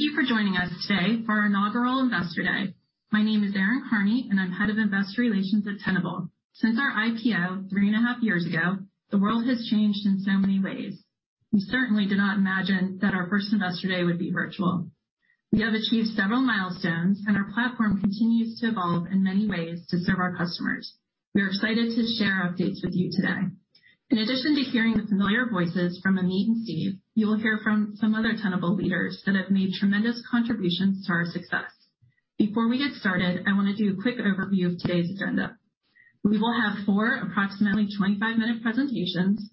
Thank you for joining us today for our inaugural Investor Day. My name is Erin Karney, and I'm Head of Investor Relations at Tenable. Since our IPO three and a half years ago, the world has changed in so many ways. We certainly did not imagine that our first Investor Day would be virtual. We have achieved several milestones, and our platform continues to evolve in many ways to serve our customers. We are excited to share updates with you today. In addition to hearing the familiar voices from Amit and Steve, you will hear from some other Tenable leaders that have made tremendous contributions to our success. Before we get started, I wanna do a quick overview of today's agenda. We will have four approximately 25-minute presentations,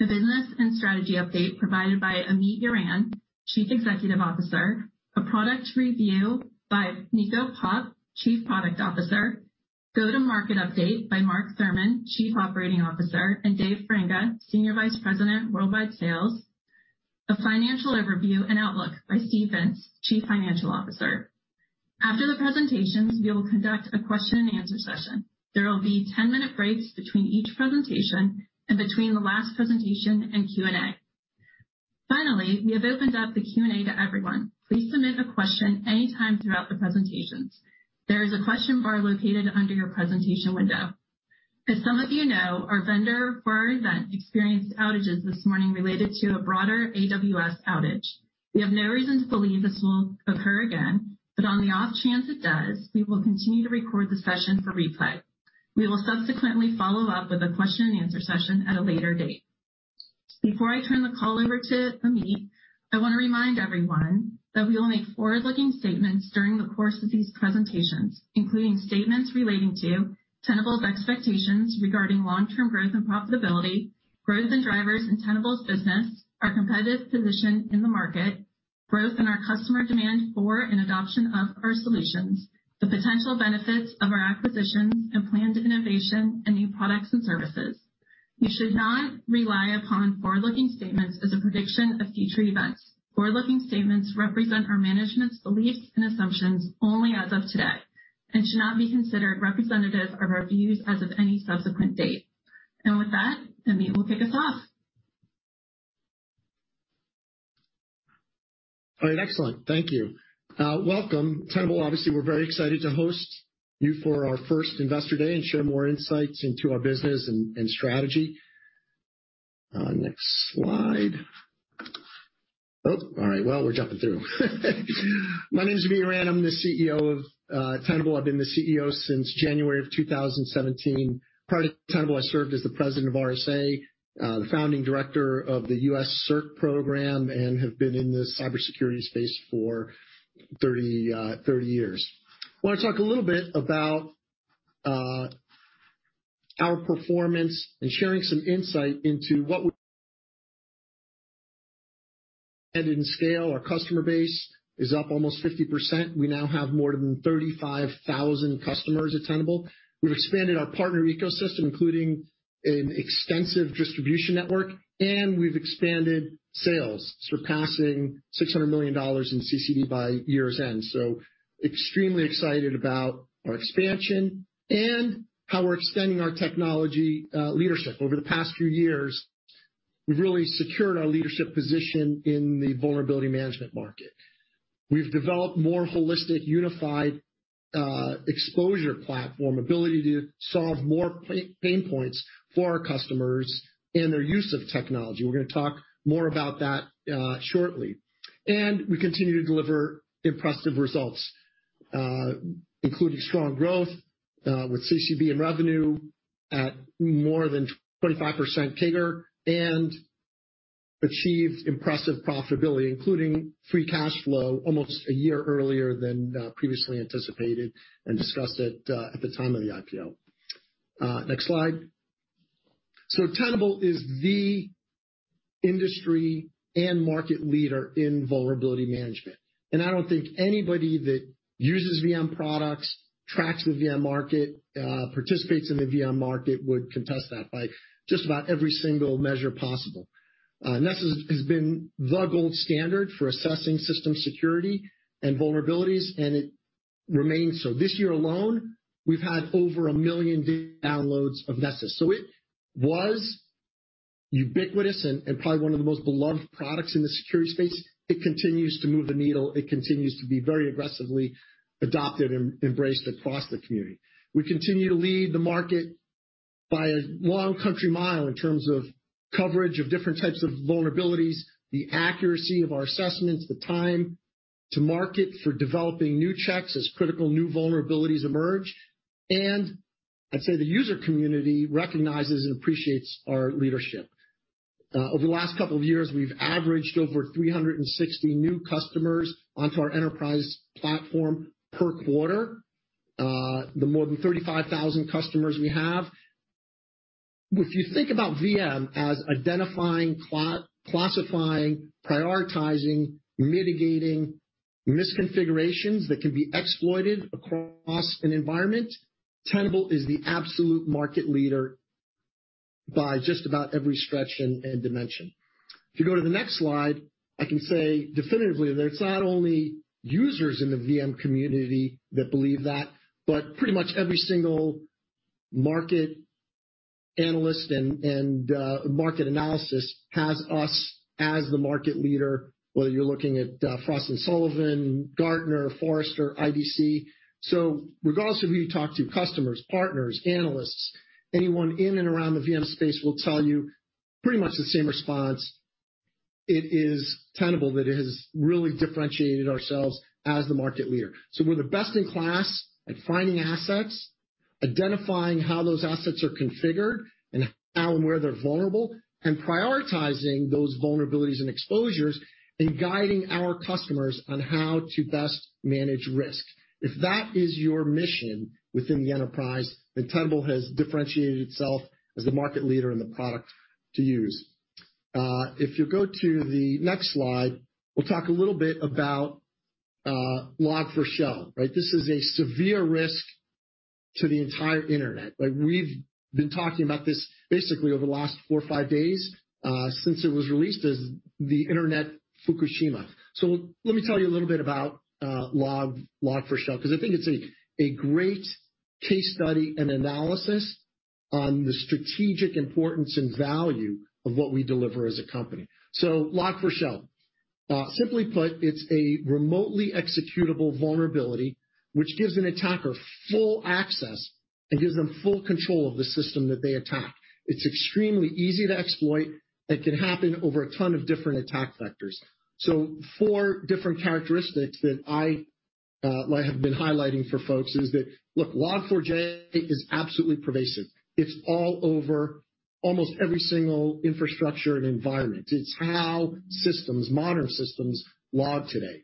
a business and strategy update provided by Amit Yoran, Chief Executive Officer, a product review by Nico Popp, Chief Product Officer, go-to-market update by Mark Thurmond [COO], Chief Operating Officer, and Dave Feringa, Senior Vice President, Worldwide Sales, a financial overview and outlook by Steve Vintz, Chief Financial Officer. After the presentations, we will conduct a question and answer session. There will be 10-minute breaks between each presentation and between the last presentation and Q&A. Finally, we have opened up the Q&A to everyone. Please submit a question any time throughout the presentations. There is a question bar located under your presentation window. As some of you know, our vendor for our event experienced outages this morning related to a broader AWS outage. We have no reason to believe this will occur again, but on the off chance it does, we will continue to record the session for replay. We will subsequently follow up with a question and answer session at a later date. Before I turn the call over to Amit, I wanna remind everyone that we will make forward-looking statements during the course of these presentations, including statements relating to Tenable's expectations regarding long-term growth and profitability, growth and drivers in Tenable's business, our competitive position in the market, growth in our customer demand for and adoption of our solutions, the potential benefits of our acquisitions, and plans of innovation and new products and services. You should not rely upon forward-looking statements as a prediction of future events. Forward-looking statements represent our management's beliefs and assumptions only as of today and should not be considered representative of our views as of any subsequent date. With that, Amit will kick us off. All right. Excellent. Thank you. Welcome. Tenable, obviously, we're very excited to host you for our first Investor Day and share more insights into our business and strategy. Next slide. Oh, all right. Well, we're jumping through. My name is Amit Yoran. I'm the CEO of Tenable. I've been the CEO since January 2017. Prior to Tenable, I served as the President of RSA, the founding Director of the U.S.-CERT program and have been in the cybersecurity space for 30 years. Wanna talk a little bit about our performance. In scale, our customer base is up almost 50%. We now have more than 35,000 customers at Tenable. We've expanded our partner ecosystem, including an extensive distribution network, and we've expanded sales, surpassing $600 million in CCB by year's end. Extremely excited about our expansion and how we're extending our technology leadership. Over the past few years, we've really secured our leadership position in the vulnerability management market. We've developed more holistic, unified exposure platform, ability to solve more pain points for our customers and their use of technology. We're gonna talk more about that, shortly. We continue to deliver impressive results, including strong growth with CCB and revenue at more than 25% bigger and achieve impressive profitability, including free cash flow almost a year earlier than previously anticipated and discussed at the time of the IPO. Next slide. Tenable is the industry and market leader in vulnerability management, and I don't think anybody that uses VM products, tracks the VM market, participates in the VM market would contest that by just about every single measure possible. Nessus has been the gold standard for assessing system security and vulnerabilities, and it remains so. This year alone, we've had over 1 million downloads of Nessus. It was ubiquitous and probably one of the most beloved products in the security space. It continues to move the needle. It continues to be very aggressively adopted and embraced across the community. We continue to lead the market by a long country mile in terms of coverage of different types of vulnerabilities, the accuracy of our assessments, the time to market for developing new checks as critical new vulnerabilities emerge. I'd say the user community recognizes and appreciates our leadership. Over the last couple of years, we've averaged over 360 new customers onto our enterprise platform per quarter. The more than 35,000 customers we have. If you think about VM as identifying, classifying, prioritizing, mitigating misconfigurations that can be exploited across an environment, Tenable is the absolute market leader by just about every stretch and dimension. If you go to the next slide, I can say definitively that it's not only users in the VM community that believe that, but pretty much every single market analyst and market analysis has us as the market leader, whether you're looking at Frost & Sullivan, Gartner, Forrester, IDC. Regardless of who you talk to, customers, partners, analysts, anyone in and around the VM space will tell you pretty much the same response. It is Tenable that has really differentiated ourselves as the market leader. We're the best in class at finding assets, identifying how those assets are configured and how and where they're vulnerable, and prioritizing those vulnerabilities and exposures and guiding our customers on how to best manage risk. If that is your mission within the enterprise, then Tenable has differentiated itself as the market leader in the product to use. If you go to the next slide, we'll talk a little bit about Log4Shell. Right? This is a severe risk to the entire Internet. Like, we've been talking about this basically over the last four or five days, since it was released as the Internet Fukushima. Let me tell you a little bit about Log4Shell, 'cause I think it's a great case study and analysis on the strategic importance and value of what we deliver as a company. Log4Shell. Simply put, it's a remotely executable vulnerability which gives an attacker full access and gives them full control of the system that they attack. It's extremely easy to exploit. It can happen over a ton of different attack vectors. Four different characteristics that I have been highlighting for folks is that, look, Log4j is absolutely pervasive. It's all over almost every single infrastructure and environment. It's how systems, modern systems log today.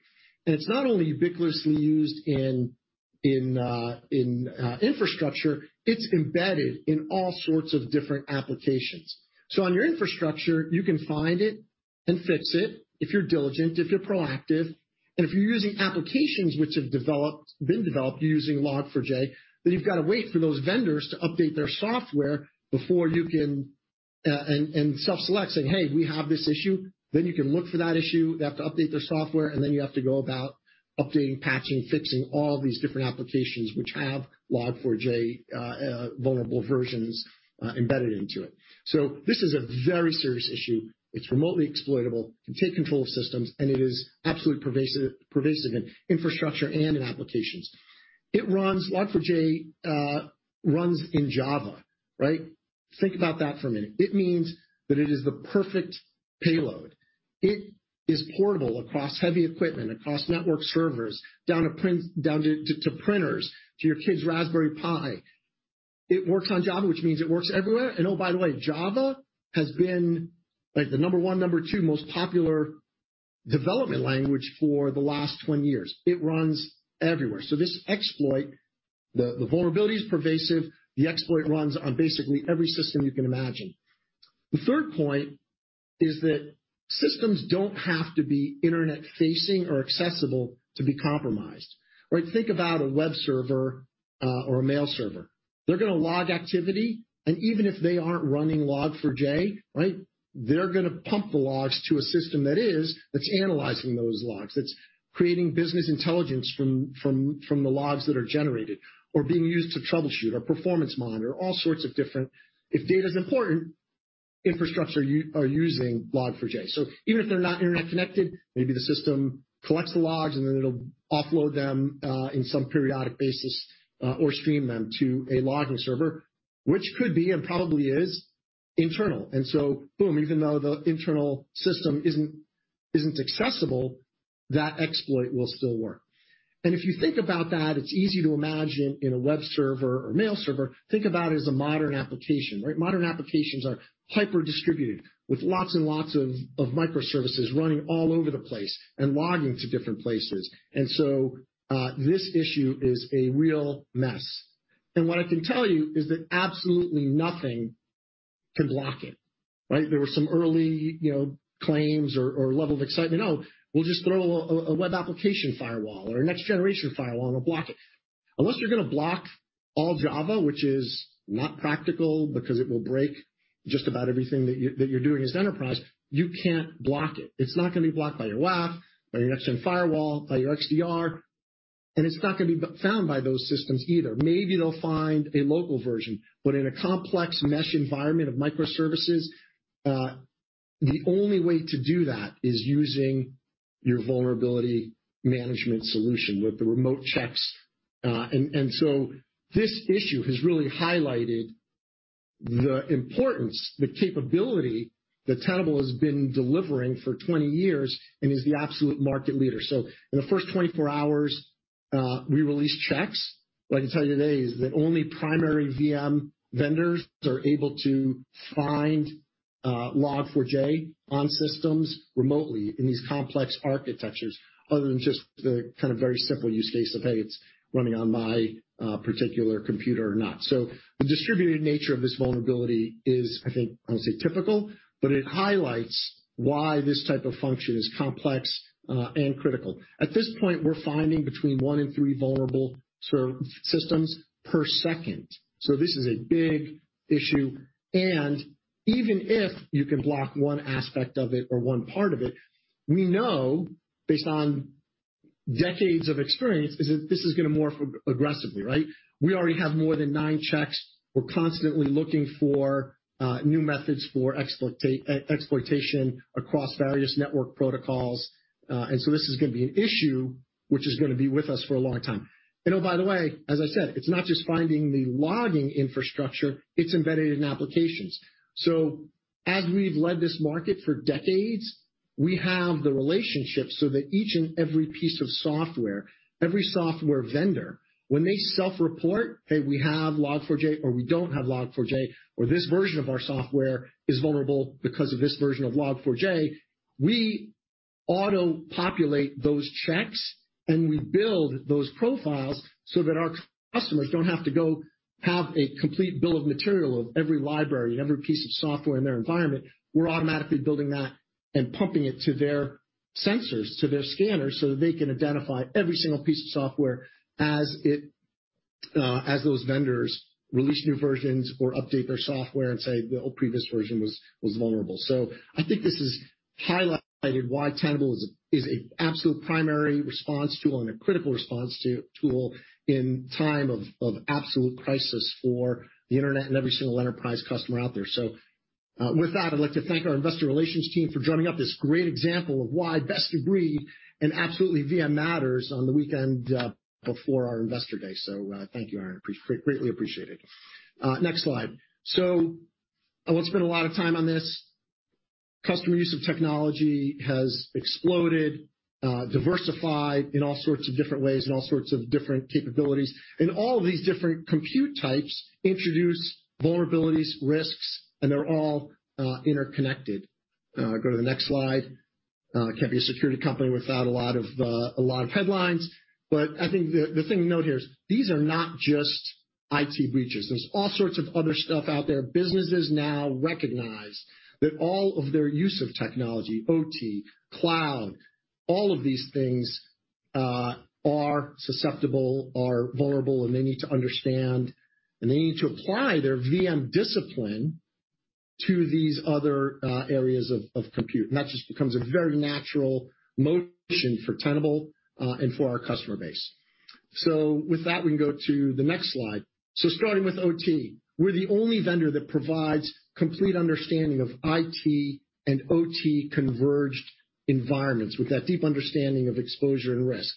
It's not only ubiquitously used in infrastructure, it's embedded in all sorts of different applications. On your infrastructure, you can find it and fix it if you're diligent, if you're proactive, and if you're using applications which have been developed using Log4j, then you've got to wait for those vendors to update their software before you can self-select saying, "Hey, we have this issue." You can look for that issue. They have to update their software, and you have to go about updating, patching, fixing all these different applications which have Log4j vulnerable versions embedded into it. This is a very serious issue. It's remotely exploitable. It can take control of systems, and it is absolutely pervasive in infrastructure and in applications. Log4j runs in Java, right? Think about that for a minute. It means that it is the perfect payload. It is portable across heavy equipment, across network servers, down to printers, to your kid's Raspberry Pi. It works on Java, which means it works everywhere. Oh, by the way, Java has been, like, the number one, number two most popular development language for the last 20 years. It runs everywhere. This exploit, the vulnerability is pervasive. The exploit runs on basically every system you can imagine. The third point is that systems don't have to be Internet-facing or accessible to be compromised, right? Think about a web server or a mail server. They're gonna log activity. Even if they aren't running Log4j, right, they're gonna pump the logs to a system that is, that's analyzing those logs, that's creating business intelligence from the logs that are generated or being used to troubleshoot or performance monitor, all sorts of different. If data's important, the infrastructure you're using Log4j. Even if they're not Internet-connected, maybe the system collects the logs and then it'll offload them in some periodic basis or stream them to a logging server, which could be, and probably is, internal. Boom, even though the internal system isn't accessible, that exploit will still work. If you think about that, it's easy to imagine in a web server or mail server. Think about it as a modern application, right? Modern applications are hyper-distributed with lots and lots of microservices running all over the place and logging to different places. This issue is a real mess. What I can tell you is that absolutely nothing can block it, right? There were some early, you know, claims or level of excitement. Oh, we'll just throw a web application firewall or a next-generation firewall, and we'll block it." Unless you're gonna block all Java, which is not practical because it will break just about everything that you're doing as an enterprise, you can't block it. It's not gonna be blocked by your WAF, by your next-gen firewall, by your XDR, and it's not gonna be found by those systems either. Maybe they'll find a local version, but in a complex mesh environment of microservices, the only way to do that is using your vulnerability management solution with the remote checks. This issue has really highlighted the importance, the capability that Tenable has been delivering for 20 years and is the absolute market leader. In the first 24 hours, we released checks. What I can tell you today is that only primary VM vendors are able to find Log4j on systems remotely in these complex architectures other than just the kind of very simple use case of, hey, it's running on my particular computer or not. The distributed nature of this vulnerability is, I think, I won't say typical, but it highlights why this type of function is complex and critical. At this point, we're finding between 1 and 3 vulnerable systems per second. This is a big issue. Even if you can block one aspect of it or one part of it, we know based on decades of experience that this is gonna morph aggressively, right? We already have more than 9 checks. We're constantly looking for new methods for exploitation across various network protocols. This is gonna be an issue which is gonna be with us for a long time. Oh, by the way, as I said, it's not just finding the logging infrastructure, it's embedded in applications. As we've led this market for decades, we have the relationships so that each and every piece of software, every software vendor, when they self-report, "Hey, we have Log4j, or we don't have Log4j, or this version of our software is vulnerable because of this version of Log4j," we auto-populate those checks, and we build those profiles so that our customers don't have to go have a complete bill of material of every library and every piece of software in their environment. We're automatically building that and pumping it to their sensors, to their scanners, so that they can identify every single piece of software as it, as those vendors release new versions or update their software and say, "The old previous version was vulnerable." I think this has highlighted why Tenable is a absolute primary response tool and a critical response tool in time of absolute crisis for the internet and every single enterprise customer out there. With that, I'd like to thank our investor relations team for drumming up this great example of why best of breed and absolutely VM matters on the weekend, before our investor day. Thank you, Erin. I greatly appreciate it. Next slide. I won't spend a lot of time on this. Customer use of technology has exploded, diversified in all sorts of different ways and all sorts of different capabilities, and all of these different compute types introduce vulnerabilities, risks, and they're all interconnected. Go to the next slide. Can't be a security company without a lot of headlines, but I think the thing to note here is these are not just IT breaches. There's all sorts of other stuff out there. Businesses now recognize that all of their use of technology, OT, cloud, all of these things, are susceptible, are vulnerable, and they need to understand, and they need to apply their VM discipline to these other areas of compute. That just becomes a very natural motion for Tenable and for our customer base. With that, we can go to the next slide. Starting with OT. We're the only vendor that provides complete understanding of IT and OT converged environments with that deep understanding of exposure and risk.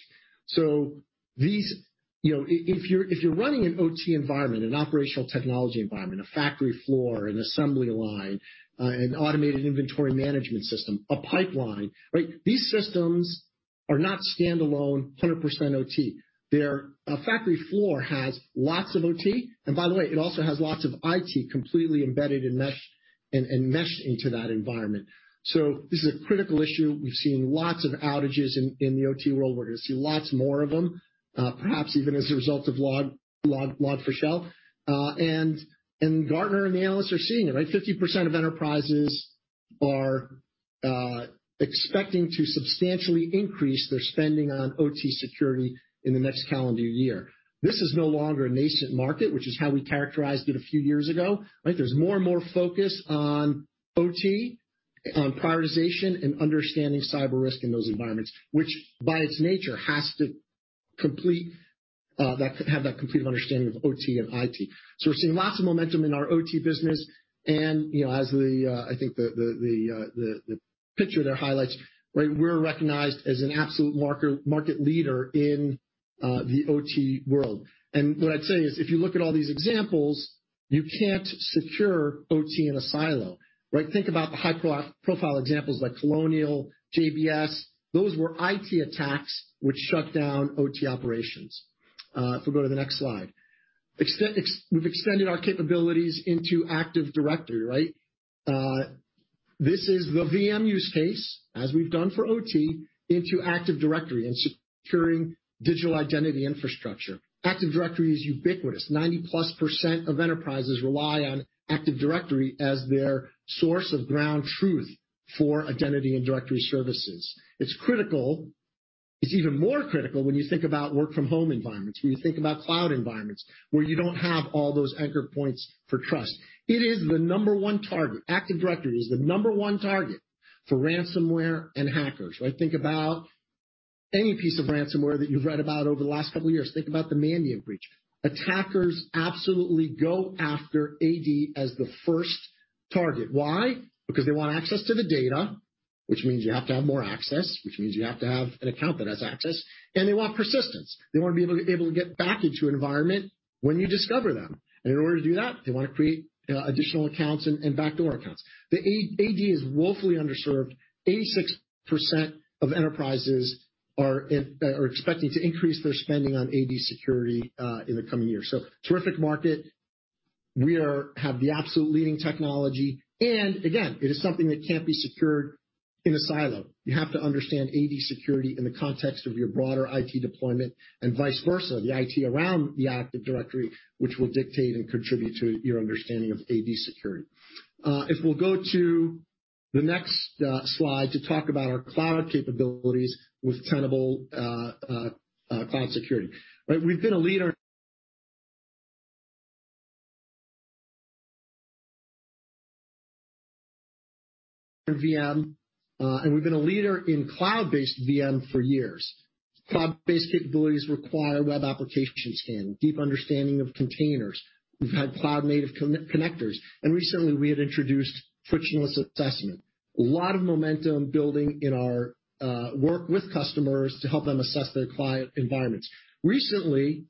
If you're running an OT environment, an operational technology environment, a factory floor, an assembly line, an automated inventory management system, a pipeline, right? These systems are not standalone 100% OT. A factory floor has lots of OT, and by the way, it also has lots of IT completely embedded and meshed into that environment. This is a critical issue. We've seen lots of outages in the OT world. We're gonna see lots more of them, perhaps even as a result of Log4Shell. Gartner and the analysts are seeing it, right? 50% of enterprises are expecting to substantially increase their spending on OT security in the next calendar year. This is no longer a nascent market, which is how we characterized it a few years ago, right? There's more and more focus on OT, on prioritization, and understanding cyber risk in those environments, which by its nature has to have that complete understanding of OT and IT. We're seeing lots of momentum in our OT business, and, you know, as the picture there highlights, right? We're recognized as an absolute market leader in the OT world. What I'd say is if you look at all these examples, you can't secure OT in a silo, right? Think about the high-profile examples like Colonial, JBS. Those were IT attacks which shut down OT operations. If we go to the next slide. We've extended our capabilities into Active Directory, right? This is the VM use case, as we've done for OT, into Active Directory and securing digital identity infrastructure. Active Directory is ubiquitous. 90%+ of enterprises rely on Active Directory as their source of ground truth for identity and directory services. It's critical. It's even more critical when you think about work-from-home environments, when you think about cloud environments where you don't have all those anchor points for trust. It is the number one target. Active Directory is the number one target for ransomware and hackers, right? Think about any piece of ransomware that you've read about over the last couple years. Think about the manual breach. Attackers absolutely go after AD as the first target. Why? Because they want access to the data, which means you have to have more access, which means you have to have an account that has access, and they want persistence. They wanna be able to get back into your environment when you discover them. In order to do that, they wanna create additional accounts and backdoor accounts. The AD is woefully underserved. 86% of enterprises are expecting to increase their spending on AD security in the coming years. Terrific market. We have the absolute leading technology. Again, it is something that can't be secured in a silo. You have to understand AD security in the context of your broader IT deployment and vice versa, the IT around the Active Directory, which will dictate and contribute to your understanding of AD security. If we'll go to the next slide to talk about our cloud capabilities with Tenable cloud security. Right? We've been a leader in VM, and we've been a leader in cloud-based VM for years. Cloud-based capabilities require web application scan, deep understanding of containers. We've had cloud-native connectors, and recently we had introduced Frictionless Assessment. A lot of momentum building in our work with customers to help them assess their cloud environments. Recently,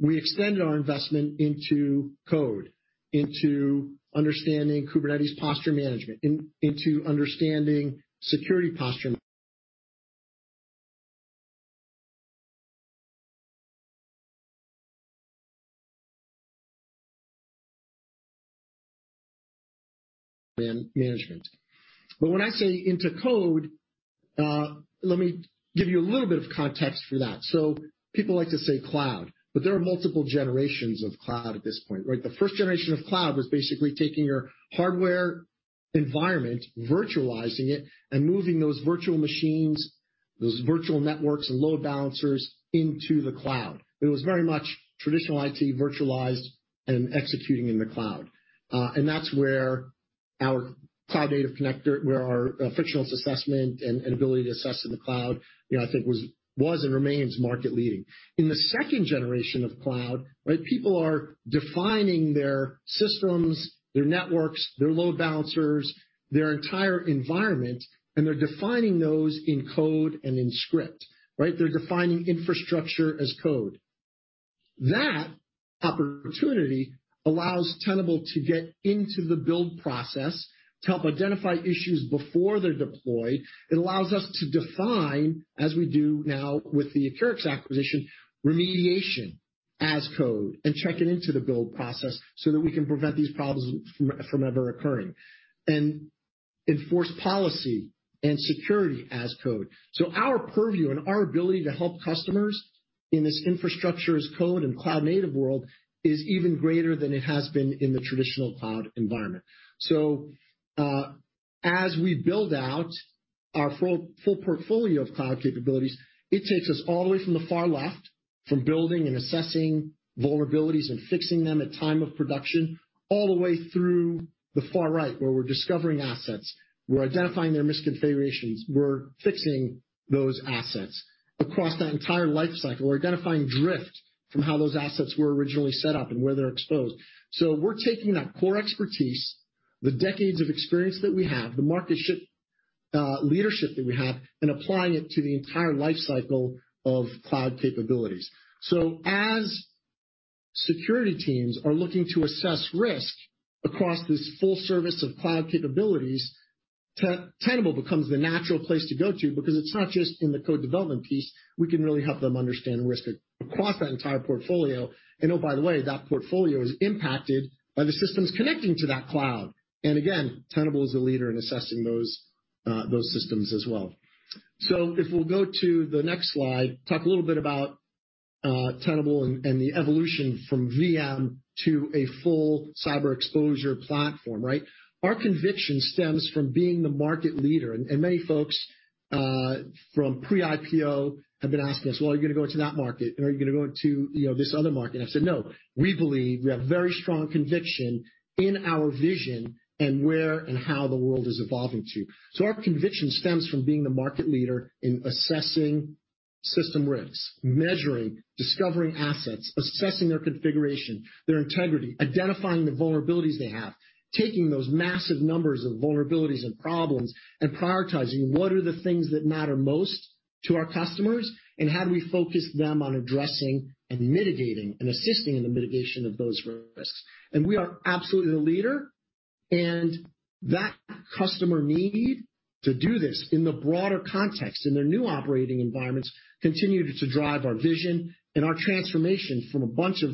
we extended our investment into code, into understanding Kubernetes posture management, into understanding security posture management. When I say into code, let me give you a little bit of context for that. People like to say cloud, but there are multiple generations of cloud at this point, right? The first generation of cloud was basically taking your hardware environment, virtualizing it, and moving those virtual machines, those virtual networks and load balancers into the cloud. It was very much traditional IT virtualized and executing in the cloud. That's where our cloud-native connector, where our Frictionless Assessment and ability to assess in the cloud, you know, I think was and remains market-leading. In the second generation of cloud, right, people are defining their systems, their networks, their load balancers, their entire environment, and they're defining those in code and in script, right? They're defining Infrastructure as Code. That opportunity allows Tenable to get into the build process to help identify issues before they're deployed. It allows us to define, as we do now with the Accurics acquisition, remediation as code and check it into the build process so that we can prevent these problems from ever occurring. Enforce policy and security as code. Our purview and our ability to help customers in this infrastructure as code and cloud-native world is even greater than it has been in the traditional cloud environment. As we build out our full portfolio of cloud capabilities, it takes us all the way from the far left, from building and assessing vulnerabilities and fixing them at time of production, all the way through the far right, where we're discovering assets, we're identifying their misconfigurations, we're fixing those assets. Across that entire life cycle, we're identifying drift from how those assets were originally set up and where they're exposed. We're taking that core expertise, the decades of experience that we have, the market leadership that we have, and applying it to the entire life cycle of cloud capabilities. As security teams are looking to assess risk across this full suite of cloud capabilities, Tenable becomes the natural place to go to because it's not just in the code development piece, we can really help them understand risk across that entire portfolio. Oh, by the way, that portfolio is impacted by the systems connecting to that cloud. Again, Tenable is a leader in assessing those systems as well. If we'll go to the next slide, talk a little bit about Tenable and the evolution from VM to a full cyber exposure platform, right? Our conviction stems from being the market leader. Many folks from pre-IPO have been asking us, "Well, are you gonna go into that market? Are you gonna go into, you know, this other market?" I've said, "No." We believe we have very strong conviction in our vision and where and how the world is evolving to. Our conviction stems from being the market leader in assessing system risks, measuring, discovering assets, assessing their configuration, their integrity, identifying the vulnerabilities they have, taking those massive numbers of vulnerabilities and problems, and prioritizing what are the things that matter most to our customers, and how do we focus them on addressing and mitigating and assisting in the mitigation of those risks. We are absolutely the leader. That customers need to do this in the broader context, in their new operating environments, continue to drive our vision and our transformation from a bunch of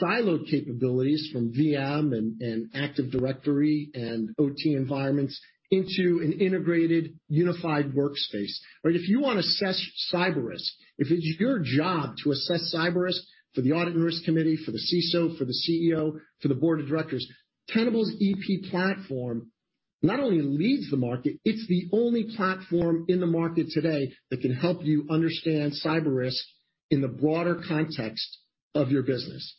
siloed capabilities from VM and Active Directory and OT environments into an integrated, unified workspace. Right? If you wanna assess cyber risk, if it's your job to assess cyber risk for the audit and risk committee, for the CISO, for the CEO, for the board of directors, Tenable.ep platform not only leads the market, it's the only platform in the market today that can help you understand cyber risk in the broader context of your business.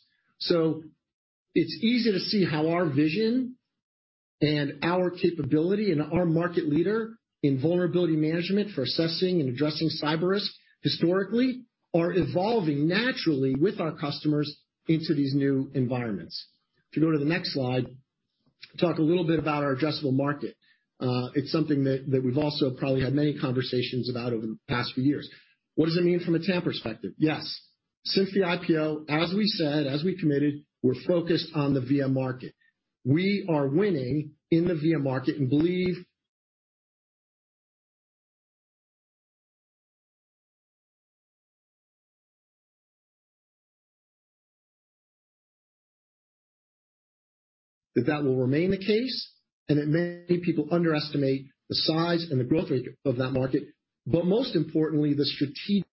It's easy to see how our vision and our capability and our market leadership in vulnerability management for assessing and addressing cyber risk historically are evolving naturally with our customers into these new environments. If you go to the next slide, talk a little bit about our addressable market. It's something that we've also probably had many conversations about over the past few years. What does it mean from a Tenable perspective? Yes. Since the IPO, as we said, as we committed, we're focused on the VM market. We are winning in the VM market and believe that will remain the case, and that many people underestimate the size and the growth rate of that market, but most importantly, the strategic-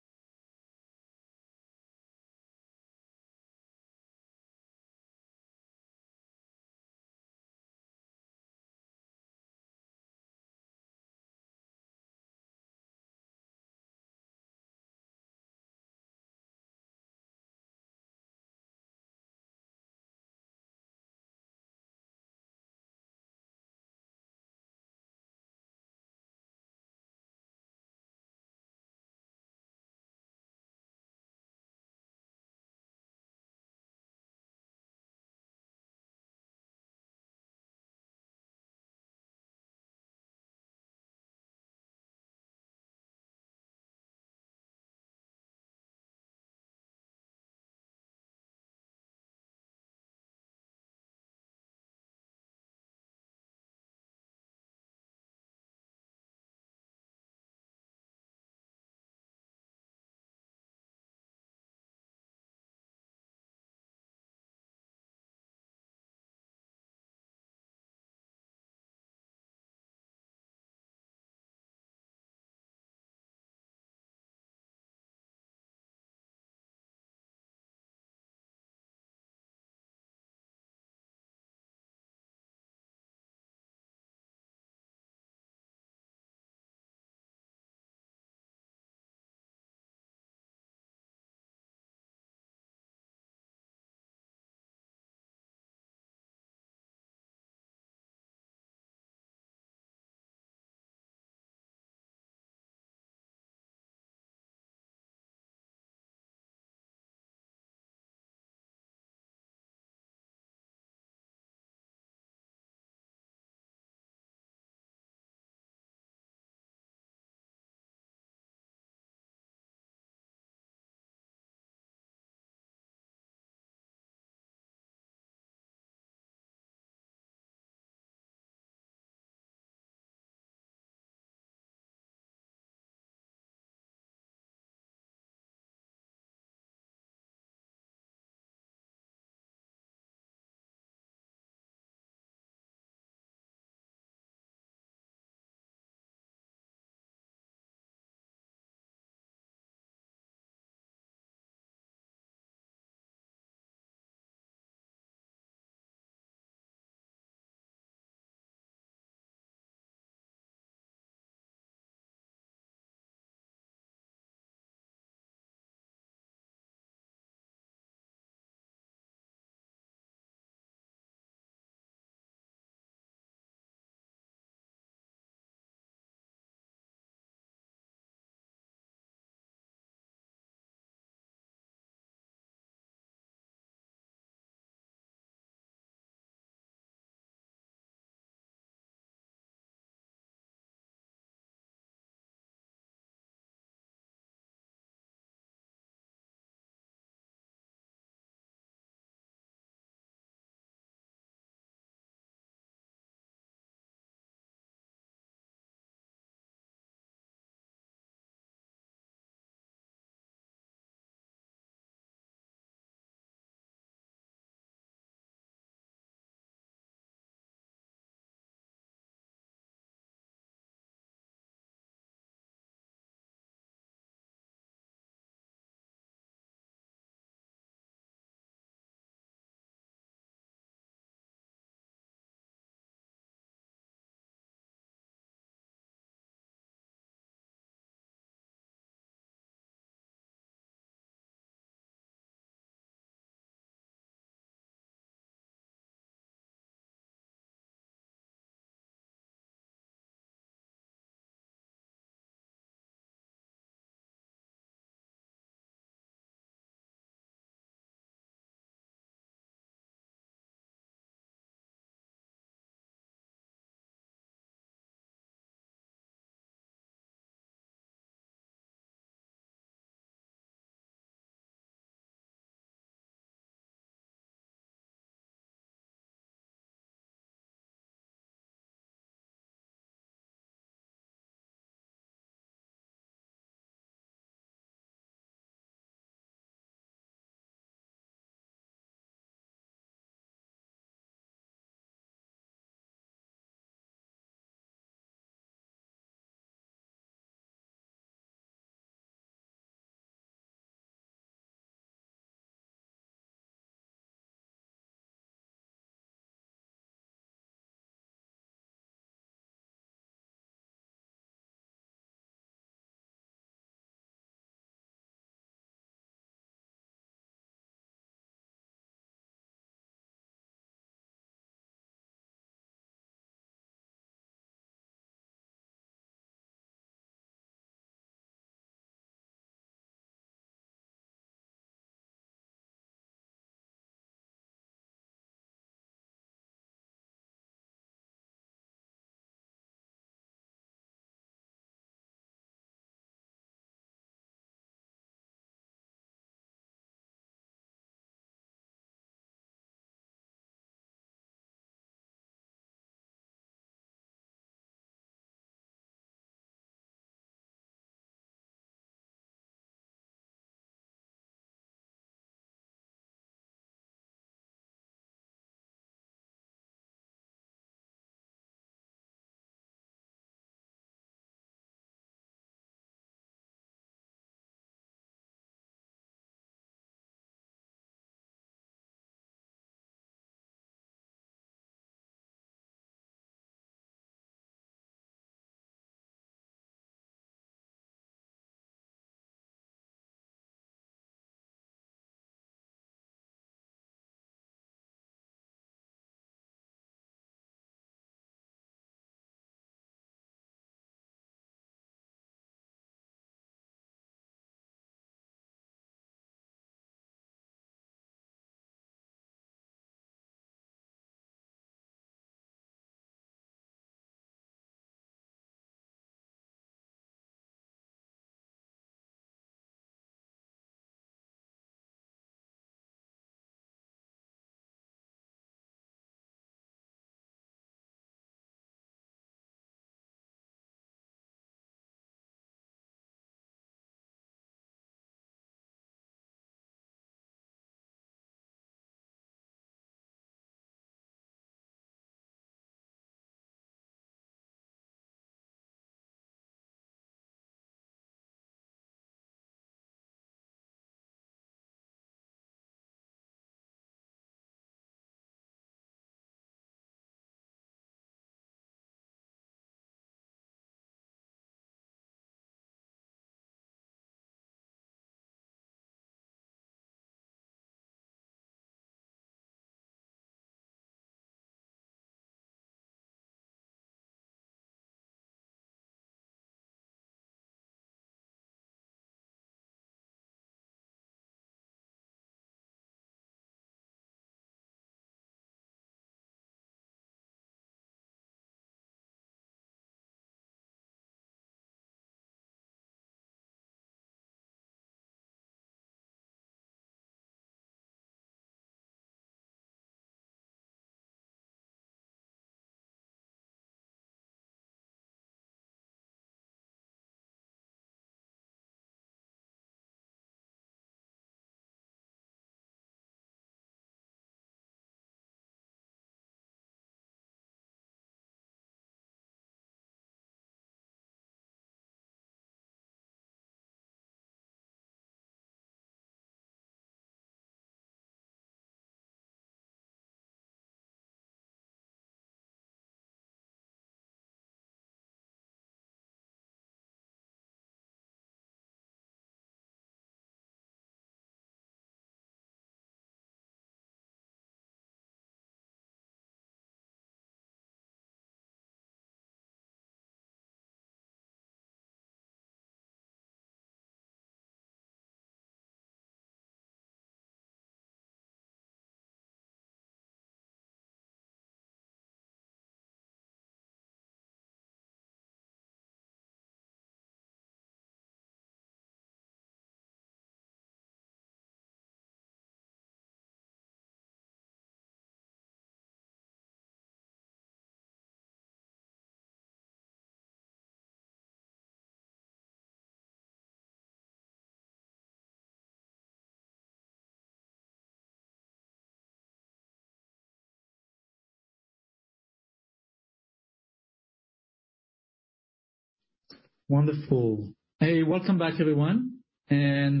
Wonderful. Hey, welcome back everyone, and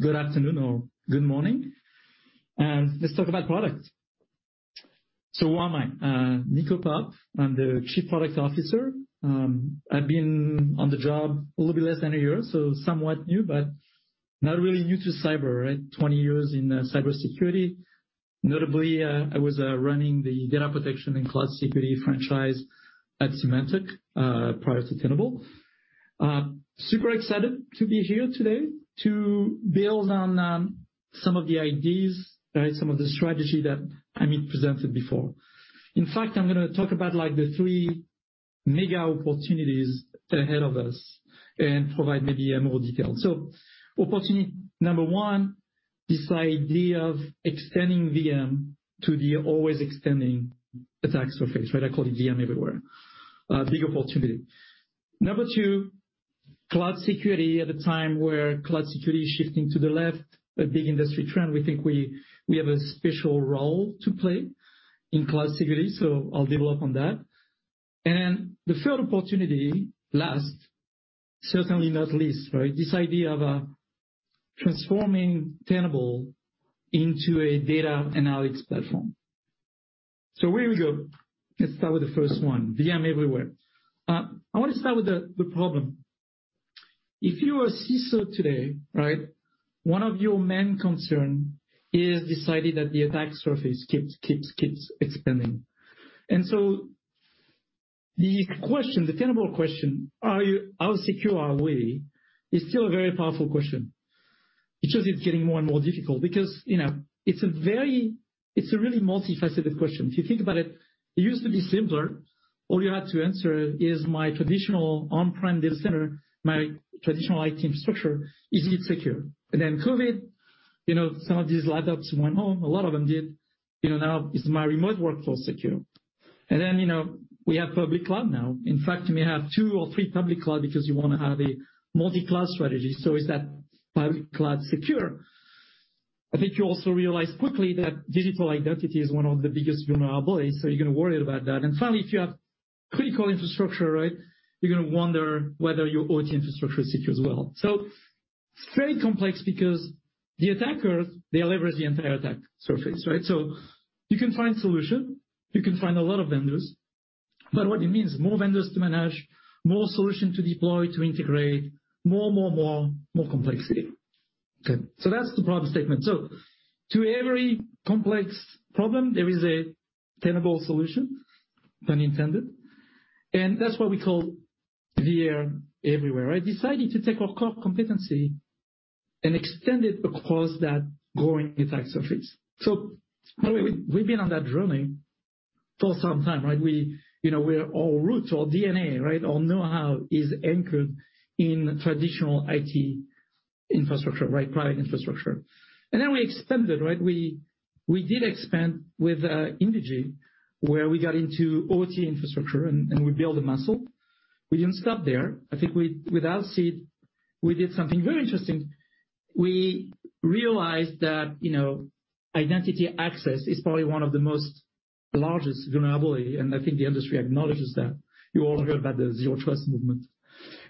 good afternoon or good morning. Let's talk about products. Who am I? Nico Popp. I'm the Chief Product Officer. I've been on the job a little bit less than a year, so somewhat new, but not really new to cyber, right? 20 years in cybersecurity. Notably, I was running the data protection and cloud security franchise at Symantec prior to Tenable. Super excited to be here today to build on some of the ideas, right, some of the strategy that Amit presented before. In fact, I'm gonna talk about, like, the three mega opportunities ahead of us and provide maybe more details. Opportunity number one, this idea of extending VM to the always extending attack surface, right? I call it VM everywhere. Big opportunity. Number two, cloud security at a time where cloud security is shifting to the left, a big industry trend. We think we have a special role to play in cloud security, so I'll develop on that. The third opportunity, last, certainly not least, right? This idea of transforming Tenable into a data analytics platform. Here we go. Let's start with the first one, VM everywhere. I want to start with the problem. If you're a CISO today, right, one of your main concern is deciding that the attack surface keeps expanding. The question, the Tenable question, how secure are we? Is still a very powerful question. It's just getting more and more difficult because, you know, it's a very multifaceted question. If you think about it used to be simpler. All you had to answer is my traditional on-prem data center, my traditional IT infrastructure, is it secure? Then COVID, you know, some of these laptops went home. A lot of them did. You know, now is my remote workforce secure? Then, you know, we have public cloud now. In fact, we may have two or three public cloud because you wanna have a multi-cloud strategy. Is that public cloud secure? I think you also realize quickly that digital identity is one of the biggest vulnerabilities, so you're gonna worry about that. Finally, if you have critical infrastructure, right, you're gonna wonder whether your OT infrastructure is secure as well. It's very complex because the attackers, they leverage the entire attack surface, right? You can find solutions, you can find a lot of vendors, but what it means is more vendors to manage, more solutions to deploy, to integrate, more complexity. Okay, that's the problem statement. To every complex problem, there is a Tenable solution, pun intended. That's what we call VM everywhere. I decided to take our core competency and extend it across that growing attack surface. By the way, we've been on that journey for some time, right? You know, we're our roots, our DNA, right, our know-how is anchored in traditional IT infrastructure, right, private infrastructure. Then we expanded, right? We did expand with Indegy, where we got into OT infrastructure and we built a muscle. We didn't stop there. I think with Alsid, we did something very interesting. We realized that, you know, identity access is probably one of the most largest vulnerability, and I think the industry acknowledges that. You all heard about the zero trust movement.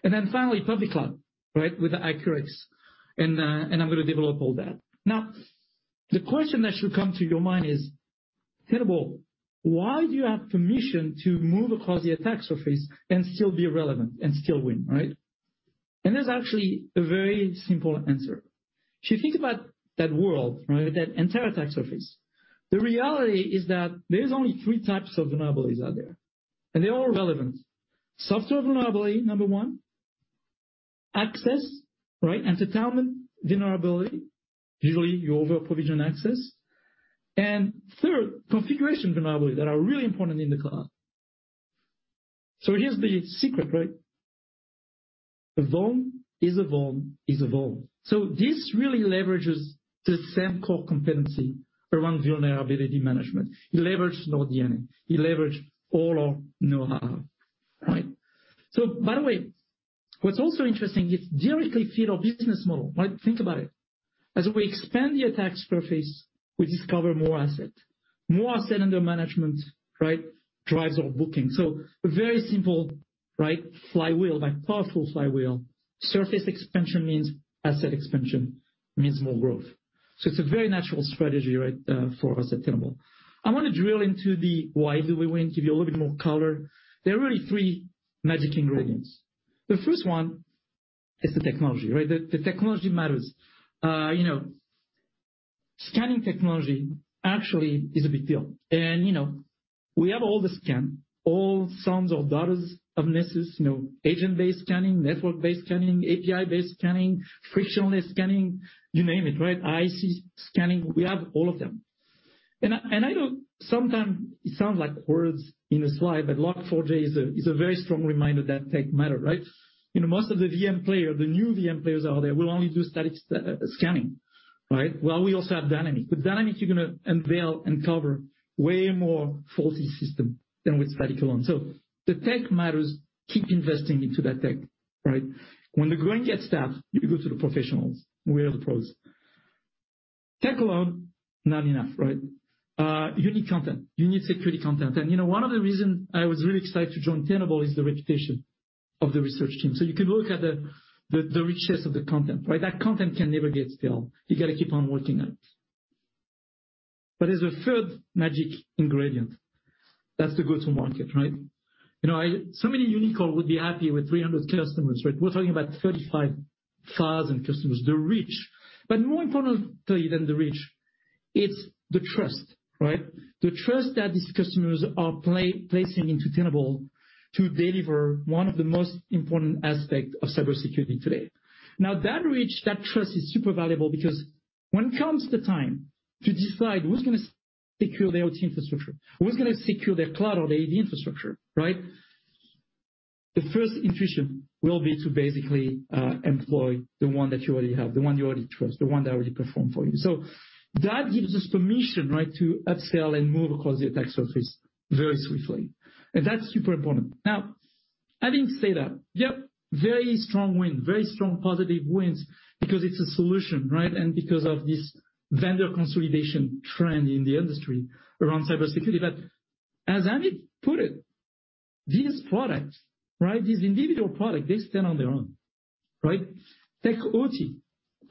Then finally, public cloud, right? With the Accurics and I'm gonna develop all that. Now, the question that should come to your mind is: Tenable, why do you have position to move across the attack surface and still be relevant and still win, right? There's actually a very simple answer. If you think about that world, right, that entire attack surface, the reality is that there's only three types of vulnerabilities out there, and they're all relevant. Software vulnerability, number one. Access, right? Entitlement vulnerability. Usually, you over-provision access. And third, configuration vulnerability that are really important in the cloud. So here's the secret, right? A vuln is a vuln is a vuln. This really leverages the same core competency around vulnerability management. It leverages our DNA. It leverages all our know-how, right? By the way, what's also interesting, it's directly feeds our business model, right? Think about it. As we expand the attack surface, we discover more assets. More assets under management, right? Drives our bookings. Very simple, right, flywheel, like, powerful flywheel. Surface expansion means asset expansion, means more growth. It's a very natural strategy, right, for us at Tenable. I wanna drill into the why we win, give you a little bit more color. There are really three magic ingredients. The first one is the technology, right? The technology matters. You know, scanning technology actually is a big deal. You know, we have all the scans, all sons or daughters of Nessus, you know, agent-based scanning, network-based scanning, API-based scanning, frictionless scanning, you name it, right? IaC scanning, we have all of them. I know sometimes it sounds like words in a slide, but Log4j is a very strong reminder that tech matters, right? You know most of the VM players, the new VM players out there will only do static scanning, right? While we also have dynamic. With dynamic, you're gonna unveil and cover way more faulty systems than with static alone. The tech matters, keep investing into that tech, right? When the going gets tough, you go to the professionals. We are the pros. Tech alone, not enough, right? You need content. You need security content. You know, one of the reason I was really excited to join Tenable is the reputation of the research team. You can look at the richness of the content, right? That content can never get stale. You gotta keep on working on it. There's a third magic ingredient. That's the go-to-market, right? You know, so many unicorn would be happy with 300 customers, right? We're talking about 35,000 customers. The reach. More importantly than the reach, it's the trust, right? The trust that these customers are placing into Tenable to deliver one of the most important aspect of cybersecurity today. Now, that reach, that trust is super valuable because when comes the time to decide who's gonna secure their OT infrastructure, who's gonna secure their cloud or AD infrastructure, right? The first intuition will be to basically employ the one that you already have, the one you already trust, the one that already performed for you. That gives us permission, right, to upsell and move across the attack surface very swiftly. That's super important. Having said that, yep, very strong wind, very strong positive winds because it's a solution, right? Because of this vendor consolidation trend in the industry around cybersecurity. As Amit put it, these products, right, these individual product, they stand on their own, right? Take OT.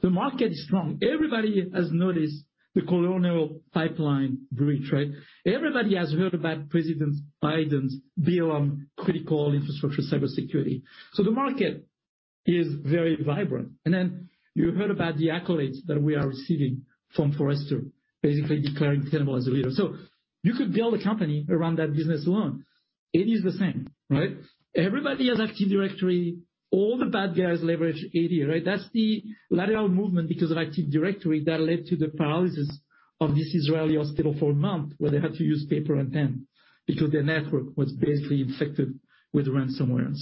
The market is strong. Everybody has noticed the Colonial Pipeline breach, right? Everybody has heard about President Biden's bill on critical infrastructure cybersecurity. The market is very vibrant. Then you heard about the accolades that we are receiving from Forrester, basically declaring Tenable as a leader. You could build a company around that business alone. It is the same, right? Everybody has Active Directory. All the bad guys leverage AD, right? That's the lateral movement because of Active Directory that led to the paralysis of this Israeli hospital for a month, where they had to use paper and pen because their network was basically infected with ransomware.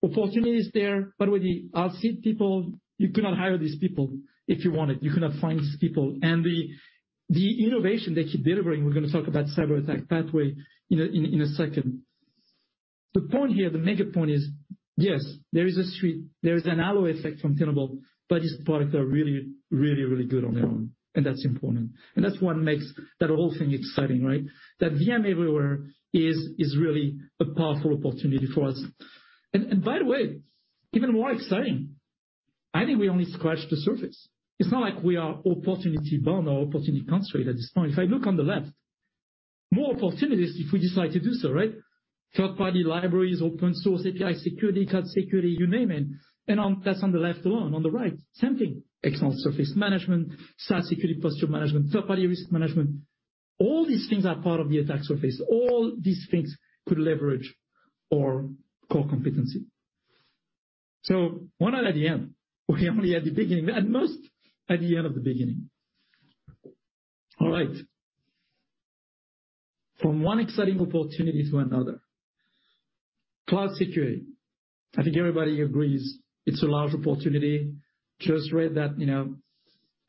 Opportunity is there, but with the asset people, you cannot hire these people if you wanted. You cannot find these people. The innovation they keep delivering, we're gonna talk about cyber attack pathway in a second. The point here, the mega point is, yes, there is a suite, there is a halo effect from Tenable, but these products are really, really, really good on their own, and that's important. That's what makes that whole thing exciting, right? That VM everywhere is really a powerful opportunity for us. By the way, even more exciting, I think we only scratched the surface. It's not like we are opportunity bound or opportunity constrained at this point. If I look on the left, more opportunities if we decide to do so, right? Third-party libraries, open source, API security, cloud security, you name it, and that's on the left alone. On the right, same thing. External surface management, SaaS security posture management, third-party risk management. All these things are part of the attack surface. All these things could leverage our core competency. We're not at the end. We're only at the beginning. At most, at the end of the beginning. All right. From one exciting opportunity to another. Cloud security. I think everybody agrees it's a large opportunity. Just read that, you know,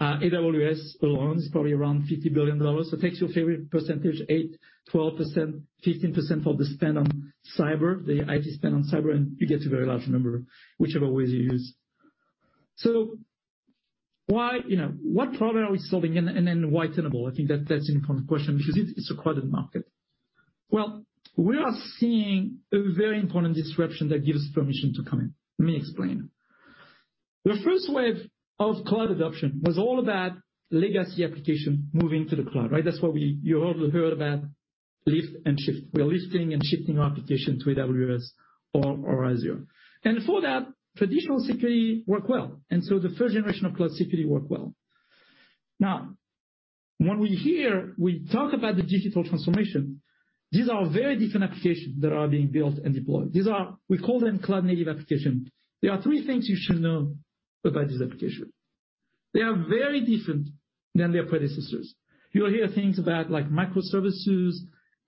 AWS alone is probably around $50 billion. So take your favorite percentage, 8%, 12%, 15% of the spend on cyber, the IT spend on cyber, and you get to a very large number, whichever way you use. So why, you know, what problem are we solving and then why Tenable? I think that's an important question because it's a crowded market. Well, we are seeing a very important disruption that gives permission to come in. Let me explain. The first wave of cloud adoption was all about legacy application moving to the cloud, right? That's what you all heard about lift and shift. We're lifting and shifting applications to AWS or Azure. For that, traditional security work well. The first generation of cloud security work well. Now, when we talk about the digital transformation, these are very different applications that are being built and deployed. We call them cloud-native applications. There are three things you should know about this application. They are very different than their predecessors. You'll hear things about like microservices,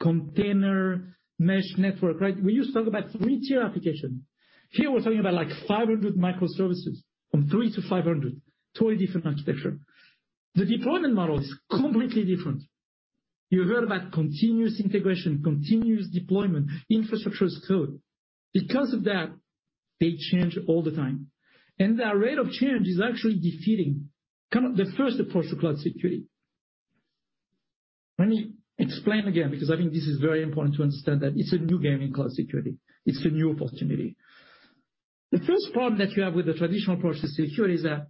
container, mesh network, right? We used to talk about three-tier application. Here, we're talking about like 500 microservices from three to 500. Totally different architecture. The deployment model is completely different. You heard about continuous integration, continuous deployment, Infrastructure as Code. Because of that, they change all the time. Their rate of change is actually defeating kind of the first approach to cloud security. Let me explain again, because I think this is very important to understand that it's a new game in cloud security. It's a new opportunity. The first problem that you have with the traditional approach to security is that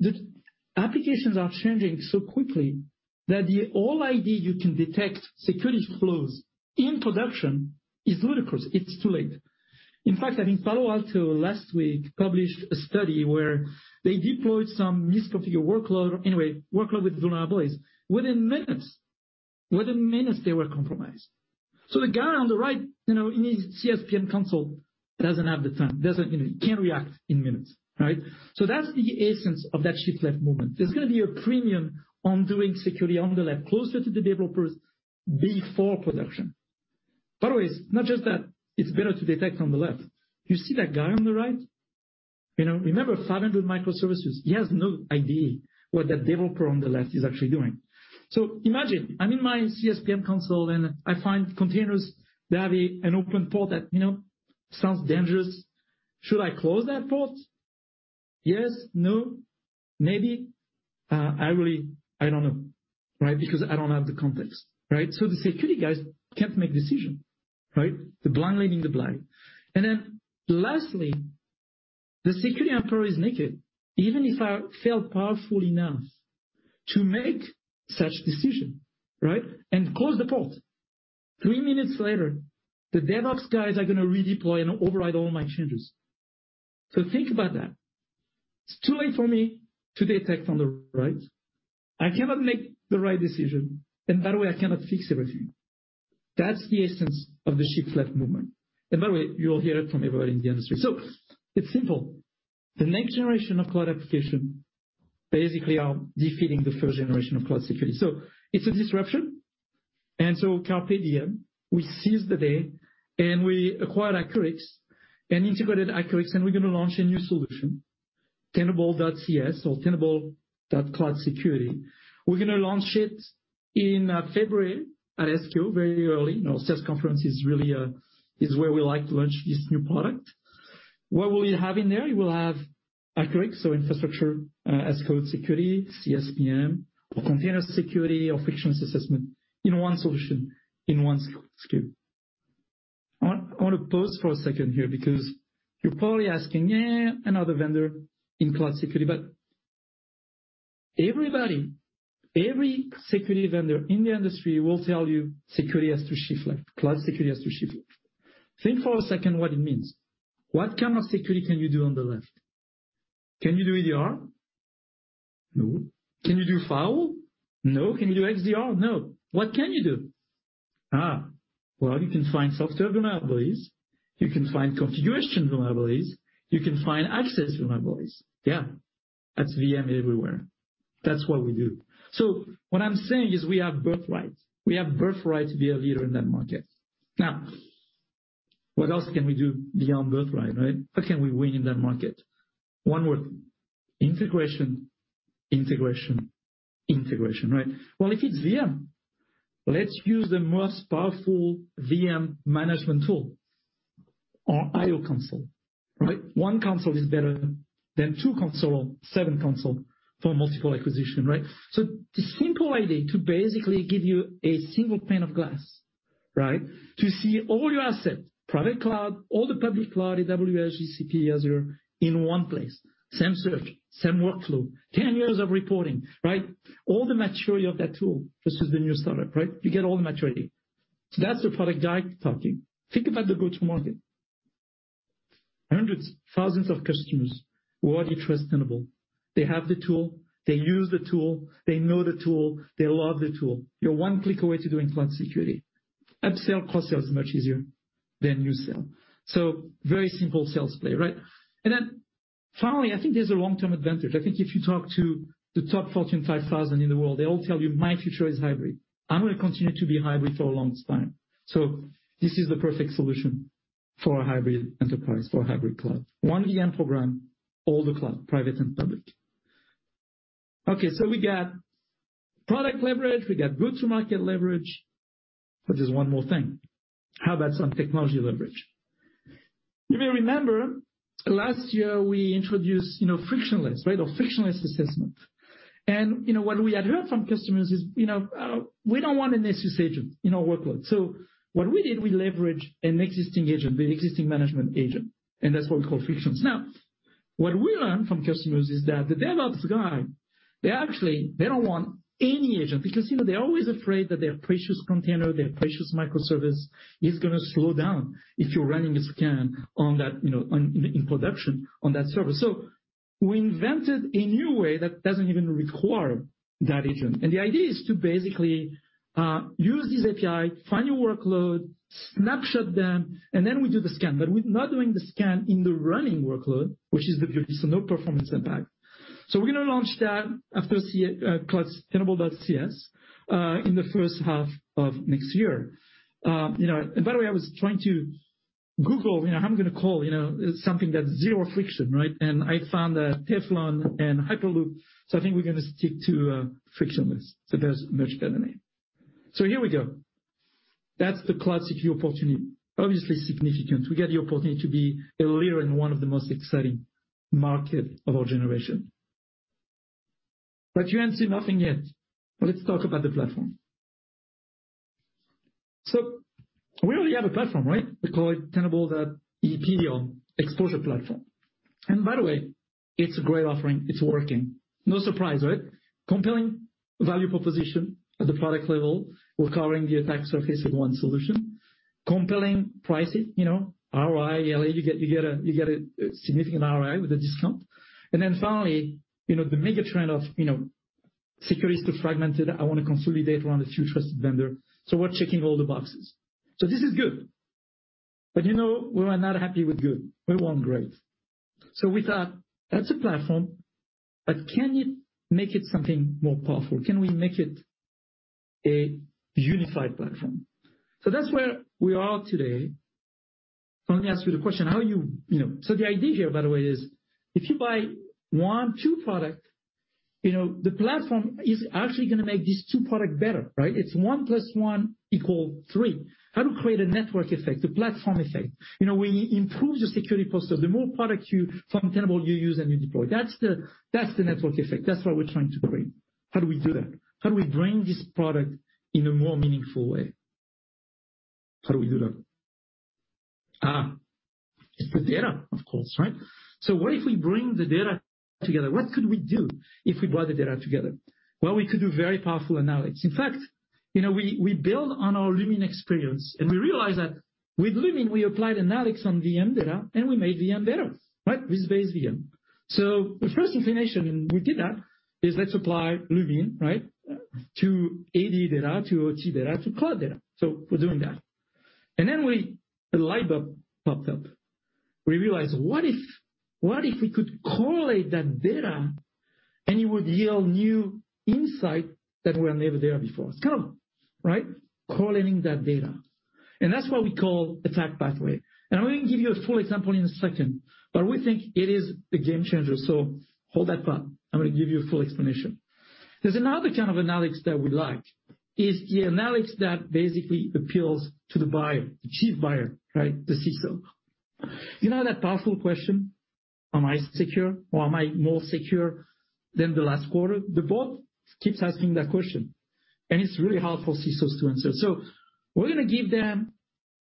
the applications are changing so quickly that the whole idea you can detect security flaws in production is ludicrous. It's too late. In fact, I think Palo Alto last week published a study where they deployed some misconfigured workload with vulnerabilities. Within minutes, they were compromised. The guy on the right, you know, in his CSP console doesn't have the time, doesn't, you know, can't react in minutes, right? That's the essence of that shift left movement. There's gonna be a premium on doing security on the left, closer to the developers before production. By the way, it's not just that it's better to detect on the left. You see that guy on the right? You know, remember, 700 microservices. He has no idea what that developer on the left is actually doing. Imagine I'm in my CSP console, and I find containers that have an open port that, you know, sounds dangerous. Should I close that port? Yes, no, maybe? I really, I don't know, right? Because I don't have the context, right? The security guys can't make decision, right? The blind leading the blind. Lastly, the security emperor is naked. Even if I felt powerful enough to make such decision, right? Close the port. Three minutes later, the DevOps guys are gonna redeploy and override all my changes. Think about that. It's too late for me to detect on the right. I cannot make the right decision, and by the way, I cannot fix everything. That's the essence of the shift left movement. By the way, you'll hear it from everybody in the industry. It's simple. The next generation of cloud application basically are defeating the first generation of cloud security. It's a disruption. Carpe Diem, we seize the day, and we acquire Accurics and integrated Accurics, and we're gonna launch a new solution, Tenable.cs or Tenable dot cloud security. We're gonna launch it in February at SKO very early. Sales conference is really where we like to launch this new product. What will you have in there? You will have Accurics, so infrastructure as code security, CSPM or container security or frictionless assessment in one solution, in one SKU. I want to pause for a second here because you're probably asking, "Yeah, another vendor in cloud security." Everybody, every security vendor in the industry will tell you security has to shift left, cloud security has to shift left. Think for a second what it means. What kind of security can you do on the left? Can you do EDR? No. Can you do file? No. Can you do XDR? No. What can you do? Well, you can find software vulnerabilities. You can find configuration vulnerabilities. You can find access vulnerabilities. Yeah, that's VM everywhere. That's what we do. What I'm saying is we have birthright to be a leader in that market. Now, what else can we do beyond birthright? How can we win in that market? One word, integration, integration. Well, if it's VM, let's use the most powerful VM management tool or Tenable.io console, right? 1 console is better than two console, seven console for multiple acquisition, right? The simple idea to basically give you a single pane of glass, right? To see all your assets, private cloud, all the public cloud, AWS, GCP, Azure in one place, same search, same workflow, 10 years of reporting, right? All the maturity of that tool versus the new startup, right? You get all the maturity. That's the product guy talking. Think about the go-to market. Hundreds, thousands of customers who already trust Tenable. They have the tool. They use the tool. They know the tool. They love the tool. You're one click away to doing cloud security. Upsell, cross-sell is much easier than new sell. Very simple sales play, right? Finally, I think there's a long-term advantage. I think if you talk to the top Fortune 5,000 in the world, they all tell you, "My future is hybrid. I'm gonna continue to be hybrid for a long time." This is the perfect solution for a hybrid enterprise, for a hybrid cloud. One VM program, all the cloud, private and public. Okay, we got product leverage, we got go-to-market leverage. There's one more thing. How about some technology leverage? You may remember last year we introduced frictionless, right? Or Frictionless Assessment. What we had heard from customers is, we don't want a Nessus agent in our workload. What we did, we leveraged an existing agent, the existing management agent, and that's what we call frictionless. Now, what we learned from customers is that the DevOps guy, they actually, they don't want any agent because, you know, they're always afraid that their precious container, their precious microservice is gonna slow down if you're running a scan on that, you know, on in production on that server. We invented a new way that doesn't even require that agent. The idea is to basically use this API, find your workload, snapshot them, and then we do the scan. We're not doing the scan in the running workload, which is the beauty, so no performance impact. We're gonna launch that after cloud Tenable.cs in the first half of next year. You know, by the way, I was trying to google, you know, how I'm gonna call, you know, something that's zero friction, right? I found that Teflon and Hyperloop, so I think we're gonna stick to frictionless. That's much better. Here we go. That's the cloud security opportunity. Obviously significant. We get the opportunity to be a leader in one of the most exciting market of our generation. But you haven't seen nothing yet. Let's talk about the platform. We already have a platform, right? We call it Tenable.ep exposure platform. By the way, it's a great offering. It's working. No surprise, right? Compelling value proposition at the product level. We're covering the attack surface in one solution, compelling pricing. You know, ROI, you get a significant ROI with a discount. Then finally, you know, the mega trend of, you know, security is too fragmented. I want to consolidate around a few trusted vendor. We're checking all the boxes. This is good. You know, we are not happy with good. We want great. We thought that's a platform, but can you make it something more powerful? Can we make it a unified platform? That's where we are today. Let me ask you the question. You know. The idea here, by the way, is if you buy one or two products, you know, the platform is actually gonna make these two products better, right? It's one plus one equal three. How to create a network effect, a platform effect. You know, we improve the security posture. The more products from Tenable you use and you deploy, that's the network effect. That's what we're trying to create. How do we do that? How do we bring this product in a more meaningful way? How do we do that? It's the data, of course, right. What if we bring the data together? What could we do if we brought the data together? We could do very powerful analytics. In fact, you know, we build on our Lumin experience, and we realized that with Lumin we applied analytics on VM data, and we made VM better, right? Risk-based VM. The first inclination, and we did that, is let's apply Lumin, right, to AD data, to OT data, to cloud data. We're doing that. A light bulb popped up. We realized, what if, what if we could correlate that data and it would yield new insight that were never there before? Come on, right? Correlating that data, and that's what we call attack pathway. I'm going to give you a full example in a second. We think it is a game changer. Hold that thought. I'm gonna give you a full explanation. There's another kind of analytics that we like. It's the analytics that basically appeals to the buyer, the chief buyer, right? The CISO. You know that powerful question, Am I secure or am I more secure than the last quarter? The board keeps asking that question, and it's really hard for CISOs to answer. We're gonna give them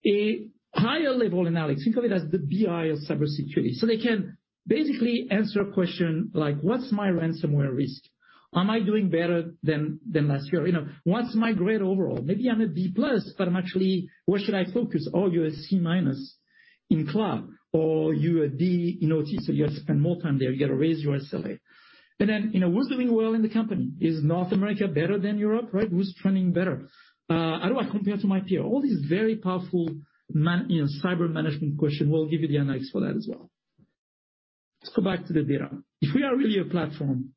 a higher level analytics. Think of it as the BI of cybersecurity. They can basically answer a question like, what's my ransomware risk? Am I doing better than last year? You know, what's my grade overall? Maybe I'm a B plus, but where should I focus? Oh, you're a C minus in cloud, or you're a D in OT. You have to spend more time there. You got to raise your SLA. Then, you know, who's doing well in the company? Is North America better than Europe? Right. Who's trending better? How do I compare to my peer? All these very powerful, you know, cyber management questions. We'll give you the analytics for that as well. Let's go back to the data. If we are really a platform,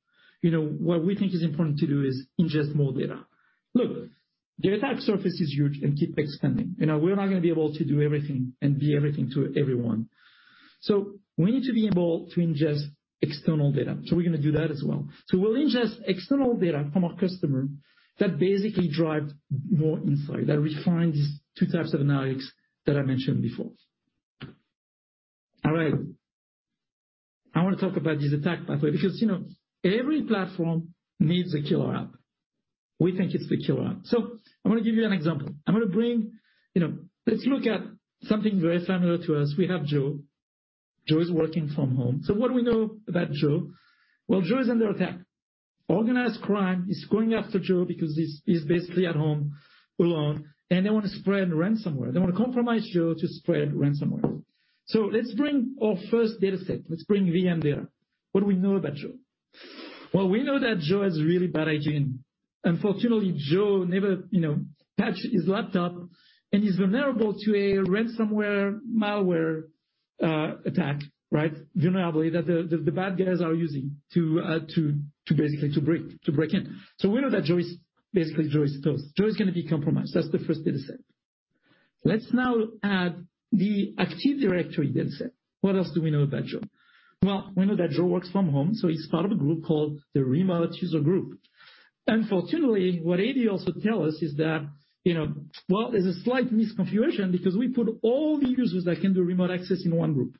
you know, what we think is important to do is ingest more data. Look, the attack surface is huge and keep expanding. You know, we're not gonna be able to do everything and be everything to everyone. We need to be able to ingest external data. We'll ingest external data from our customer that basically drive more insight, that refines these two types of analytics that I mentioned before. All right, I want to talk about this attack pathway because, you know, every platform needs a killer app. We think it's the killer app. I'm gonna give you an example. I'm gonna bring, you know, let's look at something very familiar to us. We have Joe. Joe is working from home. What do we know about Joe? Well, Joe is under attack. Organized crime is going after Joe because he's basically at home alone, and they want to spread ransomware. They want to compromise Joe to spread ransomware. Let's bring our first data set. Let's bring VM data. What do we know about Joe? Well, we know that Joe has really bad hygiene. Unfortunately, Joe never, you know, patched his laptop, and he's vulnerable to a ransomware malware attack. Right? Vulnerability that the bad guys are using to basically break in. We know that Joe is toast. Joe is gonna be compromised. That's the first data set. Let's now add the Active Directory data set. What else do we know about Joe? Well, we know that Joe works from home, so he's part of a group called the remote user group. Unfortunately, what AD also tell us is that, you know, well, there's a slight misconfiguration because we put all the users that can do remote access in one group.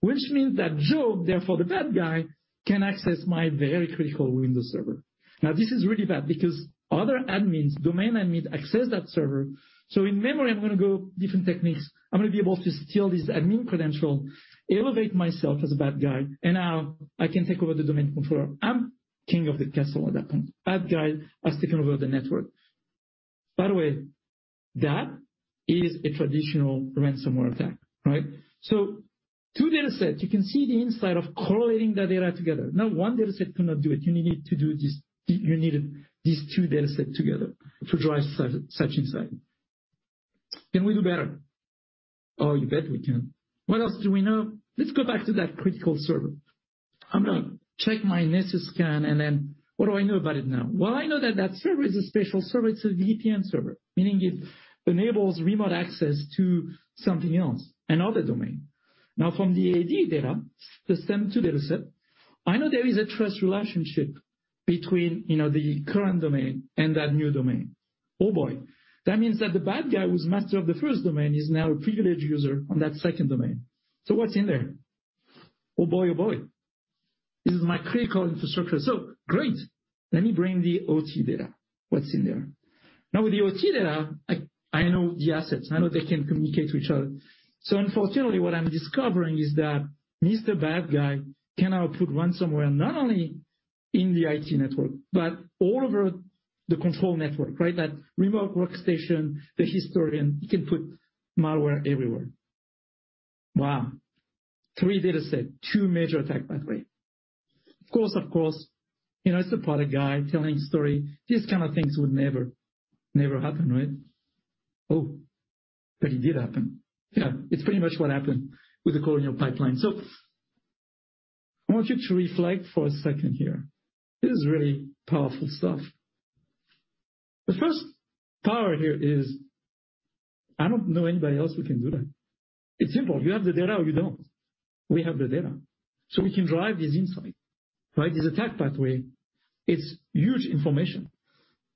Which means that Joe, therefore the bad guy, can access my very critical Windows server. Now, this is really bad because other admins, domain admins access that server. In memory, I'm gonna go different techniques. I'm gonna be able to steal this admin credential, elevate myself as a bad guy, and now I can take over the domain controller. I'm king of the castle at that point. Bad guy has taken over the network. By the way, that is a traditional ransomware attack, right? Two data sets, you can see the insight of correlating that data together. Now, one data set cannot do it. You needed to do this. You needed these two data set together to drive such insight. Can we do better? Oh, you bet we can. What else do we know? Let's go back to that critical server. I'm gonna check my Nessus scan and then what do I know about it now? Well, I know that that server is a special server. It's a VPN server, meaning it enables remote access to something else, another domain. From the AD data, the same two data set, I know there is a trust relationship between, you know, the current domain and that new domain. Oh, boy. That means that the bad guy who's master of the first domain is now a privileged user on that second domain. What's in there? Oh boy, oh boy. This is my critical infrastructure. Great. Let me bring the OT data. What's in there? Now with the OT data, I know the assets. I know they can communicate to each other. Unfortunately what I'm discovering is that Mr. Bad Guy can now put ransomware not only in the IT network but all over the control network, right? That remote workstation, the historian, he can put malware everywhere. Wow. Three data set, two major attack pathway. Of course, you know, it's the product guy telling story. These kind of things would never happen, right? Oh, but it did happen. Yeah, it's pretty much what happened with the Colonial Pipeline. I want you to reflect for a second here. This is really powerful stuff. The first power here is I don't know anybody else who can do that. It's simple. You have the data or you don't. We have the data, so we can drive this insight, right? This attack pathway, it's huge information.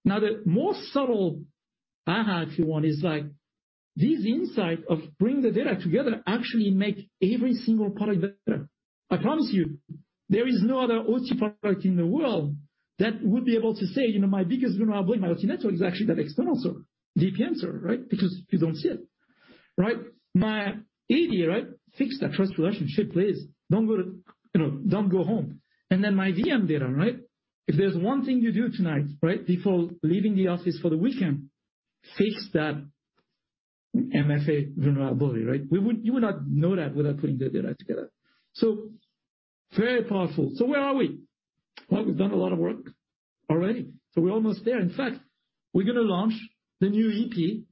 Now, the more subtle aha, if you want, is like this insight of bringing the data together actually make every single product better. I promise you, there is no other OT product in the world that would be able to say, you know, my biggest vulnerability in my OT network is actually that external server, VPN server, right? Because you don't see it. Right? My AD, right, fix that trust relationship, please. You know, don't go home. Then my VM data, right? If there's one thing you do tonight, right, before leaving the office for the weekend, fix that MFA vulnerability, right? You would not know that without putting the data together. Very powerful. Where are we? Well, we've done a lot of work already. We're almost there. In fact, we're gonna launch the new EP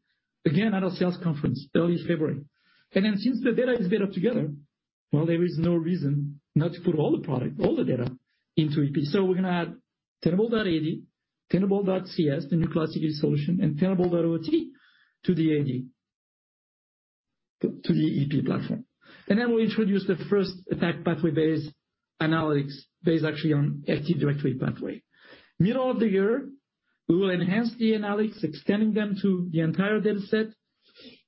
again at our sales conference early February. Since the data is better together, well, there is no reason not to put all the product, all the data into EP. We're gonna add Tenable.ad, Tenable.cs, the new cloud security solution, and Tenable.ot to the EP platform. We'll introduce the first attack pathway-based analytics based actually on Active Directory pathway. Middle of the year, we will enhance the analytics, extending them to the entire data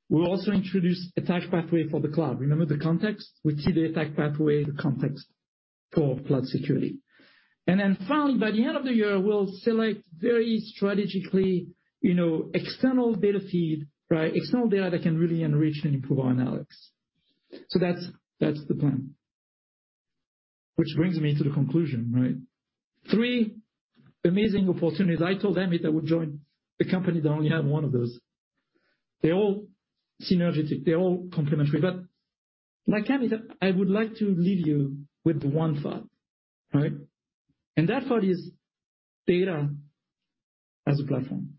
set. We'll also introduce attack pathway for the cloud. Remember the context? We see the attack pathway, the context for cloud security. Finally, by the end of the year, we'll select very strategically, you know, external data feed, right? External data that can really enrich and improve our analytics. That's the plan. Which brings me to the conclusion, right? Three amazing opportunities. I told Amit I would join the company that only had one of those. They're all synergetic. They're all complementary. Like Amit, I would like to leave you with one thought, right? That thought is data as a platform.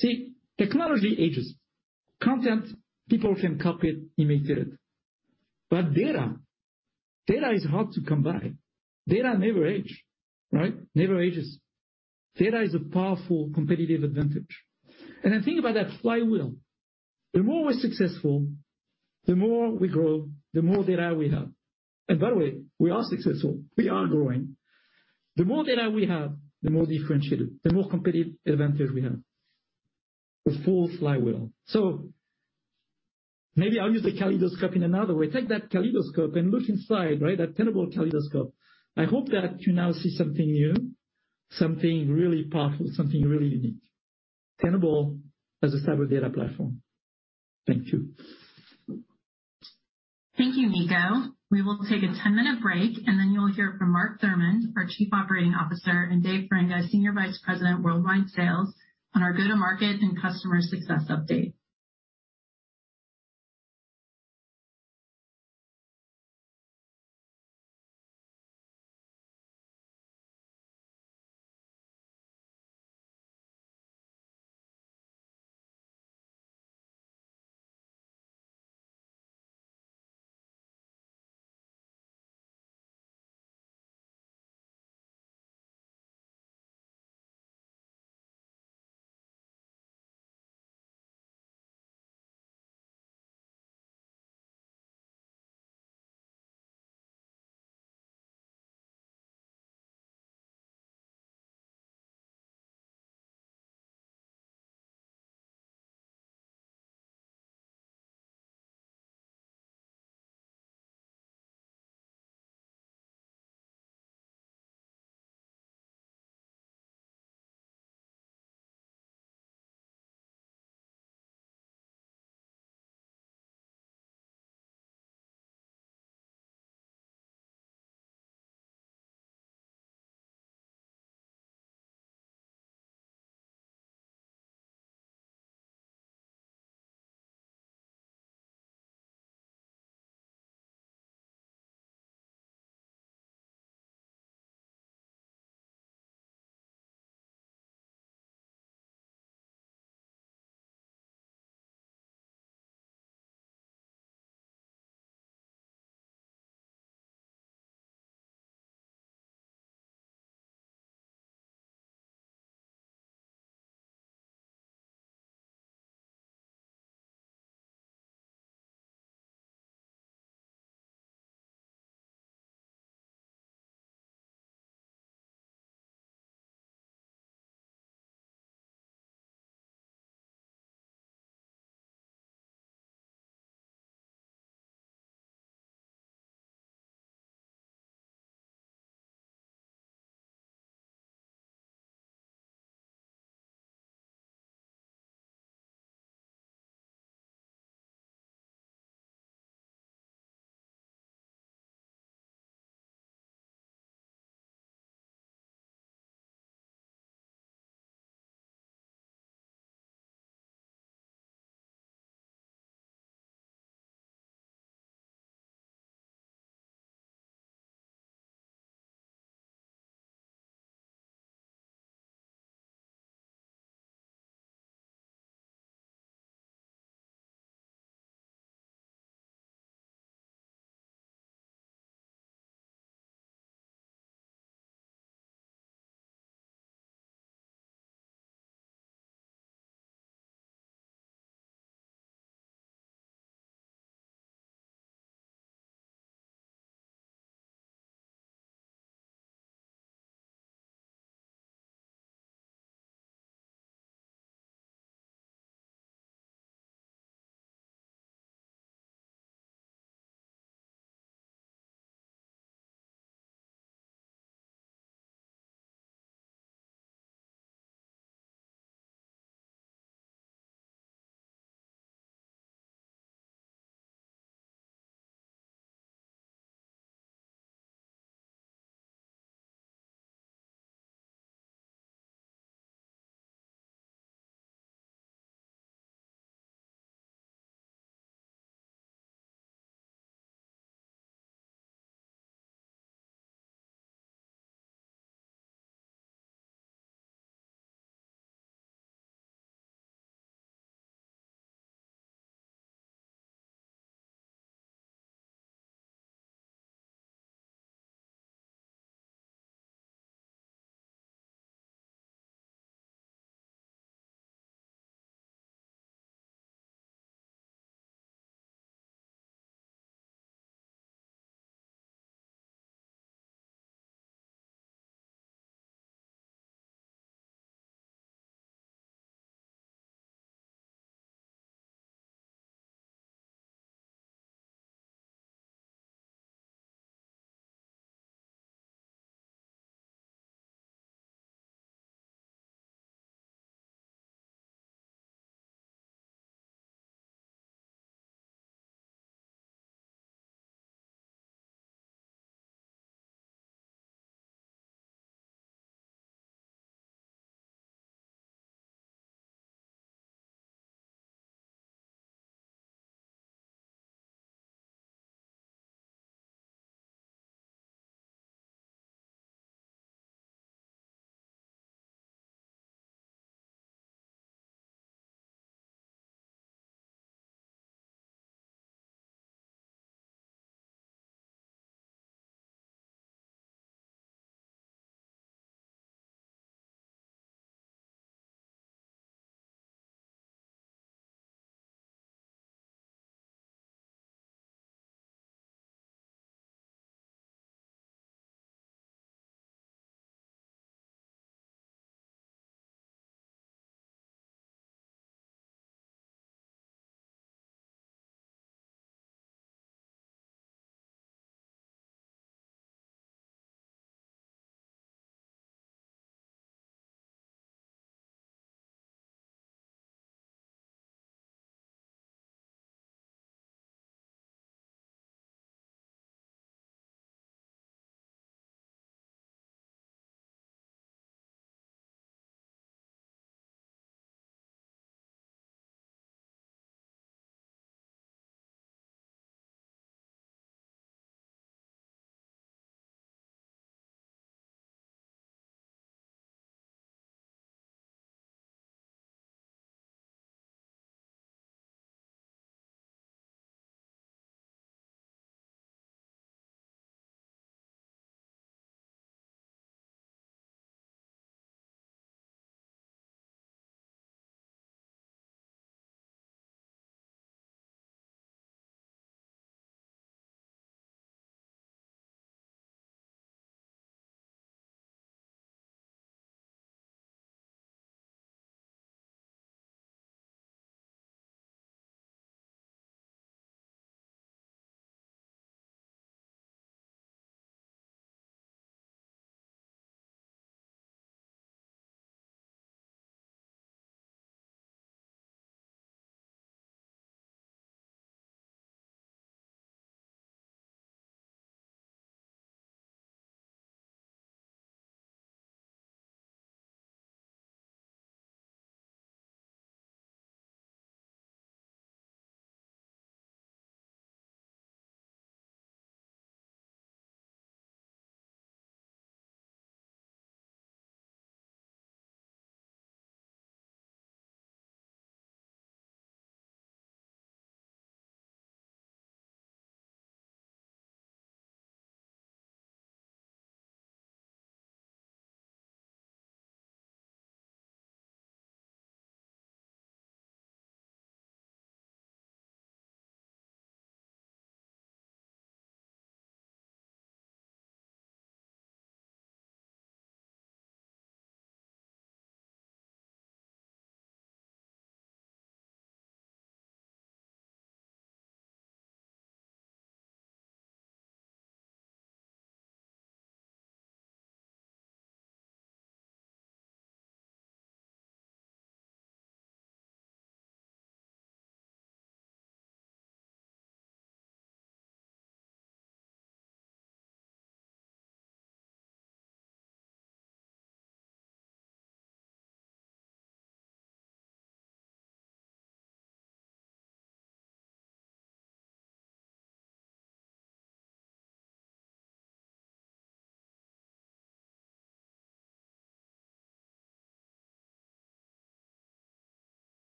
See, technology ages. Content, people can copy it, imitate it. Data, data is hard to come by. Data never age, right? Never ages. Data is a powerful competitive advantage. Think about that flywheel. The more we're successful, the more we grow, the more data we have. By the way, we are successful. We are growing. The more data we have, the more differentiated, the more competitive advantage we have. The full flywheel. Maybe I'll use the kaleidoscope in another way. Take that kaleidoscope and look inside, right? That Tenable kaleidoscope. I hope that you now see something new, something really powerful, something really unique. Tenable as a cyber data platform. Thank you. Thank you, Nico. We will take a 10-minute break, and then you'll hear from Mark Thurmond, our Chief Operating Officer, and Dave Feringa, Senior Vice President, Worldwide Sales, on our go-to-market and customer success update.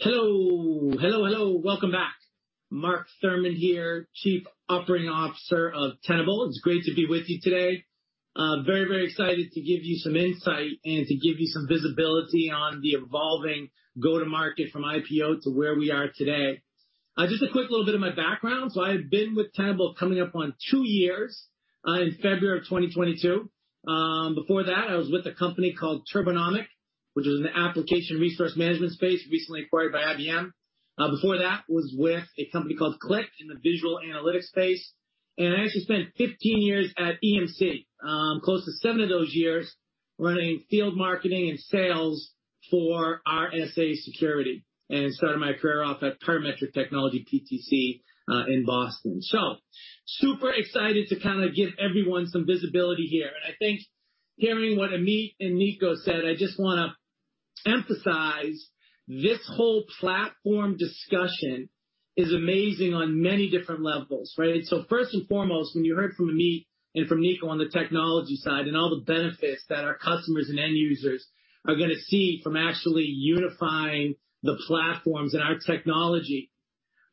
Hello. Welcome back. Mark Thurmond here, Chief Operating Officer of Tenable. It's great to be with you today. Very, very excited to give you some insight and to give you some visibility on the evolving go-to-market from IPO to where we are today. Just a quick little bit of my background. I've been with Tenable coming up on two years, in February 2022. Before that I was with a company called Turbonomic, which was in the application resource management space, recently acquired by IBM. Before that was with a company called Qlik in the visual analytics space. I actually spent 15 years at EMC, close to seven of those years running field marketing and sales for RSA Security and started my career off at Parametric Technology, PTC, in Boston. Super excited to kinda give everyone some visibility here. I think hearing what Amit and Nico said, I just wanna emphasize this whole platform discussion is amazing on many different levels, right? First and foremost, when you heard from Amit and from Nico on the technology side and all the benefits that our customers and end users are gonna see from actually unifying the platforms and our technology.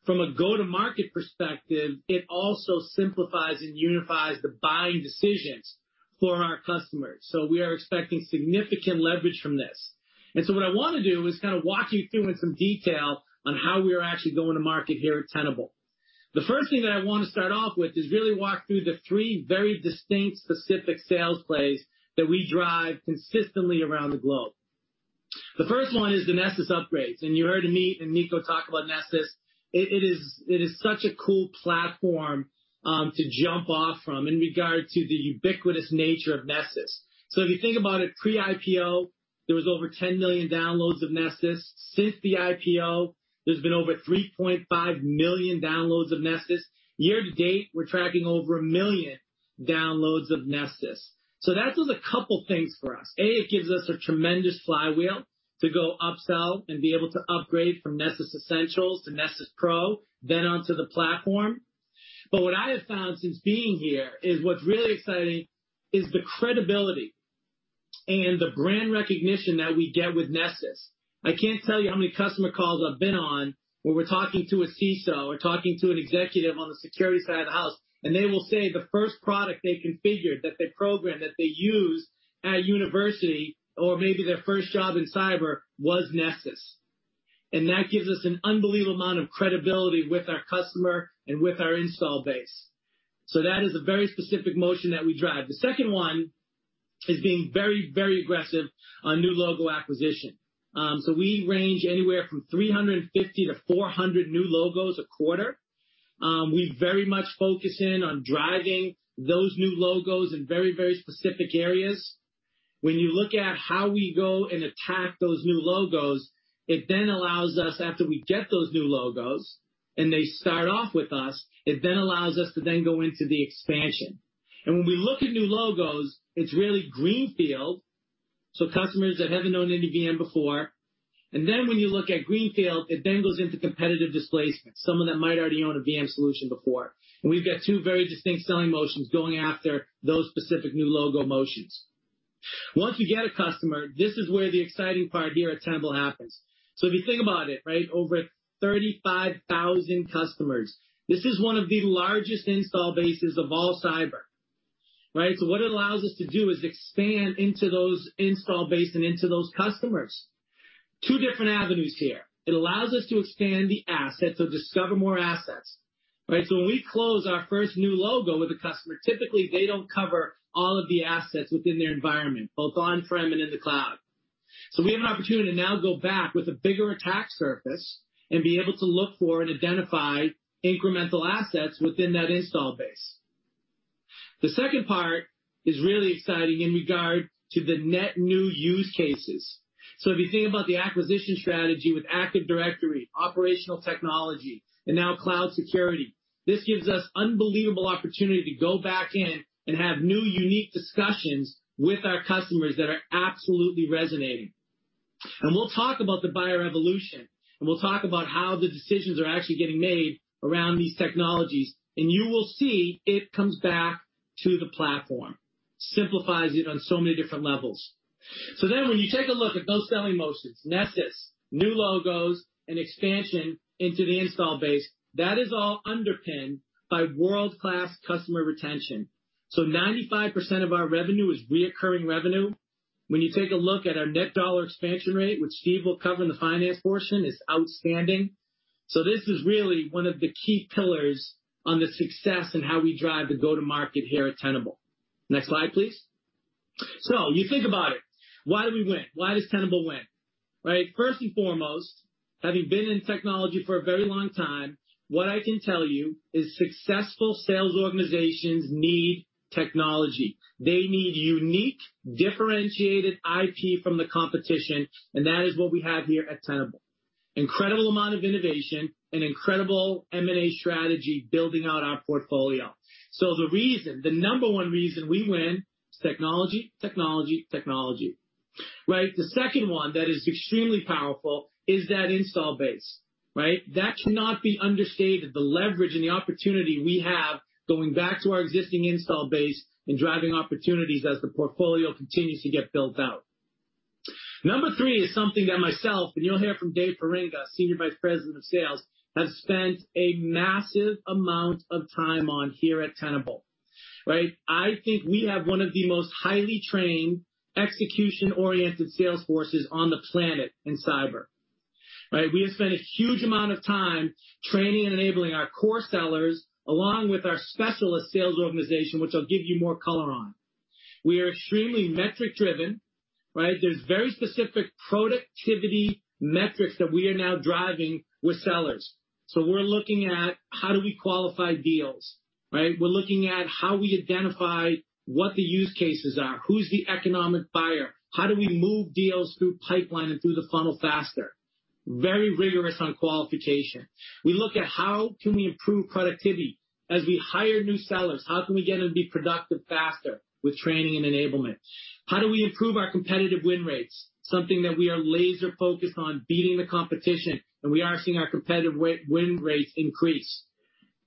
From a go-to-market perspective, it also simplifies and unifies the buying decisions for our customers. We are expecting significant leverage from this. What I wanna do is kind of walk you through in some detail on how we are actually going to market here at Tenable. The first thing that I want to start off with is really walk through the three very distinct specific sales plays that we drive consistently around the globe. The first one is the Nessus upgrades. You heard Amit and Nico talk about Nessus. It is such a cool platform to jump off from in regard to the ubiquitous nature of Nessus. If you think about it, pre-IPO, there was over 10 million downloads of Nessus. Since the IPO, there's been over 3.5 million downloads of Nessus. Year to date, we're tracking over 1 million downloads of Nessus. That does a couple things for us. A, it gives us a tremendous flywheel to go upsell and be able to upgrade from Nessus Essentials to Nessus Professional, then onto the platform. What I have found since being here is what's really exciting is the credibility and the brand recognition that we get with Nessus. I can't tell you how many customer calls I've been on where we're talking to a CISO or talking to an executive on the security side of the house, and they will say the first product they configured, that they programmed, that they used at university or maybe their first job in cyber was Nessus. That gives us an unbelievable amount of credibility with our customer and with our install base. That is a very specific motion that we drive. The second one is being very, very aggressive on new logo acquisition. We range anywhere from 350-400 new logos a quarter. We very much focus in on driving those new logos in very, very specific areas. When you look at how we go and attack those new logos, it then allows us after we get those new logos and they start off with us, it then allows us to then go into the expansion. When we look at new logos, it's really greenfield, so customers that haven't owned any VM before. When you look at greenfield, it then goes into competitive displacement, someone that might already own a VM solution before. We've got two very distinct selling motions going after those specific new logo motions. Once you get a customer, this is where the exciting part here at Tenable happens. If you think about it, right, over 35,000 customers, this is one of the largest installed bases of all cyber, right? What it allows us to do is expand into those installed base and into those customers. Two different avenues here. It allows us to expand the asset, so discover more assets. Right? When we close our first new logo with a customer, typically they don't cover all of the assets within their environment, both on-prem and in the cloud. We have an opportunity to now go back with a bigger attack surface and be able to look for and identify incremental assets within that install base. The second part is really exciting in regard to the net new use cases. If you think about the acquisition strategy with Active Directory, operational technology, and now cloud security, this gives us unbelievable opportunity to go back in and have new unique discussions with our customers that are absolutely resonating. We'll talk about the buyer evolution, and we'll talk about how the decisions are actually getting made around these technologies. You will see it comes back to the platform, simplifies it on so many different levels. When you take a look at those selling motions, Nessus, new logos, and expansion into the install base, that is all underpinned by world-class customer retention. 95% of our revenue is recurring revenue. When you take a look at our net dollar expansion rate, which Steve will cover in the finance portion, is outstanding. This is really one of the key pillars on the success and how we drive the go-to-market here at Tenable. Next slide, please. You think about it. Why do we win? Why does Tenable win? Right? First and foremost, having been in technology for a very long time, what I can tell you is successful sales organizations need technology. They need unique, differentiated IP from the competition, and that is what we have here at Tenable. Incredible amount of innovation and incredible M&A strategy building out our portfolio. The reason, the number one reason we win is technology, technology. Right? The second one that is extremely powerful is that install base, right? That cannot be understated, the leverage and the opportunity we have going back to our existing install base and driving opportunities as the portfolio continues to get built out. Number three is something that myself, and you'll hear from Dave Feringa, Senior Vice President of Sales, have spent a massive amount of time on here at Tenable. Right? I think we have one of the most highly trained, execution-oriented sales forces on the planet in cyber. Right? We have spent a huge amount of time training and enabling our core sellers along with our specialist sales organization, which I'll give you more color on. We are extremely metric-driven. Right? There's very specific productivity metrics that we are now driving with sellers. We're looking at how do we qualify deals, right? We're looking at how we identify what the use cases are, who's the economic buyer, how do we move deals through pipeline and through the funnel faster. Very rigorous on qualification. We look at how can we improve productivity. As we hire new sellers, how can we get them to be productive faster with training and enablement? How do we improve our competitive win rates? Something that we are laser-focused on beating the competition, and we are seeing our competitive win rates increase.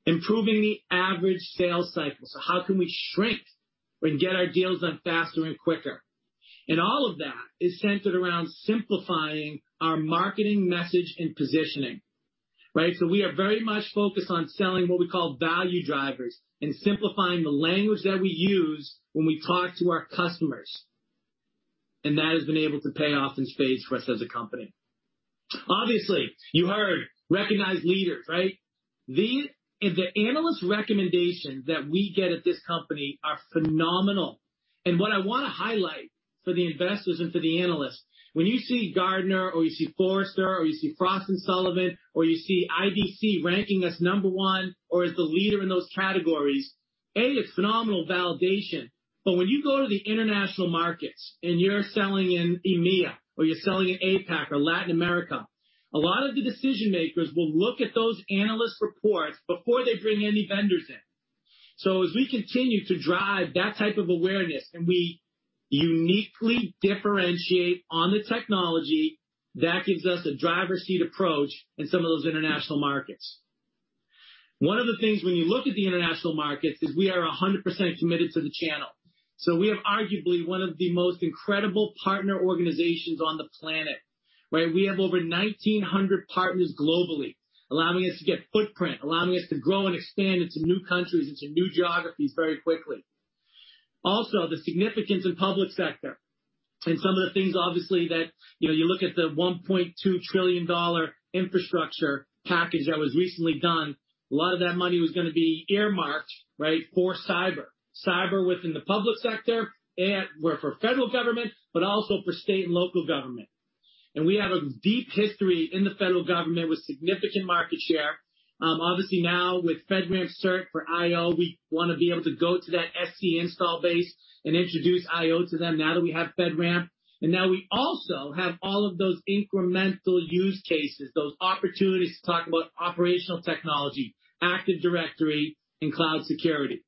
Improving the average sales cycle. How can we shrink and get our deals done faster and quicker? All of that is centered around simplifying our marketing message and positioning. Right? We are very much focused on selling what we call value drivers and simplifying the language that we use when we talk to our customers. That has been able to pay off in spades for us as a company. Obviously, you heard recognized leaders, right? The analyst recommendations that we get at this company are phenomenal. What I wanna highlight for the investors and for the analysts, when you see Gartner or you see Forrester or you see Frost & Sullivan or you see IDC ranking us number one or as the leader in those categories, A, it's phenomenal validation. When you go to the international markets and you're selling in EMEA or you're selling in APAC or Latin America, a lot of the decision-makers will look at those analyst reports before they bring any vendors in. As we continue to drive that type of awareness, and we uniquely differentiate on the technology, that gives us a driver's seat approach in some of those international markets. One of the things when you look at the international markets is we are 100% committed to the channel. We have arguably one of the most incredible partner organizations on the planet, where we have over 1,900 partners globally, allowing us to get footprint, allowing us to grow and expand into new countries, into new geographies very quickly. Also, the significance in public sector and some of the things, obviously, that, you know, you look at the $1.2 trillion infrastructure package that was recently done, a lot of that money was gonna be earmarked, right, for cyber. Cyber within the public sector or for federal government, but also for state and local government. We have a deep history in the federal government with significant market share. Obviously now with FedRAMP cert for IO, we wanna be able to go to that SC installed base and introduce IO to them now that we have FedRAMP. Now we also have all of those incremental use cases, those opportunities to talk about operational technology, Active Directory and cloud security.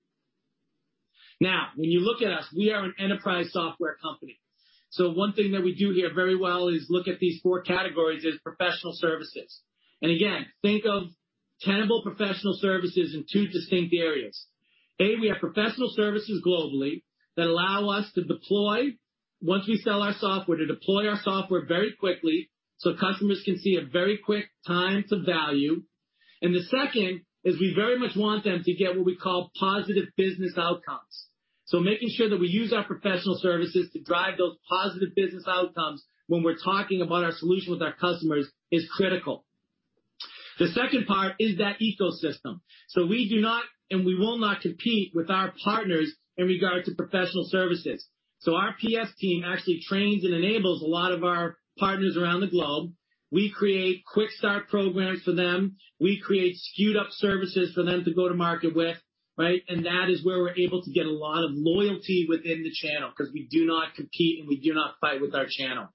Now, when you look at us, we are an enterprise software company. One thing that we do here very well is look at these four categories as professional services. Again, think of Tenable professional services in two distinct areas. A, we have professional services globally that allow us to deploy once we sell our software, to deploy our software very quickly so customers can see a very quick time to value. The second is we very much want them to get what we call positive business outcomes. Making sure that we use our professional services to drive those positive business outcomes when we're talking about our solution with our customers is critical. The second part is that ecosystem. We do not, and we will not compete with our partners in regard to professional services. Our PS team actually trains and enables a lot of our partners around the globe. We create quick start programs for them. We create queued up services for them to go to market with, right? That is where we're able to get a lot of loyalty within the channel because we do not compete and we do not fight with our channel.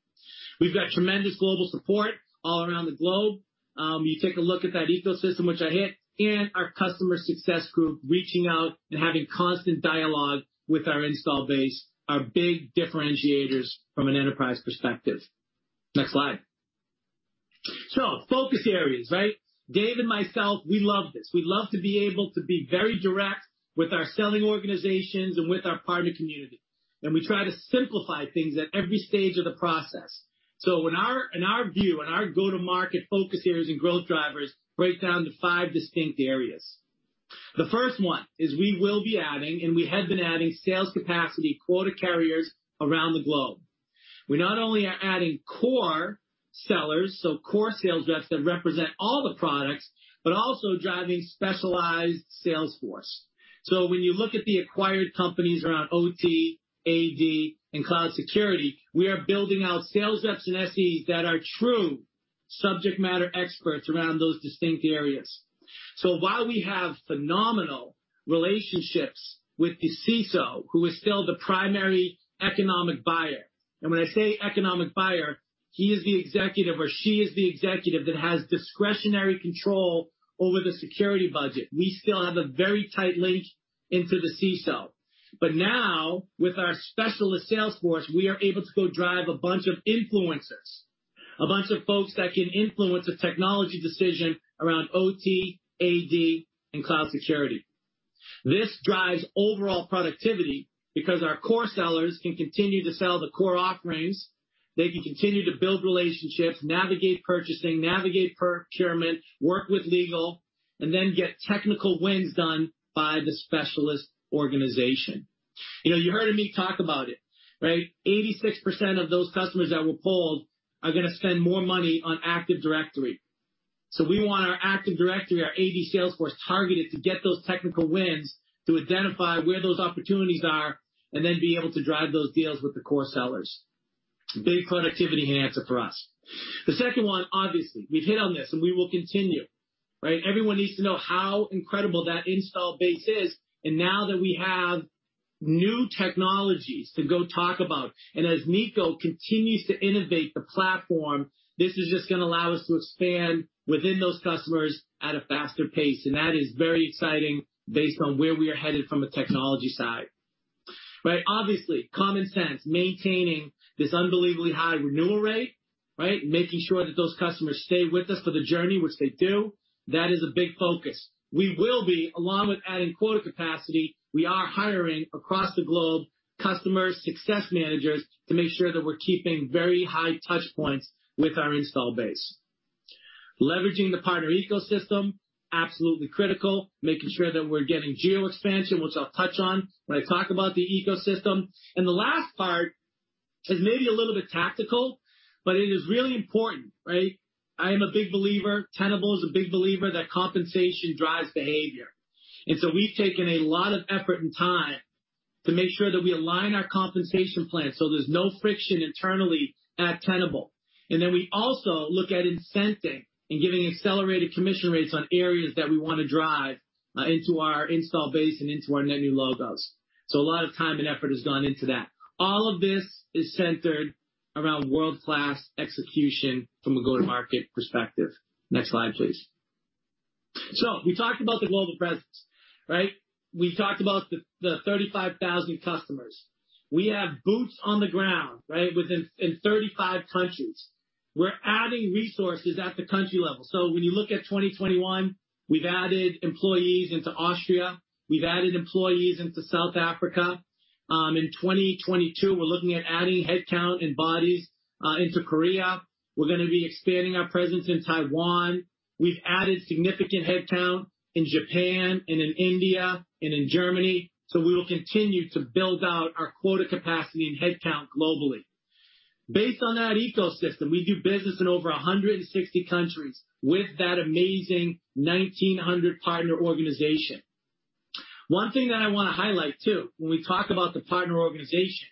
We've got tremendous global support all around the globe. You take a look at that ecosystem, which I hit, and our customer success group, reaching out and having constant dialogue with our installed base are big differentiators from an enterprise perspective. Next slide. Focus areas, right? Dave and myself, we love this. We love to be able to be very direct with our selling organizations and with our partner community. We try to simplify things at every stage of the process. In our view, our go-to-market focus areas and growth drivers break down to five distinct areas. The first one is we will be adding, and we have been adding sales capacity quota carriers around the globe. We not only are adding core sellers, so core sales reps that represent all the products, but also driving specialized sales force. When you look at the acquired companies around OT, AD, and cloud security, we are building out sales reps and SEs that are true subject matter experts around those distinct areas. While we have phenomenal relationships with the CISO, who is still the primary economic buyer, and when I say economic buyer, he is the executive, or she is the executive that has discretionary control over the security budget. We still have a very tight link into the CISO. Now with our specialist sales force, we are able to go drive a bunch of influencers, a bunch of folks that can influence a technology decision around OT, AD, and cloud security. This drives overall productivity because our core sellers can continue to sell the core offerings. They can continue to build relationships, navigate purchasing, navigate procurement, work with legal, and then get technical wins done by the specialist organization. You know, you heard me talk about it, right? 86% of those customers that were polled are gonna spend more money on Active Directory. So we want our Active Directory, our AD sales force, targeted to get those technical wins to identify where those opportunities are and then be able to drive those deals with the core sellers. Big productivity enhancer for us. The second one, obviously, we've hit on this, and we will continue, right? Everyone needs to know how incredible that install base is. Now that we have new technologies to go talk about, and as Nico continues to innovate the platform, this is just gonna allow us to expand within those customers at a faster pace. That is very exciting based on where we are headed from a technology side. Right? Obviously, common sense, maintaining this unbelievably high renewal rate, right? Making sure that those customers stay with us for the journey, which they do. That is a big focus. We will be, along with adding quota capacity, we are hiring across the globe, customer success managers to make sure that we're keeping very high touchpoints with our install base, leveraging the partner ecosystem, absolutely critical. Making sure that we're getting geo-expansion, which I'll touch on when I talk about the ecosystem. The last part is maybe a little bit tactical, but it is really important, right? I am a big believer, Tenable is a big believer, that compensation drives behavior. So we've taken a lot of effort and time to make sure that we align our compensation plan, so there's no friction internally at Tenable. Then we also look at incenting and giving accelerated commission rates on areas that we wanna drive into our install base and into our net new logos. A lot of time and effort has gone into that. All of this is centered around world-class execution from a go-to-market perspective. Next slide, please. We talked about the global presence, right? We talked about the 35,000 customers. We have boots on the ground, right? In 35 countries. We're adding resources at the country level. When you look at 2021, we've added employees into Austria. We've added employees into South Africa. In 2022, we're looking at adding headcount and bodies into Korea. We're gonna be expanding our presence in Taiwan. We've added significant headcount in Japan and in India and in Germany. We will continue to build out our quota capacity and headcount globally. Based on that ecosystem, we do business in over 160 countries with that amazing 1,900 partner organization. One thing that I wanna highlight too, when we talk about the partner organization,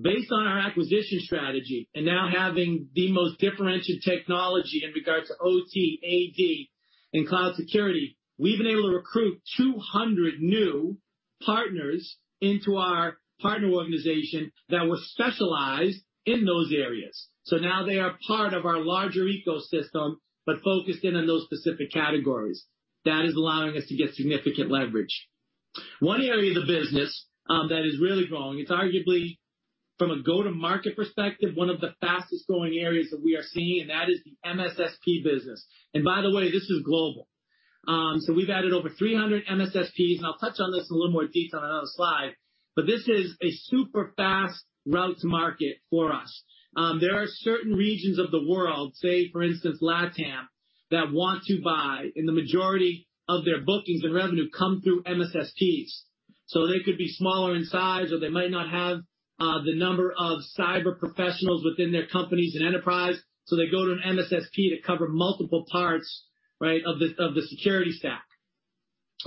based on our acquisition strategy and now having the most differentiated technology in regards to OT, AD, and cloud security, we've been able to recruit 200 new partners into our partner organization that was specialized in those areas. Now they are part of our larger ecosystem, but focused in on those specific categories. That is allowing us to get significant leverage. One area of the business that is really growing, it's arguably from a go-to-market perspective, one of the fastest-growing areas that we are seeing, and that is the MSSP business. By the way, this is global. We've added over 300 MSSPs, and I'll touch on this in a little more detail on another slide, but this is a super fast route to market for us. There are certain regions of the world, say, for instance, LATAM that want to buy, and the majority of their bookings and revenue come through MSSPs. They could be smaller in size, or they might not have the number of cyber professionals within their companies and enterprise, so they go to an MSSP to cover multiple parts, right, of the security stack.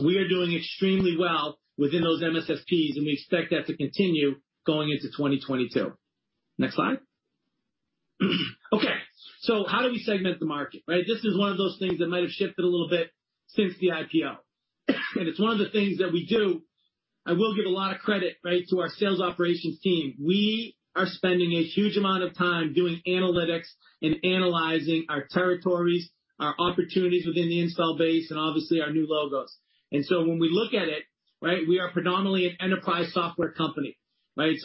We are doing extremely well within those MSSPs, and we expect that to continue going into 2022. Next slide. Okay, how do we segment the market, right? This is one of those things that might have shifted a little bit since the IPO. It's one of the things that we do. I will give a lot of credit, right, to our sales operations team. We are spending a huge amount of time doing analytics and analyzing our territories, our opportunities within the install base, and obviously our new logos. When we look at it, right, we are predominantly an enterprise software company, right?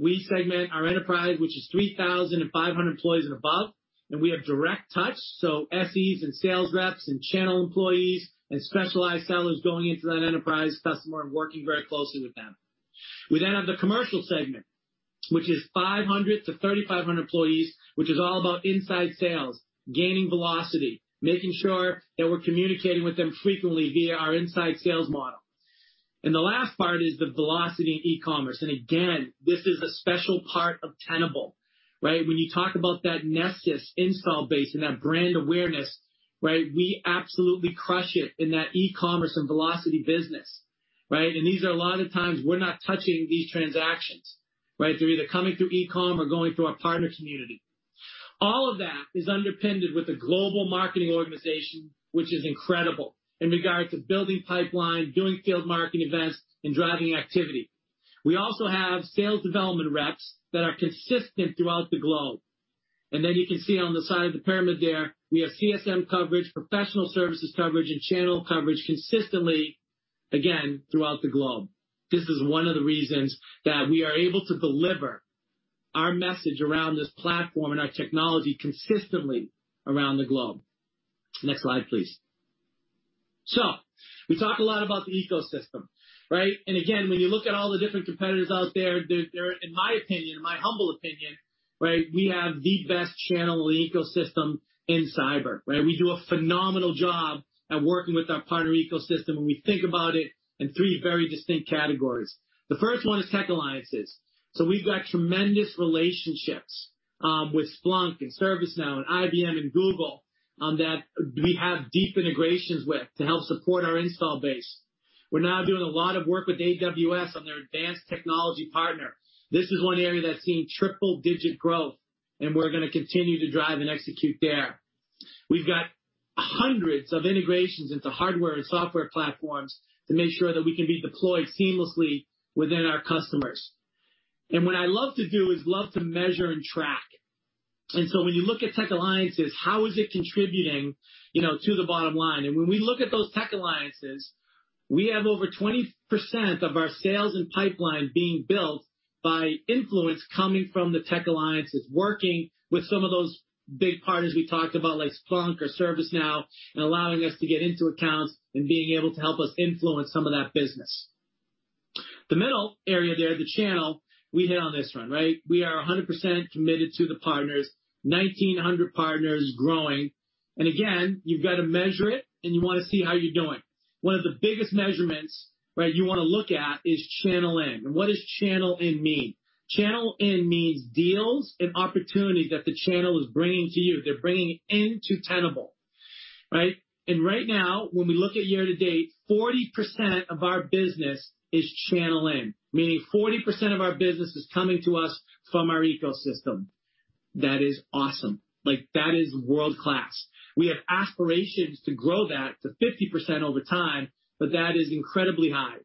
We segment our enterprise, which is 3,500 employees and above, and we have direct touch, so SEs and sales reps and channel employees and specialized sellers going into that enterprise customer and working very closely with them. We then have the commercial segment, which is 500-3,500 employees, which is all about inside sales, gaining velocity, making sure that we're communicating with them frequently via our inside sales model. The last part is the velocity in e-commerce. Again, this is a special part of Tenable, right? When you talk about that Nessus install base and that brand awareness, right, we absolutely crush it in that e-commerce and velocity business, right? These are a lot of times we're not touching these transactions, right? They're either coming through e-com or going through our partner community. All of that is underpinned with a global marketing organization, which is incredible in regards to building pipeline, doing field marketing events, and driving activity. We also have sales development reps that are consistent throughout the globe. Then you can see on the side of the pyramid there, we have CSM coverage, professional services coverage, and channel coverage consistently, again, throughout the globe. This is one of the reasons that we are able to deliver our message around this platform and our technology consistently around the globe. Next slide, please. We talk a lot about the ecosystem, right? Again, when you look at all the different competitors out there, they're in my opinion, in my humble opinion, right, we have the best channel in the ecosystem in cyber, right? We do a phenomenal job at working with our partner ecosystem, and we think about it in three very distinct categories. The first one is tech alliances. We've got tremendous relationships with Splunk and ServiceNow and IBM and Google that we have deep integrations with to help support our installed base. We're now doing a lot of work with AWS on their advanced technology partner. This is one area that's seen triple-digit growth, and we're gonna continue to drive and execute there. We've got hundreds of integrations into hardware and software platforms to make sure that we can be deployed seamlessly within our customers. What I love to do is measure and track. When you look at tech alliances, how is it contributing, you know, to the bottom line? When we look at those tech alliances, we have over 20% of our sales and pipeline being built by influence coming from the tech alliances, working with some of those big partners we talked about, like Splunk or ServiceNow, and allowing us to get into accounts and being able to help us influence some of that business. The middle area there, the channel, we hit on this one, right? We are 100% committed to the partners, 1,900 partners growing. Again, you've got to measure it, and you wanna see how you're doing. One of the biggest measurements, right, you wanna look at is channel in. What does channel in mean? Channel in means deals and opportunities that the channel is bringing to you. They're bringing into Tenable, right? Right now, when we look at year to date, 40% of our business is channel, meaning 40% of our business is coming to us from our ecosystem. That is awesome. Like, that is world-class. We have aspirations to grow that to 50% over time, but that is incredibly high.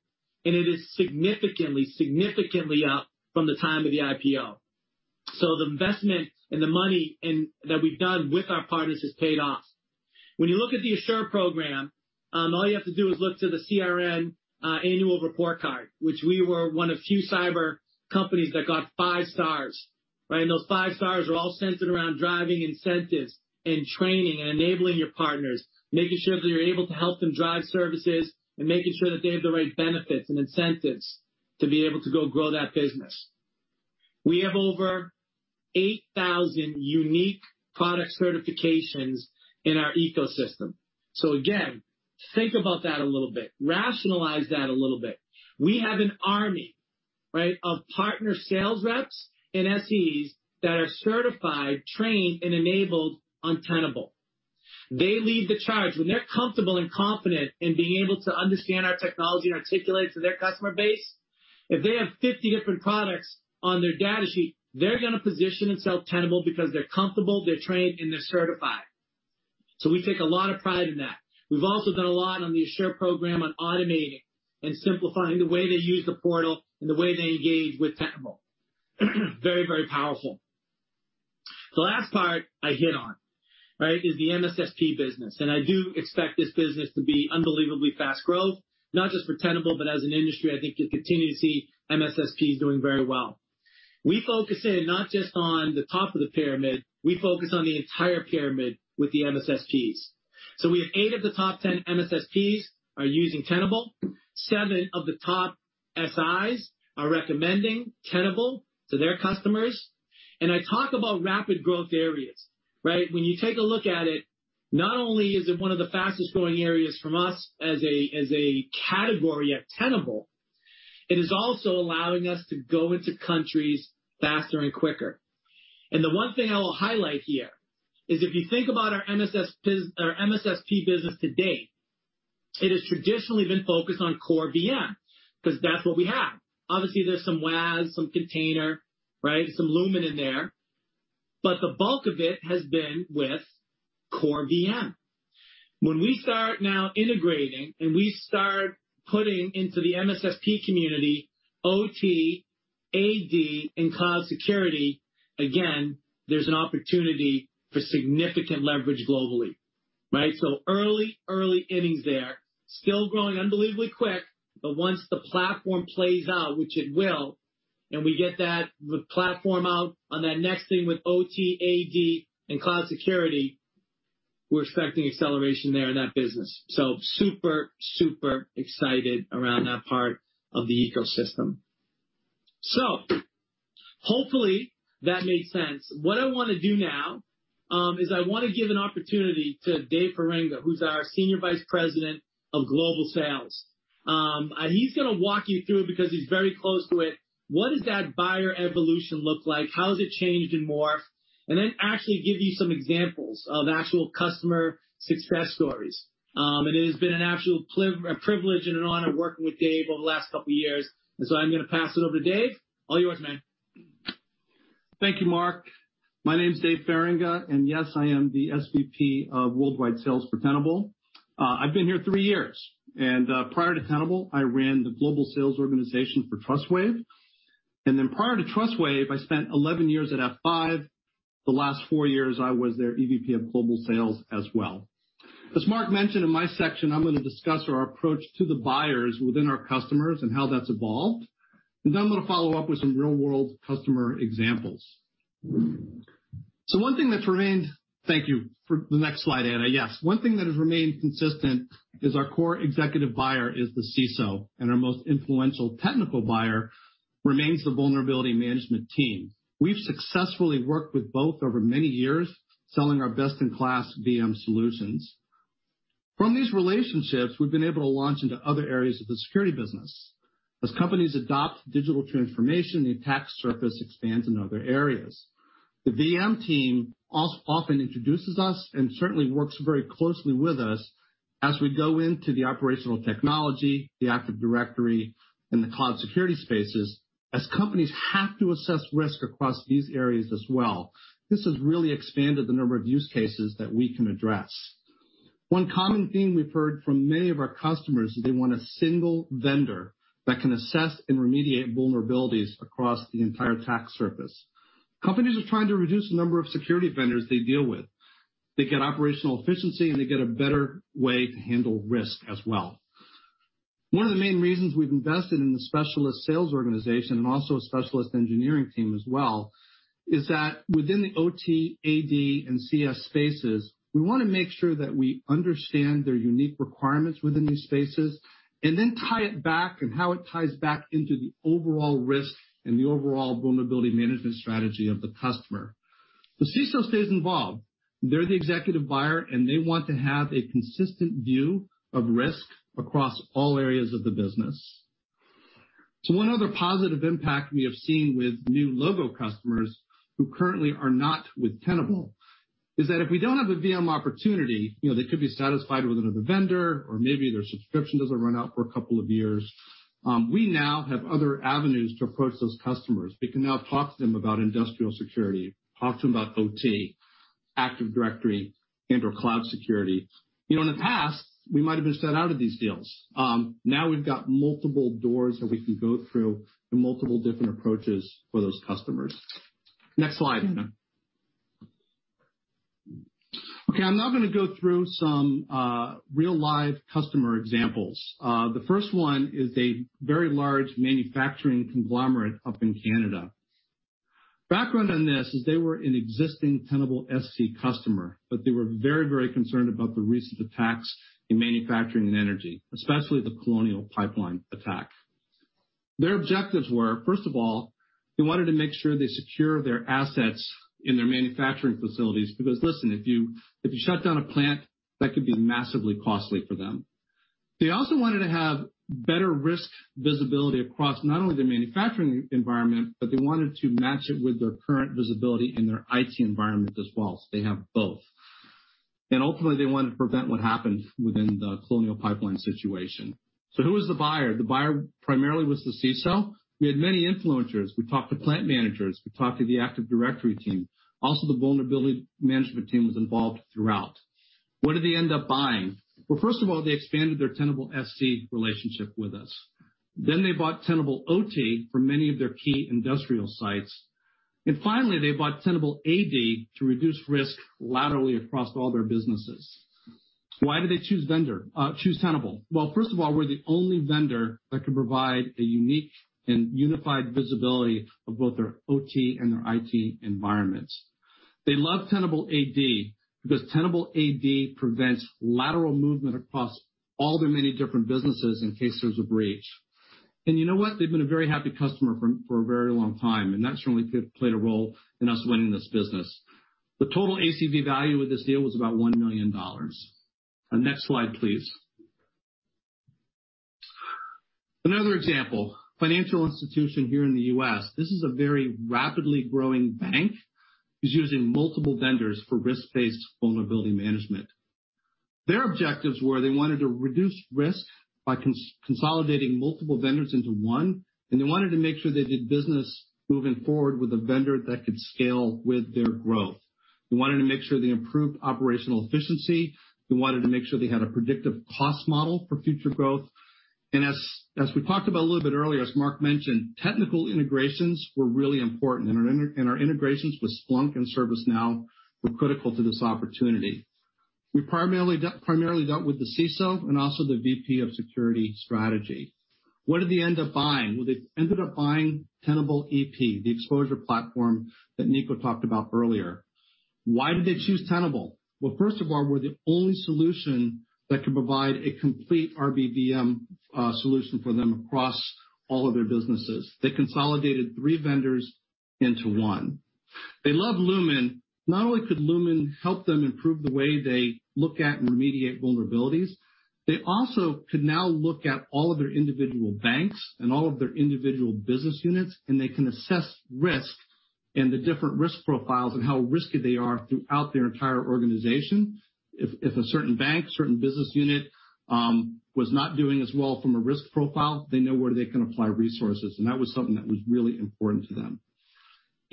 It is significantly up from the time of the IPO. So the investment and the money that we've done with our partners has paid off. When you look at the Assure program, all you have to do is look to the CRN Annual Report Card, which we were one of few cyber companies that got five stars, right? Those five stars are all centered around driving incentives and training and enabling your partners, making sure that you're able to help them drive services, and making sure that they have the right benefits and incentives to be able to go grow that business. We have over 8,000 unique product certifications in our ecosystem. Again, think about that a little bit. Rationalize that a little bit. We have an army, right, of partner sales reps and SEs that are certified, trained, and enabled on Tenable. They lead the charge. When they're comfortable and confident in being able to understand our technology and articulate it to their customer base, if they have 50 different products on their data sheet, they're gonna position and sell Tenable because they're comfortable, they're trained, and they're certified. We take a lot of pride in that. We've also done a lot on the Assure program on automating and simplifying the way they use the portal and the way they engage with Tenable. Very, very powerful. The last part I hit on, right, is the MSSP business. I do expect this business to be unbelievably fast growth, not just for Tenable, but as an industry, I think you'll continue to see MSSPs doing very well. We focus in not just on the top of the pyramid, we focus on the entire pyramid with the MSSPs. We have eight of the top 10 MSSPs are using Tenable. seven of the top SIs are recommending Tenable to their customers. I talk about rapid growth areas, right? When you take a look at it, not only is it one of the fastest-growing areas from us as a category at Tenable, it is also allowing us to go into countries faster and quicker. The one thing I will highlight here is if you think about our MSSP business to date, it has traditionally been focused on core VM, because that's what we have. Obviously, there's some WAS, some container, right, some Lumin in there, but the bulk of it has been with core VM. When we start now integrating, and we start putting into the MSSP community OT, AD, and cloud security, again, there's an opportunity for significant leverage globally, right? Early, early innings there. Still growing unbelievably quick, but once the platform plays out, which it will, and we get that, the platform out on that next thing with OT, AD, and cloud security, we're expecting acceleration there in that business. Super, super excited around that part of the ecosystem. Hopefully that makes sense. What I wanna do now is I wanna give an opportunity to Dave Feringa, who's our Senior Vice President, Worldwide Sales. He's gonna walk you through it because he's very close to it. What does that buyer evolution look like? How has it changed and morphed? Then actually give you some examples of actual customer success stories. It has been an abolute privilege and an honor working with Dave over the last couple of years. I'm gonna pass it over to Dave. All yours, man. Thank you, Mark. My name is Dave Feringa, and yes, I am the SVP of Worldwide Sales for Tenable. I've been here three years, and prior to Tenable, I ran the global sales organization for Trustwave. Prior to Trustwave, I spent 11 years at F5. The last four years, I was their EVP of Global Sales as well. As Mark mentioned, in my section, I'm gonna discuss our approach to the buyers within our customers and how that's evolved. I'm gonna follow up with some real-world customer examples. One thing that's remained. Thank you for the next slide, Anna. Yes. One thing that has remained consistent is our core executive buyer is the CISO, and our most influential technical buyer remains the vulnerability management team. We've successfully worked with both over many years, selling our best-in-class VM solutions. From these relationships, we've been able to launch into other areas of the security business. As companies adopt digital transformation, the attack surface expands in other areas. The VM team often introduces us and certainly works very closely with us as we go into the operational technology, the Active Directory, and the cloud security spaces, as companies have to assess risk across these areas as well. This has really expanded the number of use cases that we can address. One common theme we've heard from many of our customers is they want a single vendor that can assess and remediate vulnerabilities across the entire attack surface. Companies are trying to reduce the number of security vendors they deal with. They get operational efficiency, and they get a better way to handle risk as well. One of the main reasons we've invested in the specialist sales organization, and also a specialist engineering team as well, is that within the OT, AD, and CS spaces, we wanna make sure that we understand their unique requirements within these spaces and then tie it back and how it ties back into the overall risk and the overall vulnerability management strategy of the customer. The CISO stays involved. They're the executive buyer, and they want to have a consistent view of risk across all areas of the business. One other positive impact we have seen with new logo customers who currently are not with Tenable is that if we don't have a VM opportunity, you know, they could be satisfied with another vendor or maybe their subscription doesn't run out for a couple of years, we now have other avenues to approach those customers. We can now talk to them about industrial security, talk to them about OT, Active Directory, and/or cloud security. You know, in the past, we might have been shut out of these deals. Now we've got multiple doors that we can go through and multiple different approaches for those customers. Next slide, Anna. Okay, I'm now gonna go through some real live customer examples. The first one is a very large manufacturing conglomerate up in Canada. Background on this is they were an existing Tenable.sc customer, but they were very, very concerned about the recent attacks in manufacturing and energy, especially the Colonial Pipeline attack. Their objectives were, first of all, they wanted to make sure they secure their assets in their manufacturing facilities because, listen, if you shut down a plant, that could be massively costly for them. They also wanted to have better risk visibility across not only the manufacturing environment, but they wanted to match it with their current visibility in their IT environment as well, so they have both. Ultimately, they wanted to prevent what happened within the Colonial Pipeline situation. Who was the buyer? The buyer primarily was the CISO. We had many influencers. We talked to plant managers. We talked to the Active Directory team. Also, the vulnerability management team was involved throughout. What did they end up buying? Well, first of all, they expanded their Tenable.sc relationship with us. They bought Tenable.ot for many of their key industrial sites. Finally, they bought Tenable.ad to reduce risk laterally across all their businesses. Why did they choose Tenable? Well, first of all, we're the only vendor that can provide a unique and unified visibility of both their OT and their IT environments. They love Tenable.ad because Tenable.ad prevents lateral movement across all their many different businesses in case there's a breach. You know what? They've been a very happy customer for a very long time, and that certainly could play a role in us winning this business. The total ACV value of this deal was about $1 million. Next slide, please. Another example, financial institution here in the U.S. This is a very rapidly growing bank who's using multiple vendors for risk-based vulnerability management. Their objectives were they wanted to reduce risk by consolidating multiple vendors into one, and they wanted to make sure they did business moving forward with a vendor that could scale with their growth. They wanted to make sure they improved operational efficiency. They wanted to make sure they had a predictive cost model for future growth. As we talked about a little bit earlier, as Mark mentioned, technical integrations were really important, and our integrations with Splunk and ServiceNow were critical to this opportunity. We primarily dealt with the CISO and also the VP of security strategy. What did they end up buying? Well, they ended up buying Tenable.ep, the exposure platform that Nico talked about earlier. Why did they choose Tenable? Well, first of all, we're the only solution that can provide a complete RBVM solution for them across all of their businesses. They consolidated three vendors into one. They love Lumin. Not only could Lumin help them improve the way they look at and remediate vulnerabilities, they also could now look at all of their individual banks and all of their individual business units, and they can assess risk and the different risk profiles and how risky they are throughout their entire organization. If a certain bank, certain business unit, was not doing as well from a risk profile, they know where they can apply resources, and that was something that was really important to them.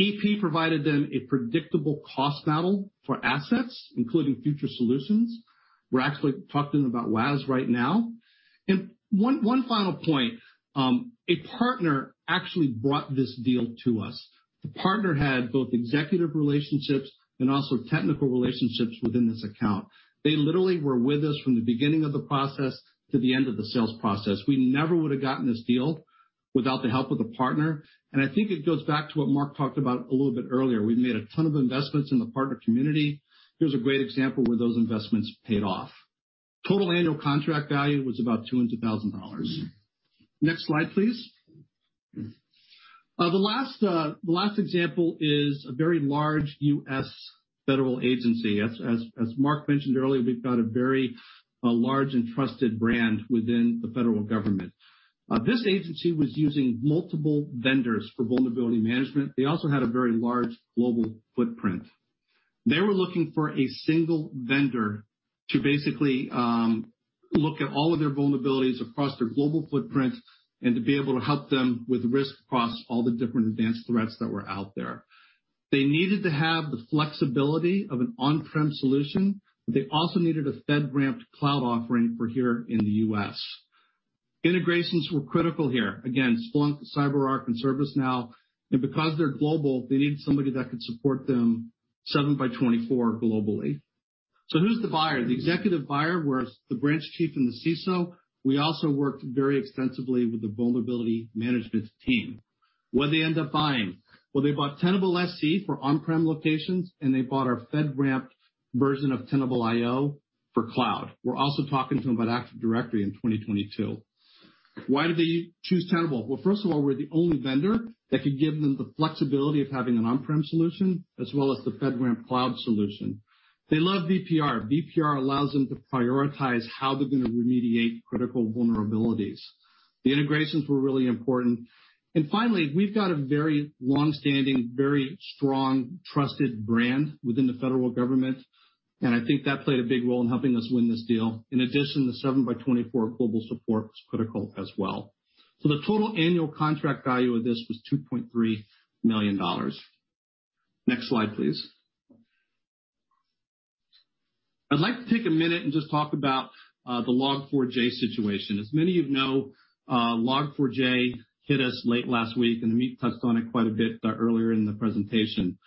EP provided them a predictable cost model for assets, including future solutions. We're actually talking about WAS right now. One final point. A partner actually brought this deal to us. The partner had both executive relationships and also technical relationships within this account. They literally were with us from the beginning of the process to the end of the sales process. We never would have gotten this deal without the help of the partner, and I think it goes back to what Mark talked about a little bit earlier. We've made a ton of investments in the partner community. Here's a great example where those investments paid off. Total annual contract value was about $200,000. Next slide, please. The last example is a very large U.S. federal agency. As Mark mentioned earlier, we've got a very large and trusted brand within the federal government. This agency was using multiple vendors for vulnerability management. They also had a very large global footprint. They were looking for a single vendor to basically look at all of their vulnerabilities across their global footprint and to be able to help them with risk across all the different advanced threats that were out there. They needed to have the flexibility of an on-prem solution. They also needed a FedRAMP cloud offering for here in the U.S. Integrations were critical here. Again, Splunk, CyberArk, and ServiceNow. Because they're global, they needed somebody that could support them seven by 24 globally. Who's the buyer? The executive buyer was the branch chief and the CISO. We also worked very extensively with the vulnerability management team. What'd they end up buying? Well, they bought Tenable.sc for on-prem locations, and they bought our FedRAMP version of Tenable.io for cloud. We're also talking to them about Active Directory in 2022. Why did they choose Tenable? Well, first of all, we're the only vendor that could give them the flexibility of having an on-prem solution as well as the FedRAMP cloud solution. They love VPR. VPR allows them to prioritize how they're gonna remediate critical vulnerabilities. The integrations were really important. Finally, we've got a very long-standing, very strong, trusted brand within the federal government, and I think that played a big role in helping us win this deal. In addition, the seven-by-twenty-four global support was critical as well. The total annual contract value of this was $2.3 million. Next slide, please. I'd like to take a minute and just talk about the Log4j situation. As many of you know, Log4j hit us late last week, and Amit touched on it quite a bit earlier in the presentation.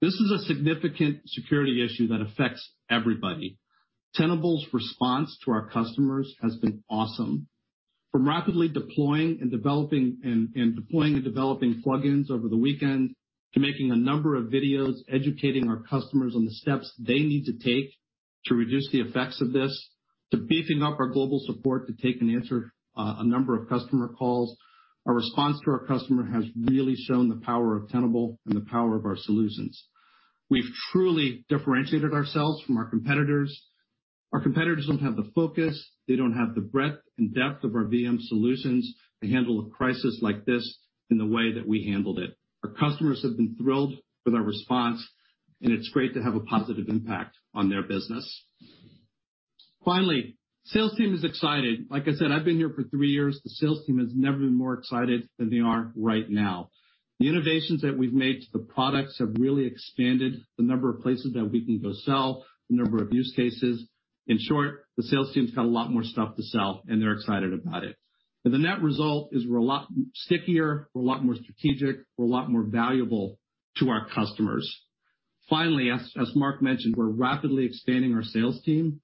This is a significant security issue that affects everybody. Tenable's response to our customers has been awesome, from rapidly deploying and developing plugins over the weekend to making a number of videos educating our customers on the steps they need to take to reduce the effects of this, to beefing up our global support to take and answer a number of customer calls. Our response to our customer has really shown the power of Tenable and the power of our solutions. We've truly differentiated ourselves from our competitors. Our competitors don't have the focus, they don't have the breadth and depth of our VM solutions to handle a crisis like this in the way that we handled it. Our customers have been thrilled with our response, and it's great to have a positive impact on their business. Finally, sales team is excited. Like I said, I've been here for three years. The sales team has never been more excited than they are right now. The innovations that we've made to the products have really expanded the number of places that we can go sell, the number of use cases. In short, the sales team's got a lot more stuff to sell, and they're excited about it. The net result is we're a lot stickier, we're a lot more strategic, we're a lot more valuable to our customers. Finally, as Mark mentioned, we're rapidly expanding our sales team.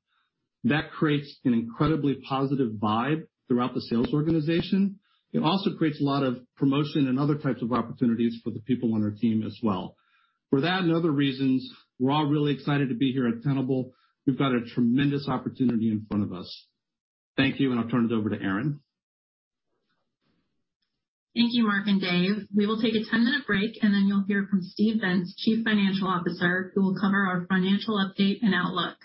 That creates an incredibly positive vibe throughout the sales organization. It also creates a lot of promotion and other types of opportunities for the people on our team as well. For that and other reasons, we're all really excited to be here at Tenable. We've got a tremendous opportunity in front of us. Thank you, and I'll turn it over to Erin. Thank you, Mark and Dave. We will take a 10-minute break, and then you'll hear from Steve Vintz, Chief Financial Officer, who will cover our financial update and outlook.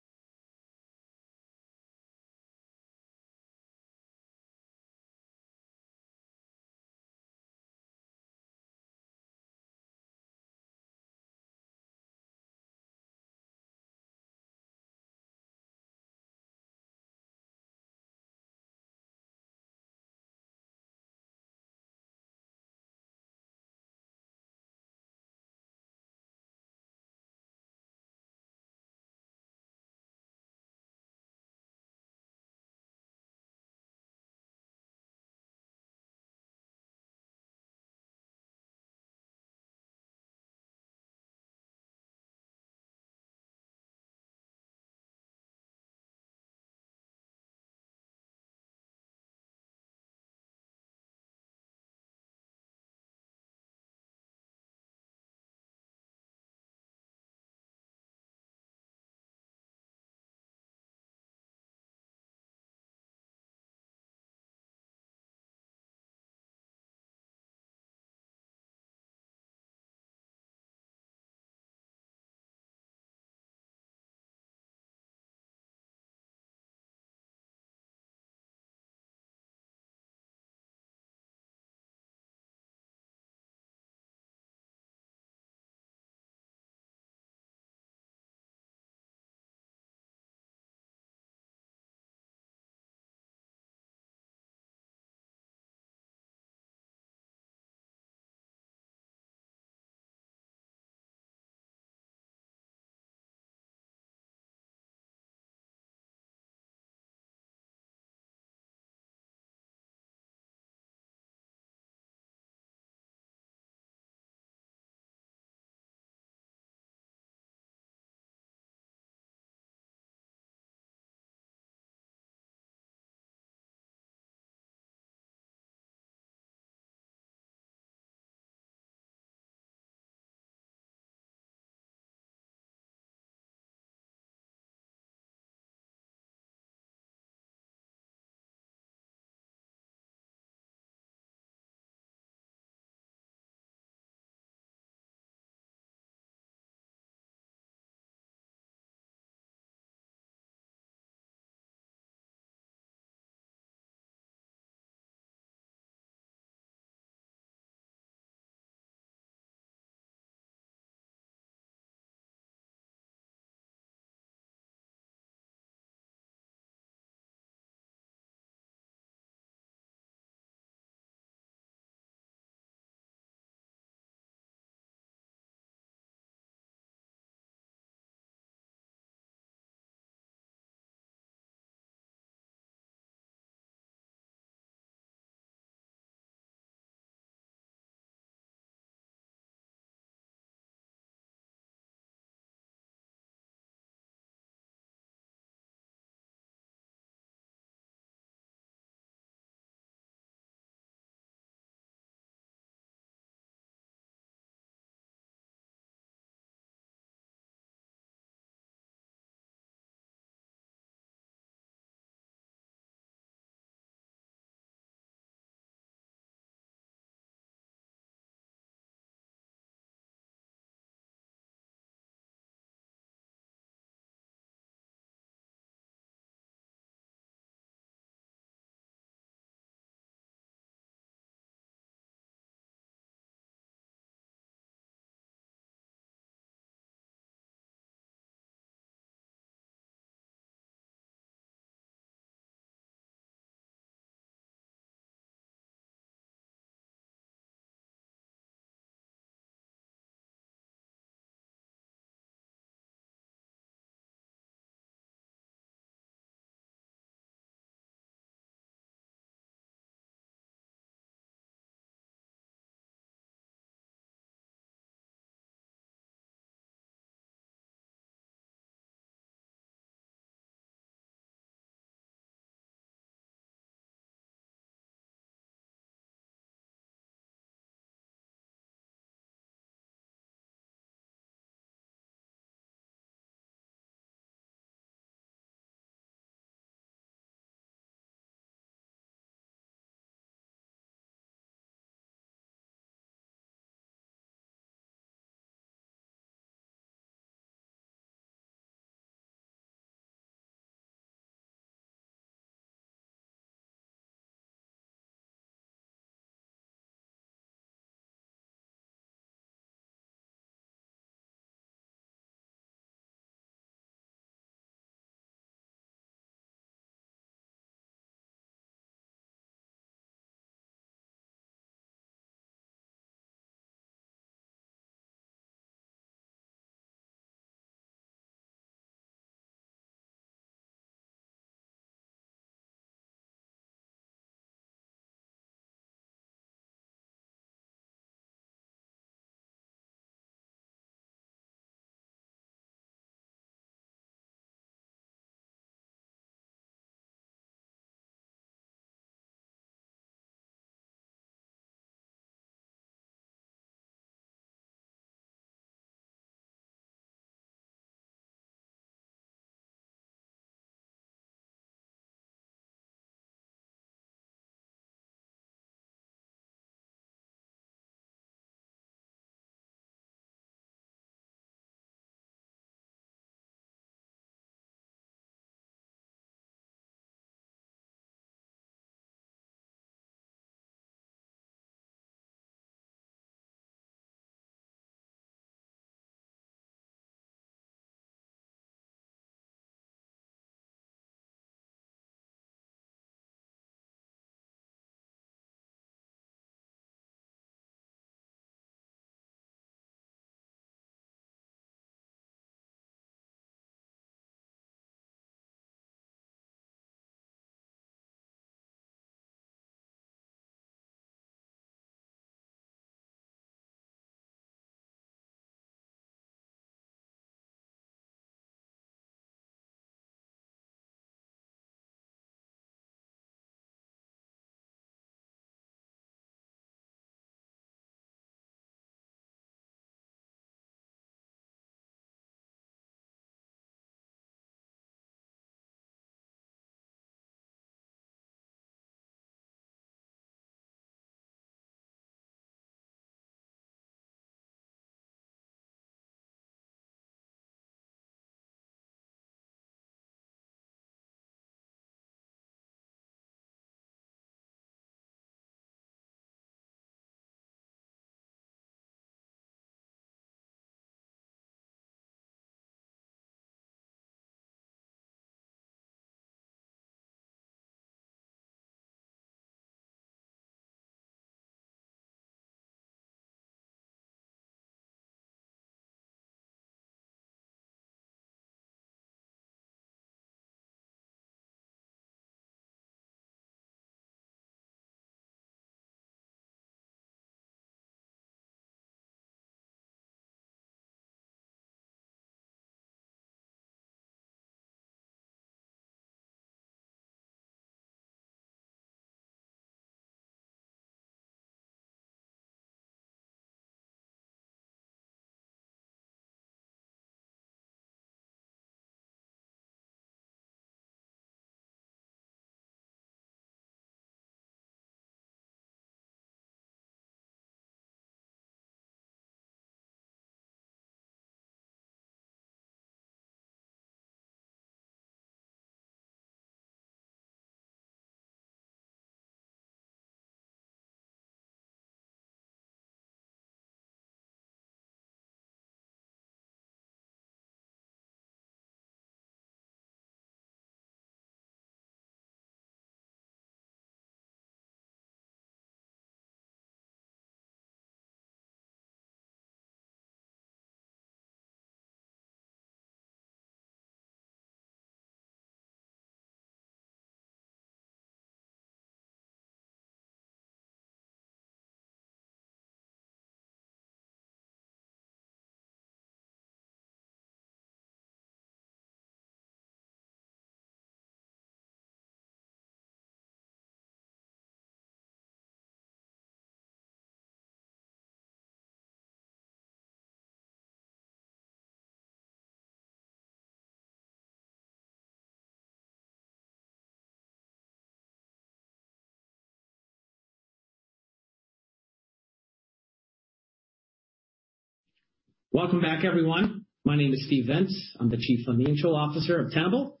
Welcome back, everyone. My name is Steve Vintz. I'm the Chief Financial Officer of Tenable.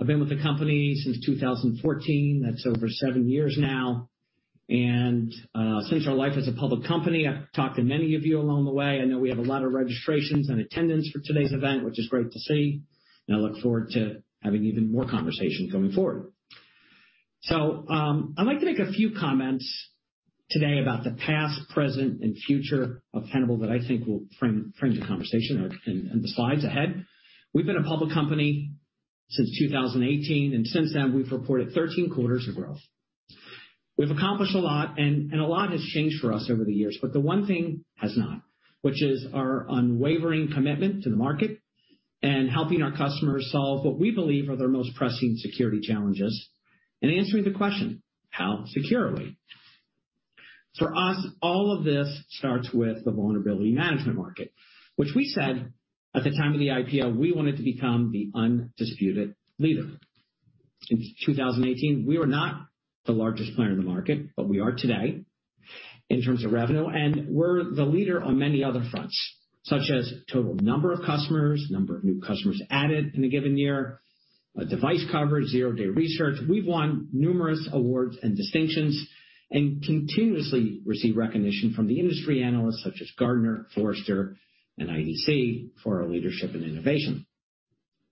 I've been with the company since 2014. That's over seven years now. Since our life as a public company, I've talked to many of you along the way. I know we have a lot of registrations and attendance for today's event, which is great to see, and I look forward to having even more conversations going forward. I'd like to make a few comments today about the past, present, and future of Tenable that I think will frame the conversation or in the slides ahead. We've been a public company since 2018, and since then, we've reported 13 quarters of growth. We've accomplished a lot, and a lot has changed for us over the years, but the one thing has not, which is our unwavering commitment to the market and helping our customers solve what we believe are their most pressing security challenges and answering the question, how securely? For us, all of this starts with the vulnerability management market, which we said at the time of the IPO, we wanted to become the undisputed leader. Since 2018, we were not the largest player in the market, but we are today in terms of revenue, and we're the leader on many other fronts, such as total number of customers, number of new customers added in a given year, device coverage, zero-day research. We've won numerous awards and distinctions and continuously receive recognition from the industry analysts such as Gartner, Forrester, and IDC for our leadership and innovation.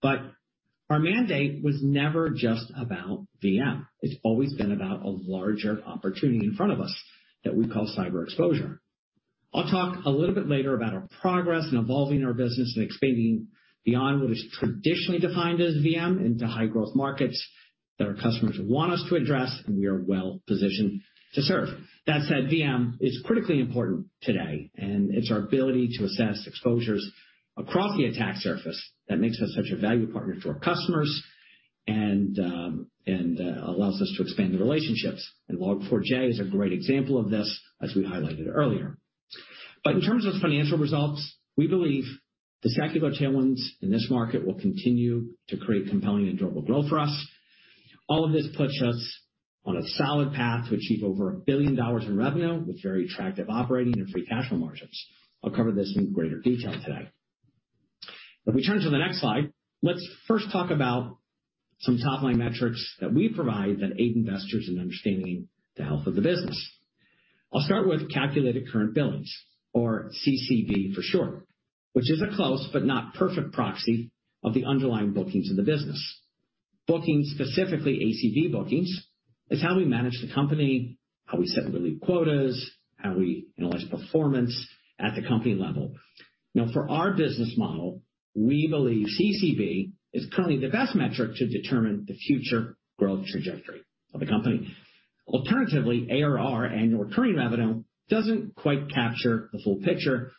Our mandate was never just about VM. It's always been about a larger opportunity in front of us that we call cyber exposure. I'll talk a little bit later about our progress in evolving our business and expanding beyond what is traditionally defined as VM into high growth markets that our customers want us to address, and we are well-positioned to serve. That said, VM is critically important today, and it's our ability to assess exposures across the attack surface that makes us such a value partner to our customers and allows us to expand the relationships. Log4j is a great example of this, as we highlighted earlier. In terms of financial results, we believe the secular tailwinds in this market will continue to create compelling and durable growth for us. All of this puts us on a solid path to achieve over $1 billion in revenue with very attractive operating and free cash flow margins. I'll cover this in greater detail today. If we turn to the next slide, let's first talk about some top-line metrics that we provide that aid investors in understanding the health of the business. I'll start with Calculated Current Billings or CCB for short, which is a close but not perfect proxy of the underlying bookings in the business. Bookings, specifically ACV bookings, is how we manage the company, how we set and believe quotas, how we analyze performance at the company level. Now, for our business model, we believe CCB is currently the best metric to determine the future growth trajectory of the company. Alternatively, ARR, annual recurring revenue, doesn't quite capture the full picture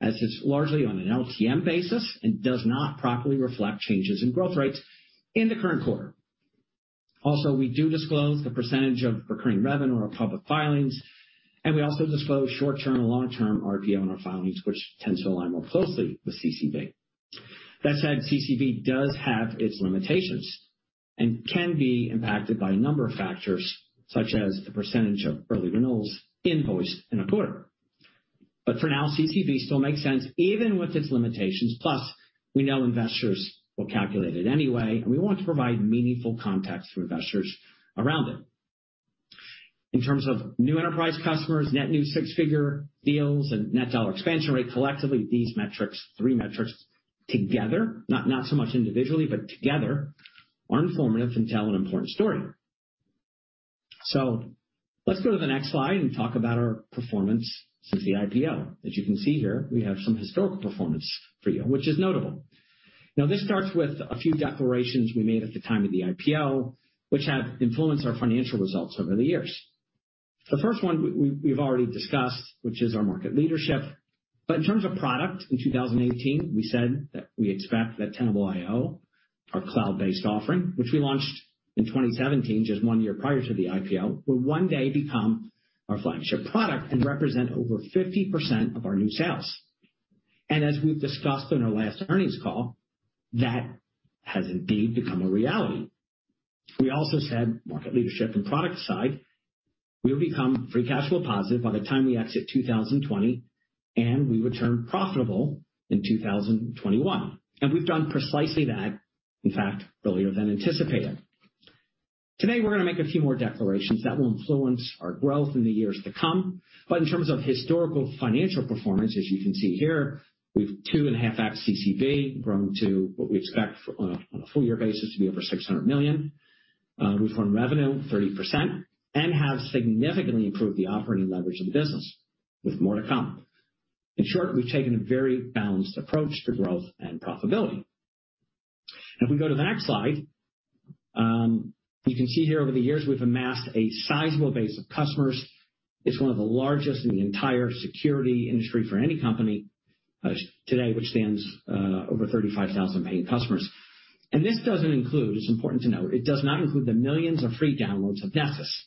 as it's largely on an LTM basis and does not properly reflect changes in growth rates in the current quarter. Also, we do disclose the percentage of recurring revenue on our public filings, and we also disclose short-term and long-term RPO on our filings, which tends to align more closely with CCB. That said, CCB does have its limitations and can be impacted by a number of factors, such as the percentage of early renewals invoiced in a quarter. But for now, CCB still makes sense, even with its limitations. Plus, we know investors will calculate it anyway, and we want to provide meaningful context for investors around it. In terms of new enterprise customers, net new six-figure deals, and net dollar expansion rate, collectively, these metrics, three metrics together, not so much individually, but together, are informative and tell an important story. Let's go to the next slide and talk about our performance since the IPO. As you can see here, we have some historical performance for you, which is notable. Now this starts with a few declarations we made at the time of the IPO, which have influenced our financial results over the years. The first one we've already discussed, which is our market leadership. In terms of product, in 2018, we said that we expect that Tenable.io, our cloud-based offering, which we launched in 2017, just one year prior to the IPO, will one day become our flagship product and represent over 50% of our new sales. As we've discussed on our last earnings call, that has indeed become a reality. We also said market leadership and product side, we will become free cash flow positive by the time we exit 2020, and we would turn profitable in 2021. We've done precisely that, in fact, earlier than anticipated. Today, we're gonna make a few more declarations that will influence our growth in the years to come. In terms of historical financial performance, as you can see here, we've 2.5x CCB grown to what we expect on a full year basis to be over 600 million. We've grown revenue 30% and have significantly improved the operating leverage of the business with more to come. In short, we've taken a very balanced approach to growth and profitability. If we go to the next slide, you can see here over the years, we've amassed a sizable base of customers. It's one of the largest in the entire security industry for any company today, which stands over 35,000 paying customers. This doesn't include, it's important to note, it does not include the millions of free downloads of Nessus.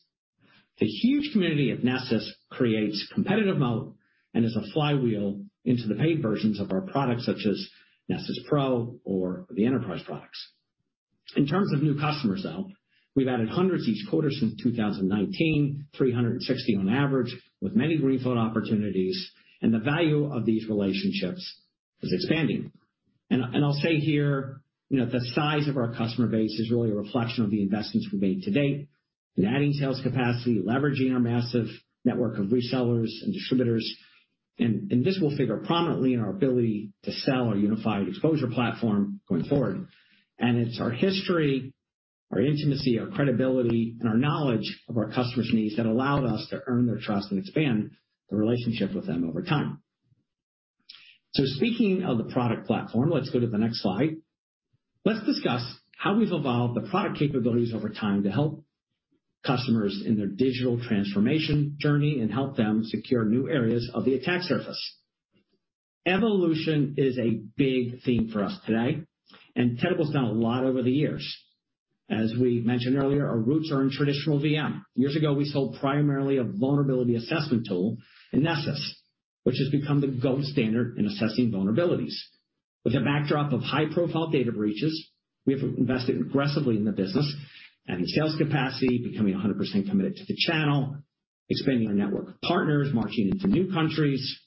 The huge community of Nessus creates competitive mode and is a flywheel into the paid versions of our products such as Nessus Professional or the enterprise products. In terms of new customers, though, we've added hundreds each quarter since 2019, 360 on average, with many greenfield opportunities, and the value of these relationships is expanding. I'll say here, you know, the size of our customer base is really a reflection of the investments we've made to date in adding sales capacity, leveraging our massive network of resellers and distributors. This will figure prominently in our ability to sell our unified exposure platform going forward. It's our history, our intimacy, our credibility, and our knowledge of our customers' needs that allowed us to earn their trust and expand the relationship with them over time. Speaking of the product platform, let's go to the next slide. Let's discuss how we've evolved the product capabilities over time to help customers in their digital transformation journey and help them secure new areas of the attack surface. Evolution is a big theme for us today, and Tenable's done a lot over the years. As we mentioned earlier, our roots are in traditional VM. Years ago, we sold primarily a vulnerability assessment tool in Nessus, which has become the gold standard in assessing vulnerabilities. With a backdrop of high-profile data breaches, we have invested aggressively in the business, adding sales capacity, becoming 100% committed to the channel, expanding our network of partners, marching into new countries,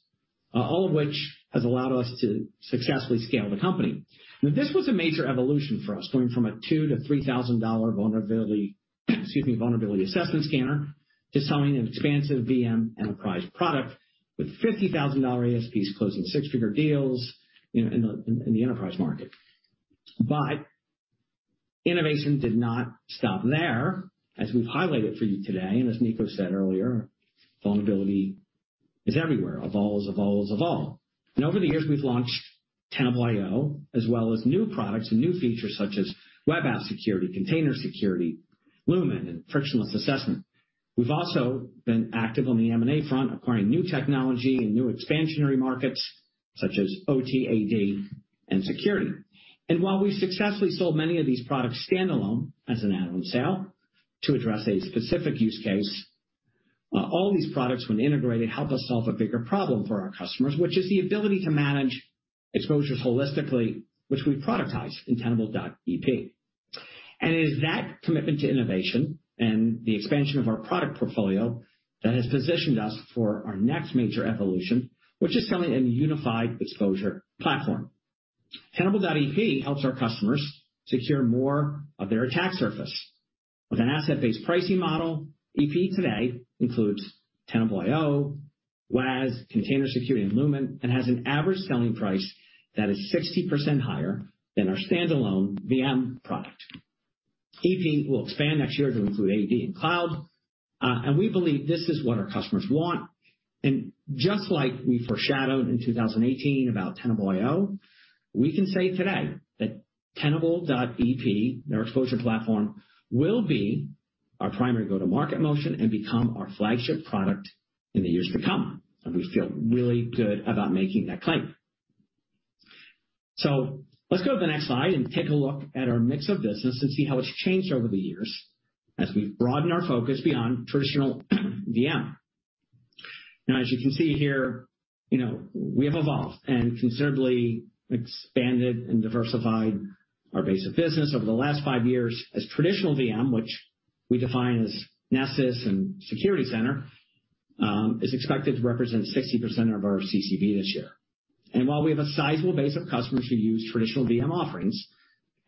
all of which has allowed us to successfully scale the company. This was a major evolution for us, going from a 2,000-$3,000 vulnerability assessment scanner to selling an expansive VM enterprise product with $50,000 ASPs closing six-figure deals in the enterprise market. Innovation did not stop there. As we've highlighted for you today, and as Nico said earlier, vulnerability is everywhere, evolves. Over the years, we've launched Tenable.io as well as new products and new features such as web app security, container security, Lumin, and frictionless assessment. We've also been active on the M&A front, acquiring new technology and new expansionary markets such as OT, AD, and security. While we successfully sold many of these products standalone as an add-on sale to address a specific use case, all these products, when integrated, help us solve a bigger problem for our customers, which is the ability to manage exposure holistically, which we productize in Tenable.ep. It is that commitment to innovation and the expansion of our product portfolio that has positioned us for our next major evolution, which is selling a unified exposure platform. Tenable.ep helps our customers secure more of their attack surface. With an asset-based pricing model, EP today includes Tenable.io, WAS, Container Security, and Lumin, and has an average selling price that is 60% higher than our standalone VM product. EP will expand next year to include AD and cloud. We believe this is what our customers want. Just like we foreshadowed in 2018 about Tenable.io, we can say today that Tenable.ep, our exposure platform, will be our primary go-to-market motion and become our flagship product in the years to come. We feel really good about making that claim. Let's go to the next slide and take a look at our mix of business and see how it's changed over the years as we broaden our focus beyond traditional VM. Now, as you can see here, you know, we have evolved and considerably expanded and diversified our base of business over the last 5 years as traditional VM, which we define as Nessus and Security Center, is expected to represent 60% of our CCB this year. While we have a sizable base of customers who use traditional VM offerings,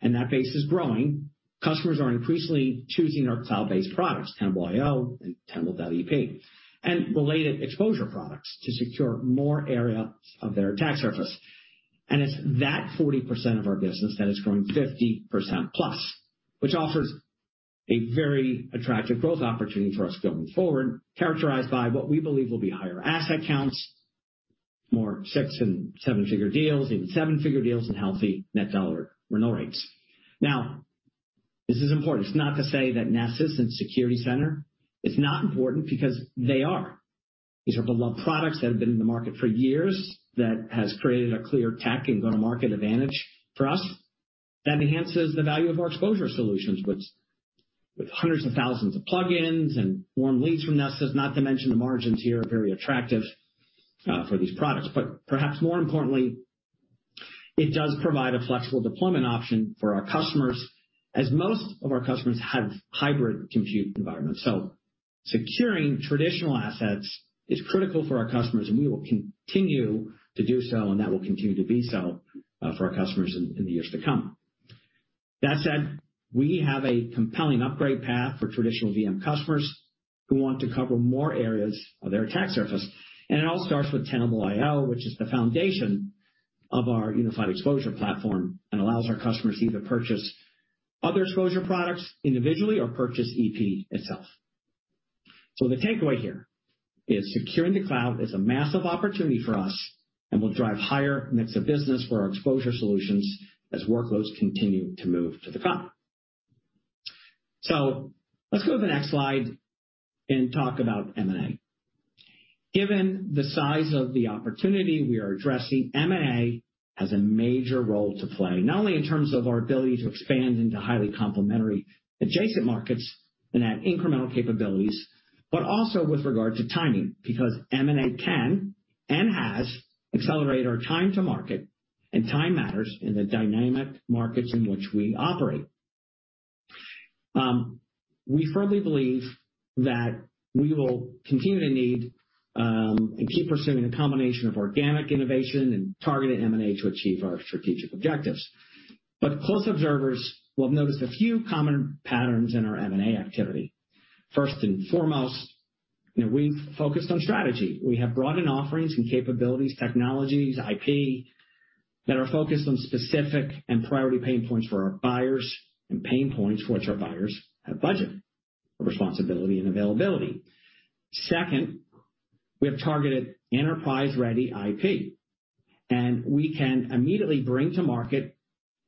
and that base is growing, customers are increasingly choosing our cloud-based products, Tenable.io and Tenable.ep, and related exposure products to secure more areas of their attack surface. It's that 40% of our business that is growing 50%+, which offers a very attractive growth opportunity for us going forward, characterized by what we believe will be higher asset counts, more six- and seven-figure deals, even seven-figure deals, and healthy net dollar renewal rates. Now, this is important. It's not to say that Nessus and Security Center is not important because they are. These are beloved products that have been in the market for years that has created a clear tech and go-to-market advantage for us that enhances the value of our exposure solutions, which, with hundreds of thousands of plugins and warm leads from Nessus, not to mention the margins here are very attractive, for these products. Perhaps more importantly, it does provide a flexible deployment option for our customers, as most of our customers have hybrid compute environments. Securing traditional assets is critical for our customers, and we will continue to do so, and that will continue to be so, for our customers in the years to come. That said, we have a compelling upgrade path for traditional VM customers who want to cover more areas of their attack surface. It all starts with Tenable.io, which is the foundation of our unified exposure platform and allows our customers to either purchase other exposure products individually or purchase EP itself. The takeaway here is securing the cloud is a massive opportunity for us and will drive higher mix of business for our exposure solutions as workloads continue to move to the cloud. Let's go to the next slide and talk about M&A. Given the size of the opportunity we are addressing, M&A has a major role to play, not only in terms of our ability to expand into highly complementary adjacent markets and add incremental capabilities, but also with regard to timing, because M&A can and has accelerated our time to market, and time matters in the dynamic markets in which we operate. We firmly believe that we will continue to need and keep pursuing a combination of organic innovation and targeted M&A to achieve our strategic objectives. Close observers will have noticed a few common patterns in our M&A activity. First and foremost, you know, we've focused on strategy. We have brought in offerings and capabilities, technologies, IP that are focused on specific and priority pain points for our buyers and pain points which our buyers have budget, responsibility, and availability. Second, we have targeted enterprise-ready IP, and we can immediately bring to market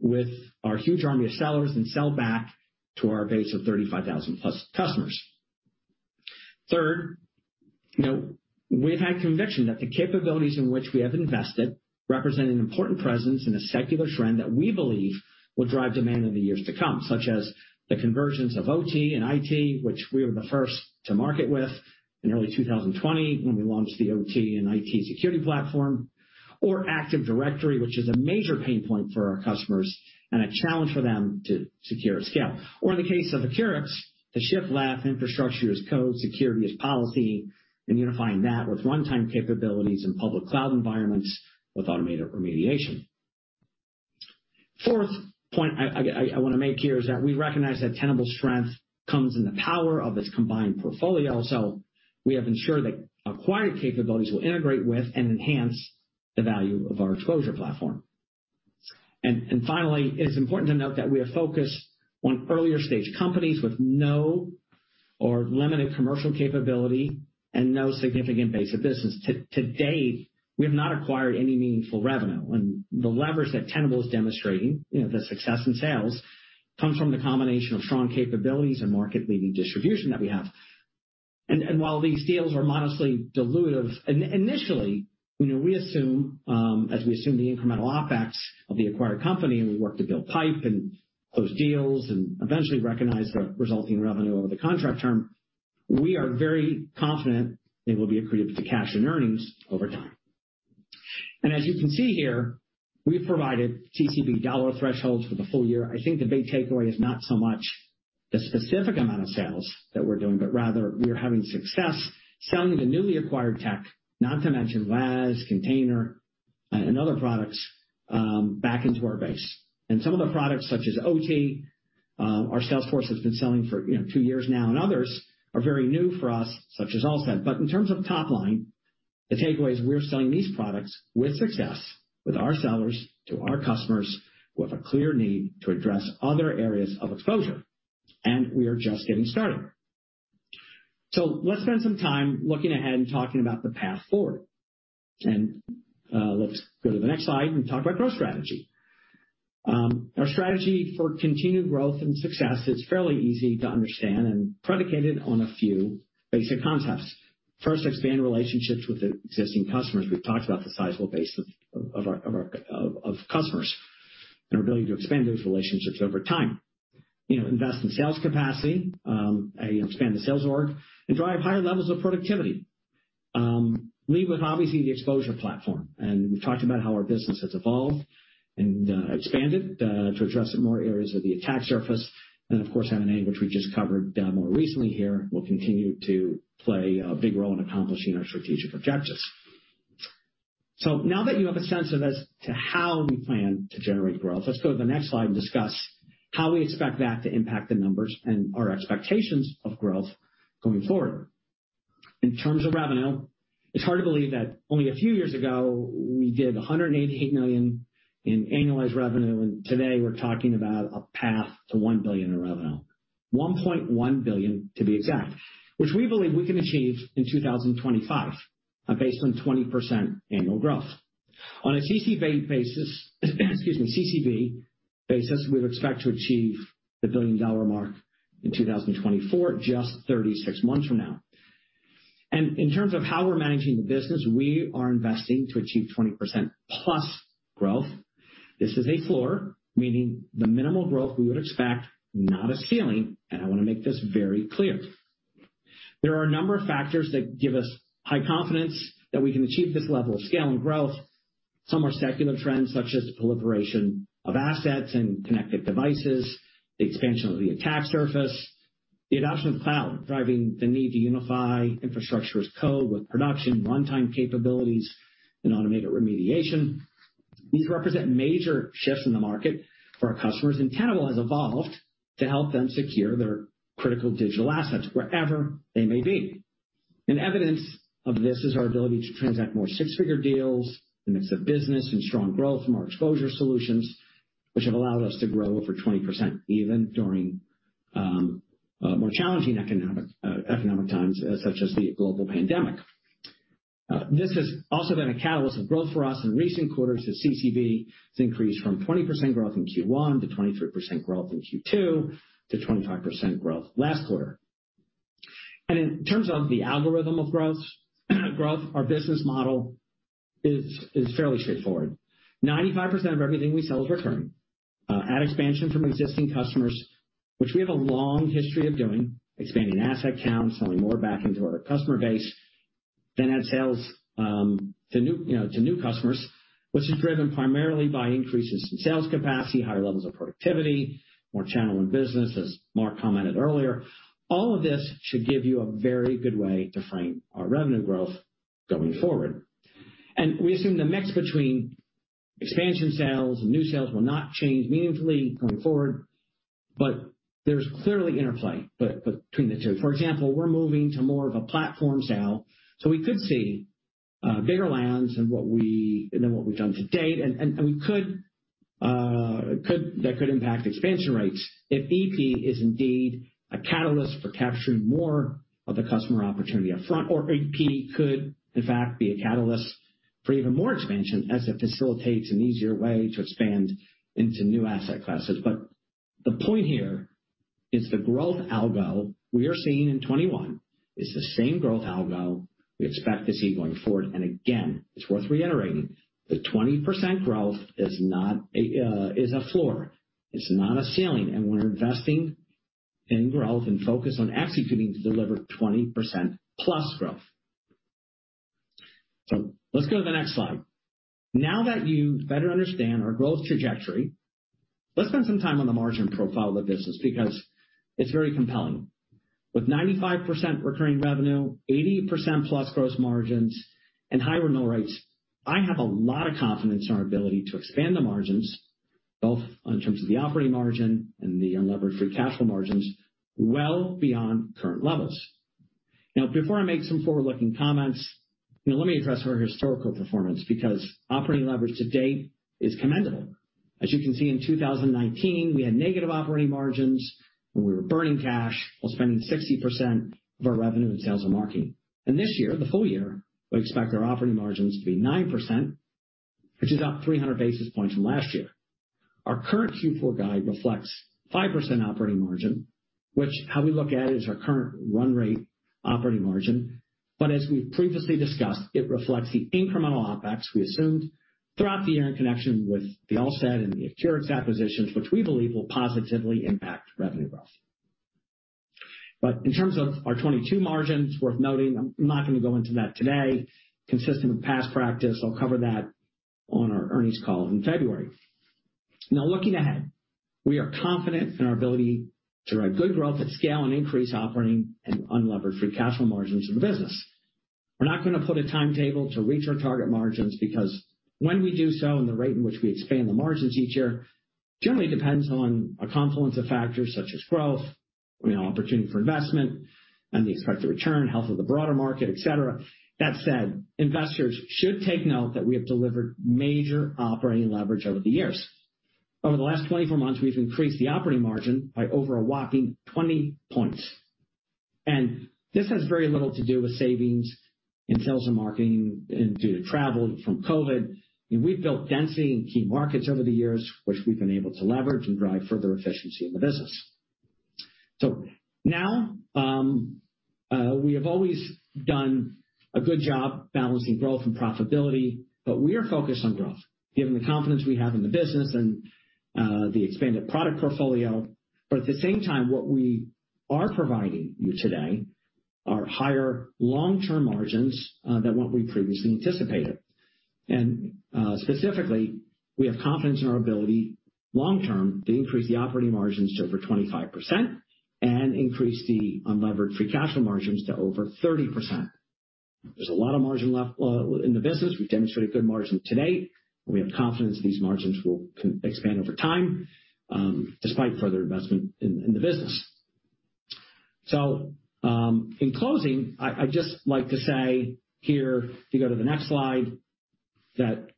with our huge army of sellers and sell back to our base of 35,000 plus customers. Third, you know, we've had conviction that the capabilities in which we have invested represent an important presence in a secular trend that we believe will drive demand in the years to come, such as the convergence of OT and IT, which we were the first to market with in early 2020 when we launched the OT and IT security platform, or Active Directory, which is a major pain point for our customers and a challenge for them to secure at scale. Or in the case of Accurics, the shift left infrastructure as code, security as policy, and unifying that with runtime capabilities in public cloud environments with automated remediation. Fourth point I wanna make here is that we recognize that Tenable strength comes in the power of its combined portfolio. We have ensured that acquired capabilities will integrate with and enhance the value of our exposure platform. Finally, it's important to note that we are focused on earlier-stage companies with no or limited commercial capability and no significant base of business. To date, we have not acquired any meaningful revenue. With the leverage that Tenable is demonstrating, you know, the success in sales comes from the combination of strong capabilities and market-leading distribution that we have. While these deals are modestly dilutive initially, you know, as we assume the incremental OpEx of the acquired company and we work to build pipe and close deals and eventually recognize the resulting revenue over the contract term, we are very confident they will be accretive to cash and earnings over time. As you can see here, we've provided CCB dollar thresholds for the full year. I think the big takeaway is not so much the specific amount of sales that we're doing, but rather we are having success selling the newly acquired tech, not to mention WAS, Container, and other products back into our base. Some of the products, such as OT, our sales force has been selling for, you know, two years now, and others are very new for us, such as Alsid. In terms of top line, the takeaway is we're selling these products with success with our sellers to our customers who have a clear need to address other areas of exposure, and we are just getting started. Let's spend some time looking ahead and talking about the path forward. Let's go to the next slide and talk about growth strategy. Our strategy for continued growth and success is fairly easy to understand and predicated on a few basic concepts. First, expand relationships with the existing customers. We've talked about the sizable base of our customers and our ability to expand those relationships over time. You know, invest in sales capacity, you know, expand the sales org, and drive higher levels of productivity, lead with obviously the exposure platform. We've talked about how our business has evolved and expanded to address more areas of the attack surface. Of course, M&A, which we just covered more recently here, will continue to play a big role in accomplishing our strategic objectives. Now that you have a sense of as to how we plan to generate growth, let's go to the next slide and discuss how we expect that to impact the numbers and our expectations of growth going forward. In terms of revenue, it's hard to believe that only a few years ago, we did 188 million in annualized revenue, and today we're talking about a path to one billion in revenue, 1.1 billion to be exact, which we believe we can achieve in 2025, based on 20% annual growth. On a CCB basis, we would expect to achieve the $1 billion mark in 2024, just 36 months from now. In terms of how we're managing the business, we are investing to achieve 20%+ growth. This is a floor, meaning the minimal growth we would expect, not a ceiling, and I wanna make this very clear. There are a number of factors that give us high confidence that we can achieve this level of scale and growth. Some are secular trends, such as the proliferation of assets and connected devices, the expansion of the attack surface, the adoption of cloud, driving the need to unify infrastructure as code with production runtime capabilities and automated remediation. These represent major shifts in the market for our customers, and Tenable has evolved to help them secure their critical digital assets wherever they may be. Evidence of this is our ability to transact more six-figure deals, the mix of business and strong growth from our exposure solutions, which have allowed us to grow over 20% even during more challenging economic times, such as the global pandemic. This has also been a catalyst of growth for us in recent quarters as CCB has increased from 20% growth in Q1 to 23% growth in Q2-25% growth last quarter. In terms of the algorithm of growth, our business model is fairly straightforward. 95% of everything we sell is recurring. ACV expansion from existing customers, which we have a long history of doing, expanding asset counts, selling more back into our customer base, then add sales to new, you know, to new customers, which is driven primarily by increases in sales capacity, higher levels of productivity, more channel and business, as Mark commented earlier. All of this should give you a very good way to frame our revenue growth going forward. We assume the mix between expansion sales and new sales will not change meaningfully going forward. There's clearly interplay between the two. For example, we're moving to more of a platform sale, so we could see bigger lands than what we've done to date. We could that could impact expansion rates if EP is indeed a catalyst for capturing more of the customer opportunity up front or EP could in fact be a catalyst for even more expansion as it facilitates an easier way to expand into new asset classes. The point here is the growth algo we are seeing in 2021 is the same growth algo we expect to see going forward. Again, it's worth reiterating that 20% growth is not a floor, it's not a ceiling. We're investing in growth and focus on executing to deliver 20%+ growth. Let's go to the next slide. Now that you better understand our growth trajectory, let's spend some time on the margin profile of the business because it's very compelling. With 95% recurring revenue, 80%+ gross margins, and high renewal rates, I have a lot of confidence in our ability to expand the margins, both in terms of the operating margin and the unlevered free cash flow margins well beyond current levels. Now, before I make some forward-looking comments, you know, let me address our historical performance because operating leverage to date is commendable. As you can see, in 2019, we had negative operating margins, and we were burning cash while spending 60% of our revenue in sales and marketing. This year, the full year, we expect our operating margins to be 9%, which is up 300 basis points from last year. Our current Q4 guide reflects 5% operating margin, which, how we look at it, is our current run rate operating margin. As we've previously discussed, it reflects the incremental OpEx we assumed throughout the year in connection with the Alsid and the Accurics acquisitions, which we believe will positively impact revenue growth. In terms of our 2022 margins, worth noting, I'm not gonna go into that today. Consistent with past practice, I'll cover that on our earnings call in February. Now, looking ahead, we are confident in our ability to drive good growth at scale and increase operating and unlevered free cash flow margins in the business. We're not gonna put a timetable to reach our target margins because when we do so and the rate in which we expand the margins each year generally depends on a confluence of factors such as growth, you know, opportunity for investment and the expected return, health of the broader market, et cetera. That said, investors should take note that we have delivered major operating leverage over the years. Over the last 24 months, we've increased the operating margin by over a whopping 20 points. This has very little to do with savings in sales and marketing and due to travel from COVID. We've built density in key markets over the years, which we've been able to leverage and drive further efficiency in the business. Now, we have always done a good job balancing growth and profitability, but we are focused on growth given the confidence we have in the business and the expanded product portfolio. At the same time, what we are providing you today are higher long-term margins than what we previously anticipated. Specifically, we have confidence in our ability long term to increase the operating margins to over 25% and increase the unlevered free cash flow margins to over 30%. There's a lot of margin left in the business. We've demonstrated good margin to date. We have confidence these margins will expand over time, despite further investment in the business. In closing, I'd just like to say here if you go to the next slide, that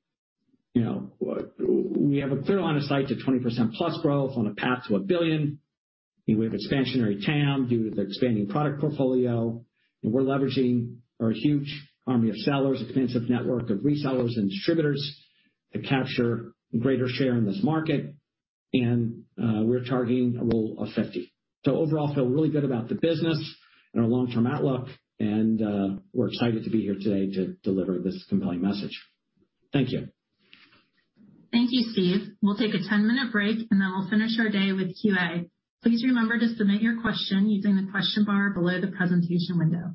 you know we have a clear line of sight to 20%+ growth on a path to one billion. We have expansionary TAM due to the expanding product portfolio, and we're leveraging our huge army of sellers, expansive network of resellers and distributors to capture greater share in this market. We're targeting a rule of 50. Overall, we feel really good about the business and our long-term outlook. We're excited to be here today to deliver this compelling message. Thank you. Thank you, Steve. We'll take a 10-minute break, and then we'll finish our day with QA. Please remember to submit your question using the question bar below the presentation window.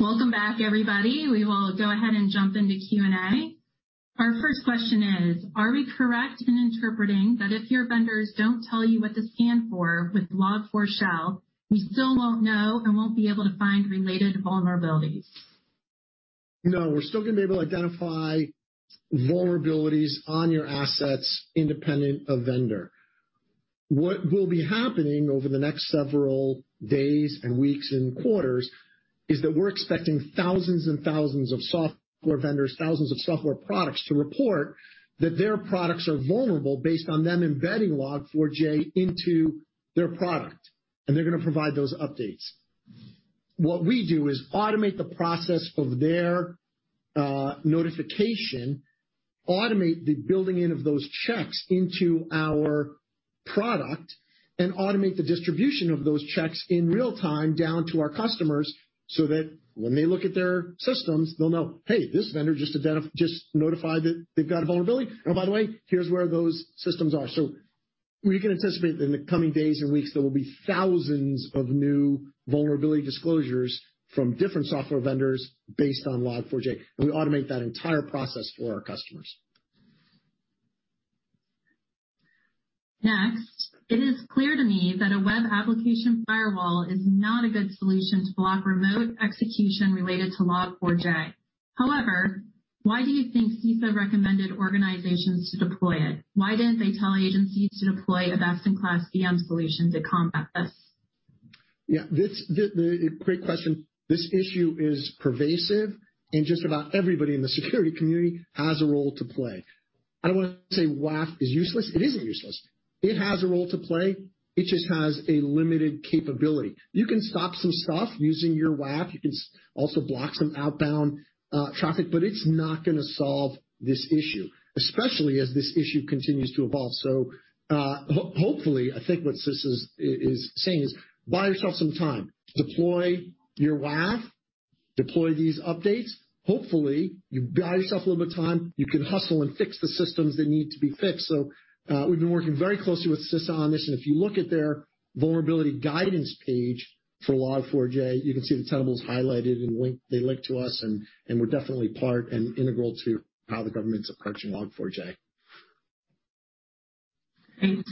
Welcome back, everybody. We will go ahead and jump into Q&A. Our first question is, are we correct in interpreting that if your vendors don't tell you what to scan for with Log4Shell, we still won't know and won't be able to find related vulnerabilities? No, we're still gonna be able to identify vulnerabilities on your assets independent of vendor. What will be happening over the next several days and weeks and quarters is that we're expecting thousands and thousands of software vendors, thousands of software products to report that their products are vulnerable based on them embedding Log4j into their product, and they're gonna provide those updates. What we do is automate the process of their notification, automate the building in of those checks into our product, and automate the distribution of those checks in real-time down to our customers, so that when they look at their systems, they'll know, "Hey, this vendor just notified that they've got a vulnerability. Oh, by the way, here's where those systems are." We can anticipate in the coming days and weeks, there will be thousands of new vulnerability disclosures from different software vendors based on Log4j. We automate that entire process for our customers. Next, it is clear to me that a web application firewall is not a good solution to block remote execution related to Log4j. However, why do you think CISA recommended organizations to deploy it? Why didn't they tell agencies to deploy a best-in-class VM solution to combat this? Great question. This issue is pervasive, and just about everybody in the security community has a role to play. I don't wanna say WAF is useless. It isn't useless. It has a role to play. It just has a limited capability. You can stop some stuff using your WAF. You can also block some outbound traffic, but it's not gonna solve this issue, especially as this issue continues to evolve. Hopefully, I think what CISA is saying is, buy yourself some time. Deploy your WAF, deploy these updates. Hopefully, you buy yourself a little bit of time. You can hustle and fix the systems that need to be fixed. We've been working very closely with CISA on this, and if you look at their vulnerability guidance page for Log4j, you can see that Tenable's highlighted and they link to us, and we're definitely part and integral to how the government's approaching Log4j. Great.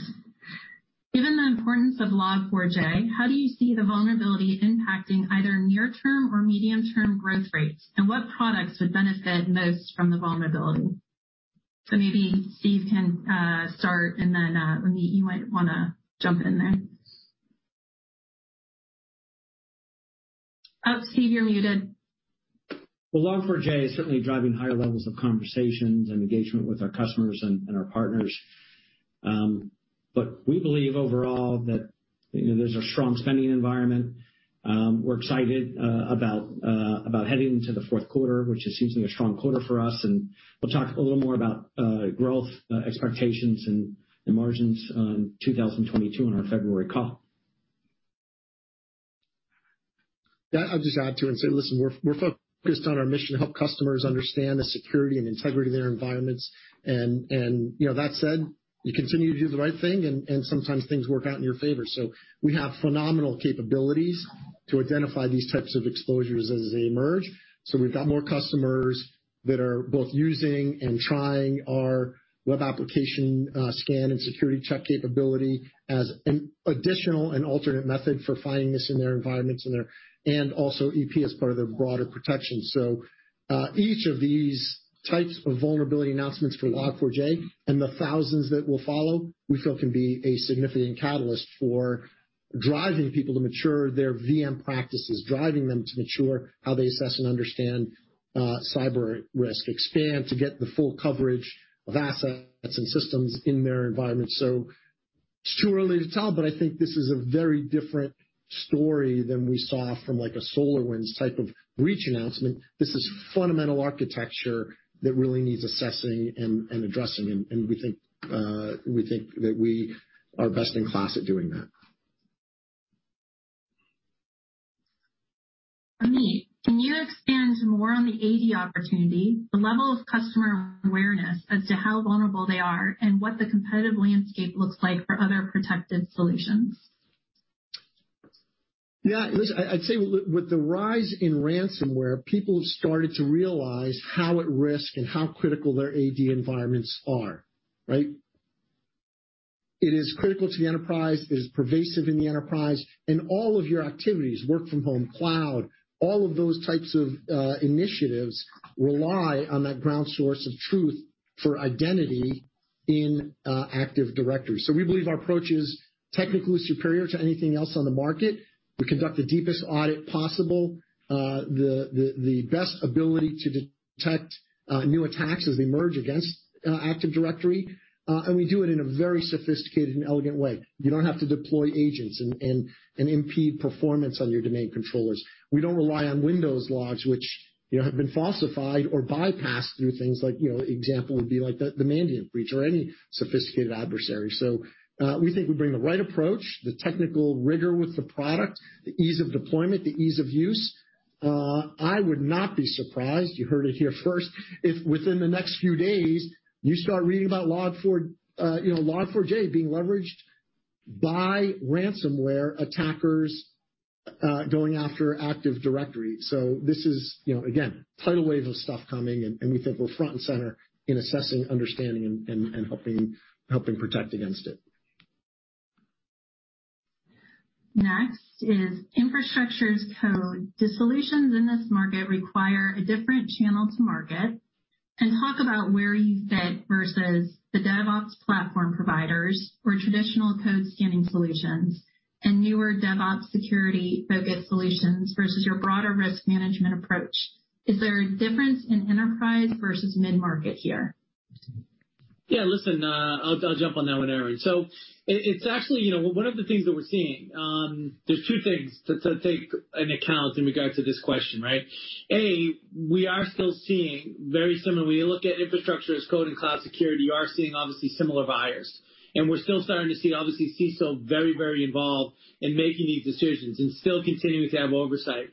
Given the importance of Log4j, how do you see the vulnerability impacting either near term or medium-term growth rates? What products would benefit most from the vulnerability? Maybe Steve can start, and then Amit, you might wanna jump in there. Steve, you're muted. Well, Log4j is certainly driving higher levels of conversations and engagement with our customers and our partners. We believe overall that, you know, there's a strong spending environment. We're excited about heading into the fourth quarter, which is usually a strong quarter for us, and we'll talk a little more about growth expectations and margins on 2022 on our February call. Yeah. I'll just add to it and say, listen, we're focused on our mission to help customers understand the security and integrity of their environments. You know, that said, you continue to do the right thing and sometimes things work out in your favor. We have phenomenal capabilities to identify these types of exposures as they emerge. We've got more customers that are both using and trying our web application scan and security check capability as an additional and alternate method for finding this in their environments and also EP as part of their broader protection. Each of these types of vulnerability announcements for Log4j and the thousands that will follow, we feel, can be a significant catalyst for driving people to mature their VM practices, driving them to mature how they assess and understand, cyber risk, expand to get the full coverage of assets and systems in their environment. It's too early to tell, but I think this is a very different story than we saw from like a SolarWinds type of breach announcement. This is fundamental architecture that really needs assessing and we think that we are best in class at doing that. Amit, can you expand more on the AD opportunity, the level of customer awareness as to how vulnerable they are and what the competitive landscape looks like for other protected solutions? Yeah. Listen, I'd say with the rise in ransomware, people have started to realize how at risk and how critical their AD environments are, right? It is critical to the enterprise, it is pervasive in the enterprise, and all of your activities, work from home, cloud, all of those types of initiatives rely on that ground source of truth for identity in Active Directory. We believe our approach is technically superior to anything else on the market. We conduct the deepest audit possible, the best ability to detect new attacks as they emerge against Active Directory. We do it in a very sophisticated and elegant way. You don't have to deploy agents and impede performance on your domain controllers. We don't rely on Windows logs which, you know, have been falsified or bypassed through things like, you know, example would be like the Mandiant breach or any sophisticated adversary. We think we bring the right approach, the technical rigor with the product, the ease of deployment, the ease of use. I would not be surprised, you heard it here first, if within the next few days you start reading about Log4j being leveraged by ransomware attackers going after Active Directory. This is, you know, again, tidal wave of stuff coming and we think we're front and center in assessing, understanding and helping protect against it. Next is Infrastructure as Code. Do solutions in this market require a different channel to market? Talk about where you fit versus the DevOps platform providers or traditional code scanning solutions and newer DevOps security-focused solutions versus your broader risk management approach. Is there a difference in enterprise versus mid-market here? Yeah. Listen, I'll jump on that one, Erin. It's actually, you know, one of the things that we're seeing. There's two things to take into account in regards to this question, right? A, we are still seeing very similar. When you look at infrastructure as code and cloud security, you are seeing obviously similar buyers. We're still starting to see obviously CISO very, very involved in making these decisions and still continuing to have oversight.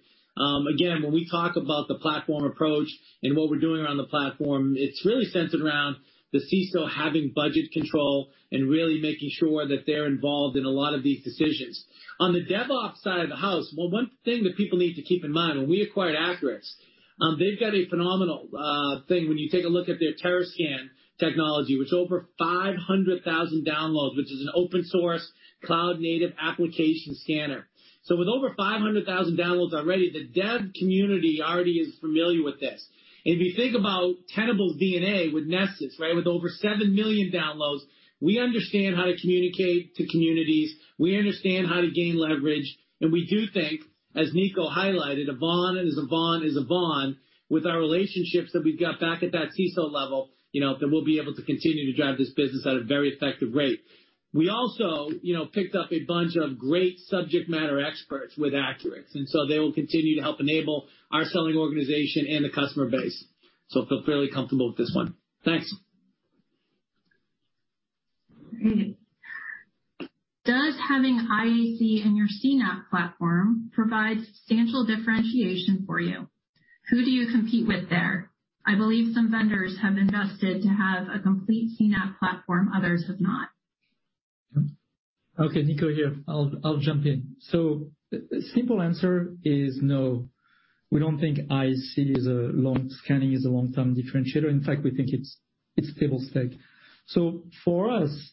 Again, when we talk about the platform approach and what we're doing around the platform, it's really centered around the CISO having budget control and really making sure that they're involved in a lot of these decisions. On the DevOps side of the house, one thing that people need to keep in mind when we acquired Accurics, they've got a phenomenal thing, when you take a look at their Terrascan technology, with over 500,000 downloads, which is an open source cloud native application scanner. With over 500,000 downloads already, the dev community already is familiar with this. If you think about Tenable's DNA with Nessus, right? With over seven million downloads, we understand how to communicate to communities, we understand how to gain leverage, and we do think, as Nico highlighted, a vuln is a vuln is a vuln, with our relationships that we've got back at that CISO level, you know, that we'll be able to continue to drive this business at a very effective rate. We also, you know, picked up a bunch of great subject matter experts with Accurics, and they will continue to help enable our selling organization and the customer base. Feel fairly comfortable with this one. Thanks. Great. Does having IaC in your CNAPP platform provide substantial differentiation for you? Who do you compete with there? I believe some vendors have invested to have a complete CNAPP platform, others have not. Okay, Nico here. I'll jump in. Simple answer is no, we don't think IaC scanning is a long-term differentiator. In fact, we think it's table stake. For us,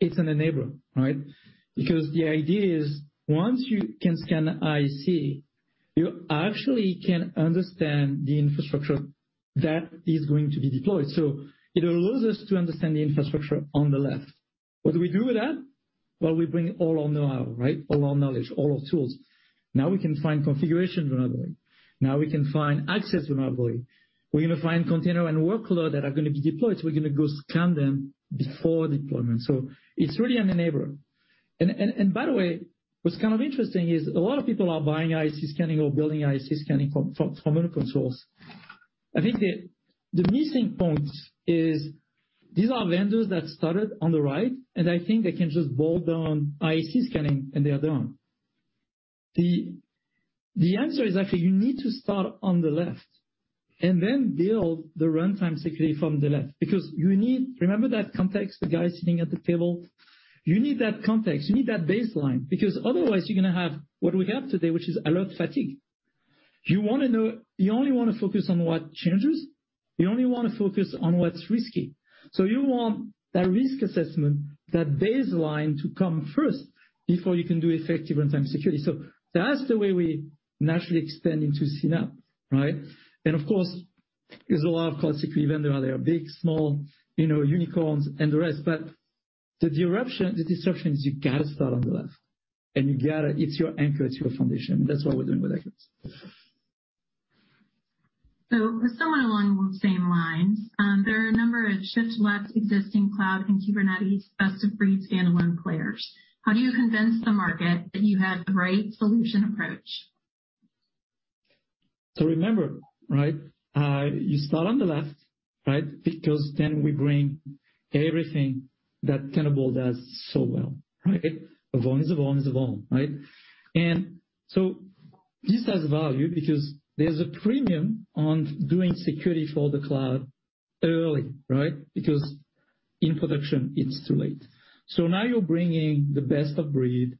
it's an enabler, right? Because the idea is once you can scan IaC, you actually can understand the infrastructure that is going to be deployed. It allows us to understand the infrastructure on the left. What do we do with that? Well, we bring all our know-how, right? All our knowledge, all our tools. Now we can find configuration vulnerability. Now we can find access vulnerability. We're gonna find container and workload that are gonna be deployed, so we're gonna go scan them before deployment. It's really an enabler. By the way, what's kind of interesting is a lot of people are buying IaC scanning or building IaC scanning from other controls. I think the missing point is these are vendors that started on the right, and I think they can just bolt on IaC scanning, and they are done. The answer is actually you need to start on the left and then build the runtime security from the left because you need. Remember that context, the guy sitting at the table? You need that context, you need that baseline, because otherwise you're gonna have what we have today, which is alert fatigue. You wanna know. You only wanna focus on what changes. You only wanna focus on what's risky. So you want that risk assessment, that baseline to come first before you can do effective runtime security. That's the way we naturally extend into CNAPP, right? Of course, there's a lot of cloud security vendors. There are big, small, you know, unicorns and the rest. The adoption, the disruption is you gotta start on the left. It's your anchor, it's your foundation. That's what we're doing with Accurics. Somewhat along those same lines, there are a number of shift left existing cloud and Kubernetes best of breed standalone players. How do you convince the market that you have the right solution approach? Remember, right, you start on the left, right? Because then we bring everything that Tenable does so well, right? A vuln is a vuln is a vuln, right? This has value because there's a premium on doing security for the cloud early, right? Because in production it's too late. Now you're bringing the best of breed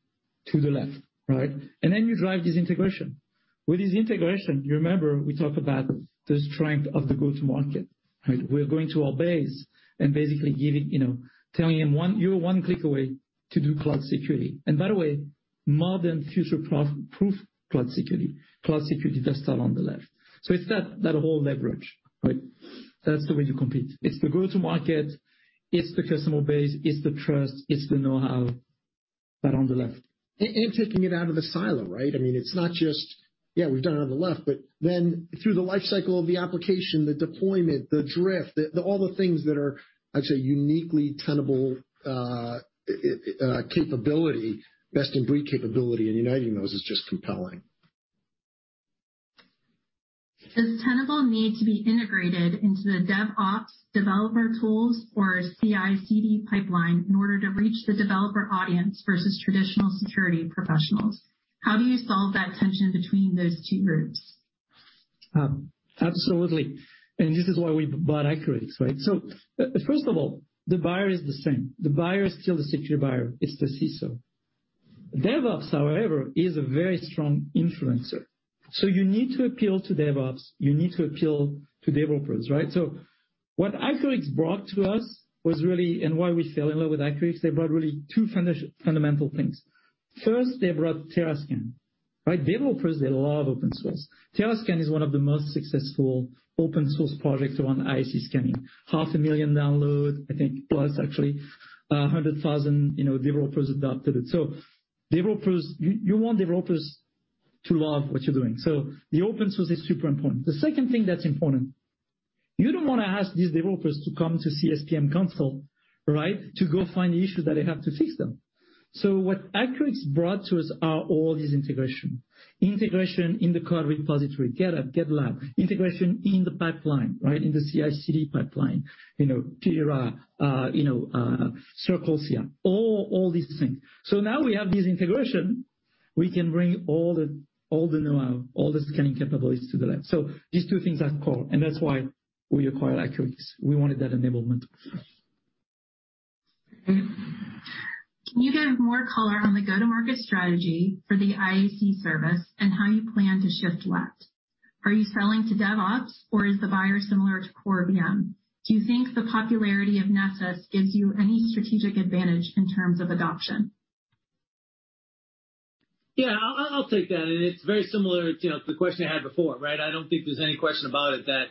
to the left, right? Then you drive this integration. With this integration, you remember we talked about the strength of the go-to-market, right? We're going to our base and basically giving, you know, telling them you're one click away to do cloud security. And by the way, modern future-proof cloud security, cloud security that's done on the left. It's that whole leverage, right? That's the way to compete. It's the go-to-market, it's the customer base, it's the trust, it's the know-how, that on the left. taking it out of the silo, right? I mean, it's not just, yeah, we've done it on the left, but then through the life cycle of the application, the deployment, the drift, the all the things that are, I'd say, uniquely Tenable capability, best-in-breed capability, and uniting those is just compelling. Does Tenable need to be integrated into the DevOps developer tools or CI/CD pipeline in order to reach the developer audience versus traditional security professionals? How do you solve that tension between those two groups? Absolutely. This is why we bought Accurics, right? First of all, the buyer is the same. The buyer is still the security buyer. It's the CISO. DevOps, however, is a very strong influencer. You need to appeal to DevOps, you need to appeal to developers, right? What Accurics brought to us was really, and why we fell in love with Accurics, they brought really two fundamental things. First, they brought Terrascan, right? Developers, they love open source. Terrascan is one of the most successful open source projects around IaC scanning. 500,000 downloads, I think, plus actually. 100,000, you know, developers adopted it. Developers, you want developers to love what you're doing. The open source is super important. The second thing that's important, you don't wanna ask these developers to come to CSPM console, right? To go find the issue that they have to fix them. What Accurics brought to us are all these integrations. Integration in the code repository, GitHub, GitLab. Integration in the pipeline, right, in the CI/CD pipeline. You know, Terrascan, you know, CircleCI. All these things. Now we have this integration, we can bring all the know-how, all the scanning capabilities to the left. These two things are core, and that's why we acquired Accurics. We wanted that enablement. Can you give more color on the go-to-market strategy for the IaC service and how you plan to shift left? Are you selling to DevOps or is the buyer similar to Core VM? Do you think the popularity of Nessus gives you any strategic advantage in terms of adoption? Yeah, I'll take that. It's very similar to, you know, the question I had before, right? I don't think there's any question about it that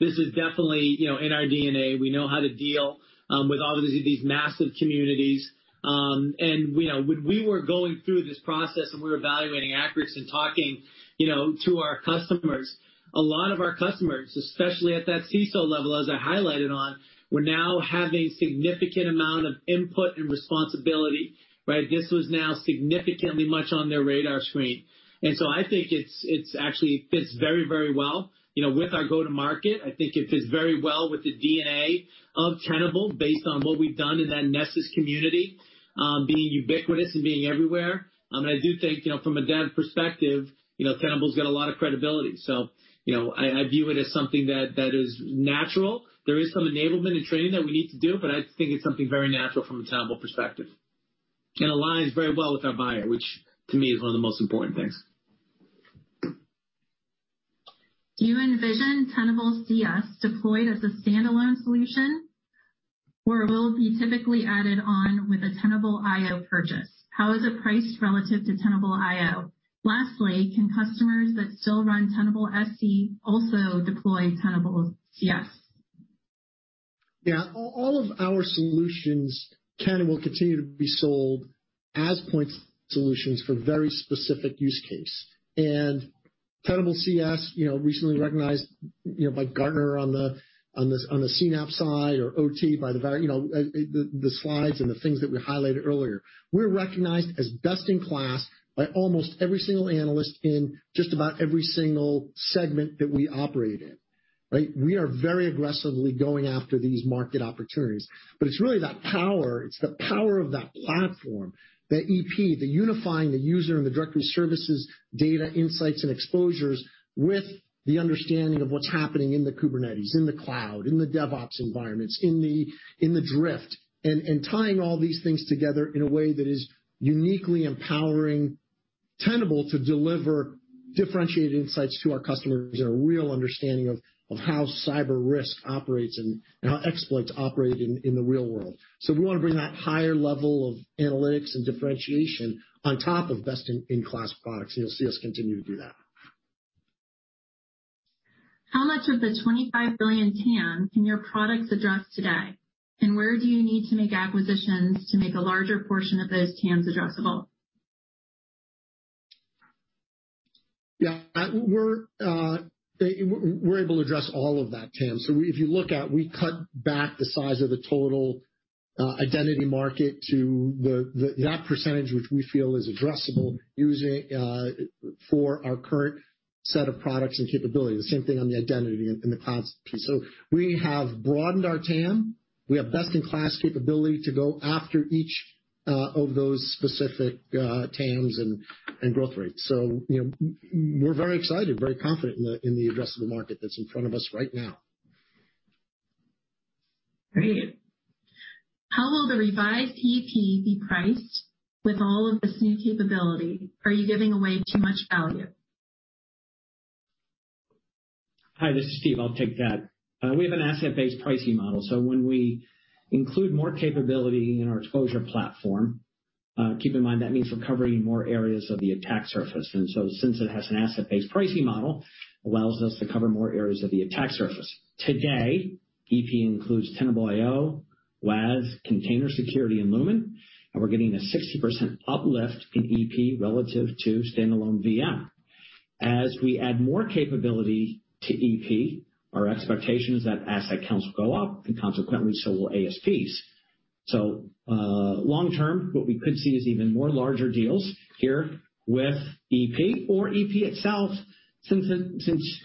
this is definitely, you know, in our DNA. We know how to deal with obviously these massive communities. You know, when we were going through this process and we were evaluating Accurics and talking, you know, to our customers, a lot of our customers, especially at that CISO level, as I highlighted on, were now having significant amount of input and responsibility, right? This was now significantly much on their radar screen. I think it actually fits very, very well, you know, with our go-to-market. I think it fits very well with the DNA of Tenable based on what we've done in that Nessus community, being ubiquitous and being everywhere. I do think, you know, from a dev perspective, you know, Tenable's got a lot of credibility. So, you know, I view it as something that is natural. There is some enablement and training that we need to do, but I think it's something very natural from a Tenable perspective. It aligns very well with our buyer, which to me is one of the most important things. Do you envision Tenable.cs deployed as a standalone solution or will it be typically added on with a Tenable.io purchase? How is it priced relative to Tenable.io? Lastly, can customers that still run Tenable.sc also deploy Tenable.cs? Yeah. All of our solutions can and will continue to be sold as point solutions for very specific use case. Tenable.cs, you know, recently recognized, you know, by Gartner on the CNAPP side or OT by the very, you know, the slides and the things that we highlighted earlier. We're recognized as best in class by almost every single analyst in just about every single segment that we operate in. Right? We are very aggressively going after these market opportunities. It's really that power, it's the power of that platform, the EP, unifying the user and the directory services, data, insights, and exposures with the understanding of what's happening in the Kubernetes, in the cloud, in the DevOps environments, in the drift. Tying all these things together in a way that is uniquely empowering Tenable to deliver differentiated insights to our customers and a real understanding of how cyber risk operates and how exploits operate in the real world. We wanna bring that higher level of analytics and differentiation on top of best-in-class products, and you'll see us continue to do that. How much of the $25 billion TAM can your products address today? Where do you need to make acquisitions to make a larger portion of those TAMs addressable? Yeah. We're able to address all of that TAM. If you look at we cut back the size of the total identity market to that percentage which we feel is addressable using for our current set of products and capabilities. The same thing on the identity and the clouds piece. We have broadened our TAM. We have best-in-class capability to go after each of those specific TAMs and growth rates. You know, we're very excited, very confident in the addressable market that's in front of us right now. Great. How will the revised EP be priced with all of this new capability? Are you giving away too much value? Hi, this is Steve. I'll take that. We have an asset-based pricing model, so when we include more capability in our exposure platform, keep in mind that means we're covering more areas of the attack surface. Since it has an asset-based pricing model, allows us to cover more areas of the attack surface. Today, EP includes Tenable.io, WAS, Container Security, and Lumin, and we're getting a 60% uplift in EP relative to standalone VM. As we add more capability to EP, our expectation is that asset counts will go up and consequently, so will ASPs. Long term, what we could see is even more larger deals here with EP or EP itself since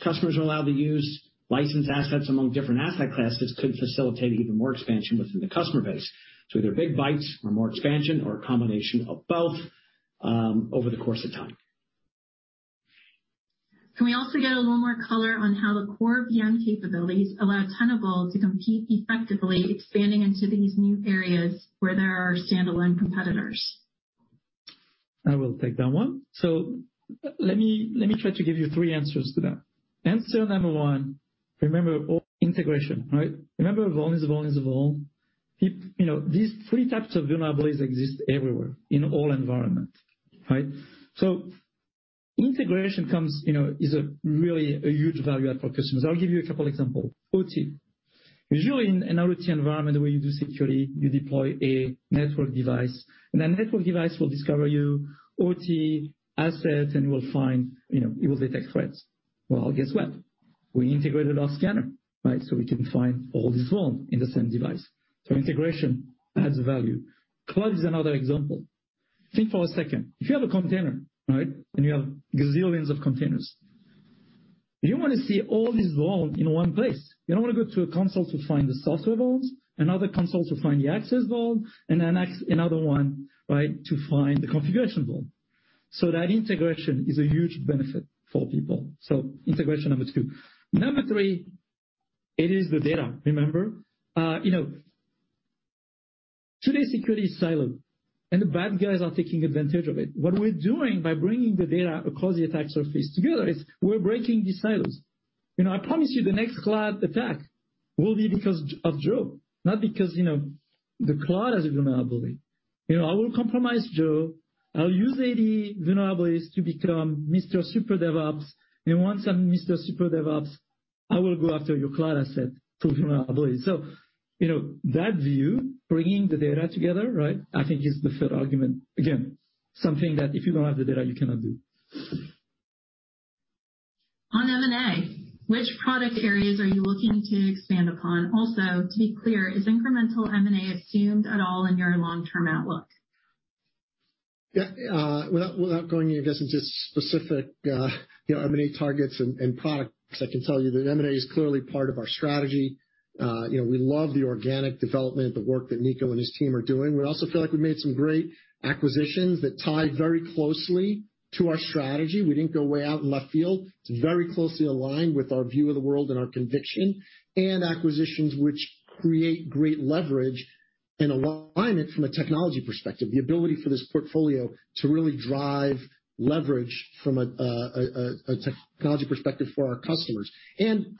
customers are allowed to use licensed assets among different asset classes, could facilitate even more expansion within the customer base. Either big bites or more expansion or a combination of both, over the course of time. Can we also get a little more color on how the core VM capabilities allow Tenable to compete effectively expanding into these new areas where there are standalone competitors? I will take that one. Let me try to give you three answers to that. Answer number one, remember all integration, right? Remember, vuln is vuln is vuln. You know, these three types of vulnerabilities exist everywhere in all environments, right? Integration comes, you know, is really a huge value add for customers. I'll give you a couple examples. OT. Usually in an OT environment, the way you do security, you deploy a network device, and that network device will discover your OT assets, and you will find, you know, it will detect threats. Well, guess what? We integrated our scanner, right? So we can find all the vuln in the same device. Integration adds value. Cloud is another example. Think for a second. If you have a container, right, and you have gazillions of containers, you want to see all these vuln in one place. You don't want to go to a console to find the software vuln, another console to find the access vuln, and then another one, right, to find the configuration vuln. That integration is a huge benefit for people. Integration, number two. Number three, it is the data, remember? You know, today's security is siloed, and the bad guys are taking advantage of it. What we're doing by bringing the data across the attack surface together is we're breaking these silos. You know, I promise you the next cloud attack will be because of Joe, not because, you know, the cloud has a vulnerability. You know, I will compromise Joe. I'll use AD vulnerabilities to become Mr. Super DevOps. Once I'm Mr. Secure DevOps, I will go after your cloud asset to vulnerability. You know, that view, bringing the data together, right, I think is the third argument. Again, something that if you don't have the data, you cannot do. On M&A, which product areas are you looking to expand upon? Also, to be clear, is incremental M&A assumed at all in your long-term outlook? Yeah, without going into specific, you know, M&A targets and products, I can tell you that M&A is clearly part of our strategy. You know, we love the organic development, the work that Nico and his team are doing. We also feel like we made some great acquisitions that tied very closely to our strategy. We didn't go way out in left field. It's very closely aligned with our view of the world and our conviction and acquisitions which create great leverage and alignment from a technology perspective, the ability for this portfolio to really drive leverage from a technology perspective for our customers.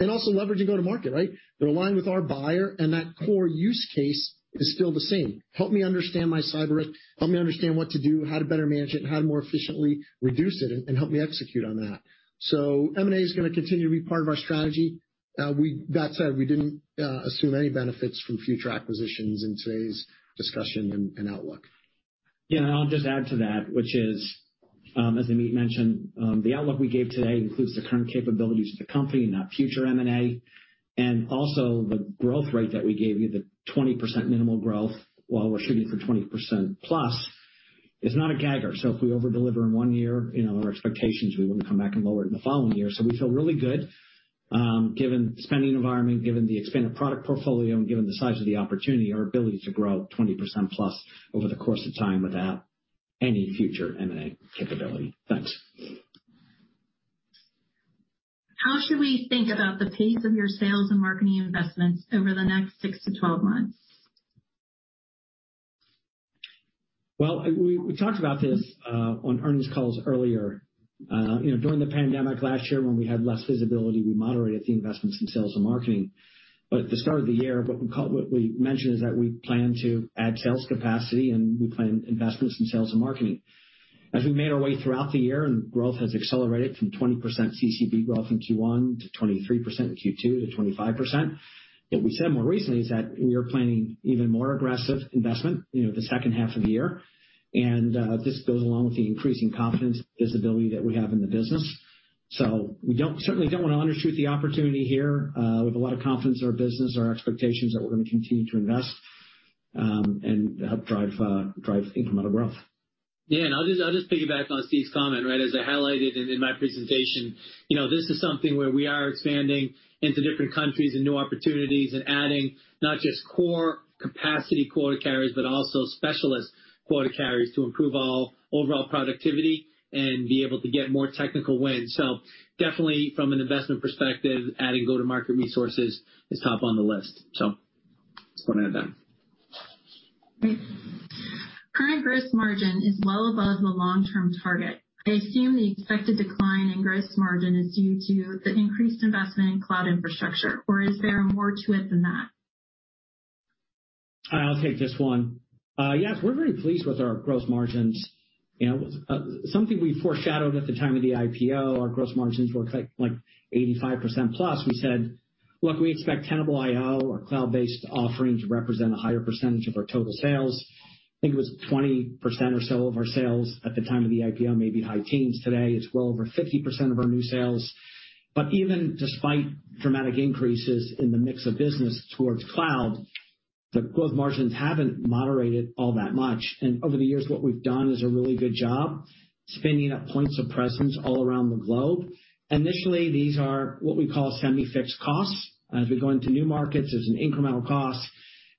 Also leverage and go to market, right? They're aligned with our buyer and that core use case is still the same. Help me understand my cyber risk, help me understand what to do, how to better manage it, and how to more efficiently reduce it and help me execute on that. M&A is gonna continue to be part of our strategy. That said, we didn't assume any benefits from future acquisitions in today's discussion and outlook. Yeah, I'll just add to that, which is, as Amit mentioned, the outlook we gave today includes the current capabilities of the company, not future M&A. Also the growth rate that we gave you, the 20% minimal growth, while we're shooting for 20%+, is not a gag. If we over-deliver in one year, you know, our expectations, we wouldn't come back and lower it in the following year. We feel really good, given spending environment, given the expanded product portfolio, and given the size of the opportunity, our ability to grow 20%+ over the course of time without any future M&A capability. Thanks. How should we think about the pace of your sales and marketing investments over the next 6-12 months? Well, we talked about this on earnings calls earlier. You know, during the pandemic last year when we had less visibility, we moderated the investments in sales and marketing. At the start of the year, what we mentioned is that we plan to add sales capacity, and we plan investments in sales and marketing. As we made our way throughout the year and growth has accelerated from 20% CCB growth in Q1 to 23% in Q2 to 25%, what we said more recently is that we are planning even more aggressive investment, you know, the second half of the year. This goes along with the increasing confidence and visibility that we have in the business. We certainly don't want to undershoot the opportunity here. We have a lot of confidence in our business, our expectations that we're gonna continue to invest, and help drive incremental growth. Yeah, I'll just piggyback on Steve's comment, right? As I highlighted in my presentation, you know, this is something where we are expanding into different countries and new opportunities and adding not just core capacity quota carriers, but also specialist quota carriers to improve overall productivity and be able to get more technical wins. Definitely from an investment perspective, adding go-to-market resources is top on the list. Just wanna add that. Great. Current gross margin is well above the long-term target. I assume the expected decline in gross margin is due to the increased investment in cloud infrastructure, or is there more to it than that? I'll take this one. Yes, we're very pleased with our gross margins. You know, something we foreshadowed at the time of the IPO, our gross margins were like 85% plus. We said, "Look, we expect Tenable.io or cloud-based offerings represent a higher percentage of our total sales." I think it was 20% or so of our sales at the time of the IPO, maybe high teens. Today, it's well over 50% of our new sales. Even despite dramatic increases in the mix of business towards cloud, the growth margins haven't moderated all that much. Over the years, what we've done is a really good job spinning up points of presence all around the globe. Initially, these are what we call semi-fixed costs. As we go into new markets, there's an incremental cost.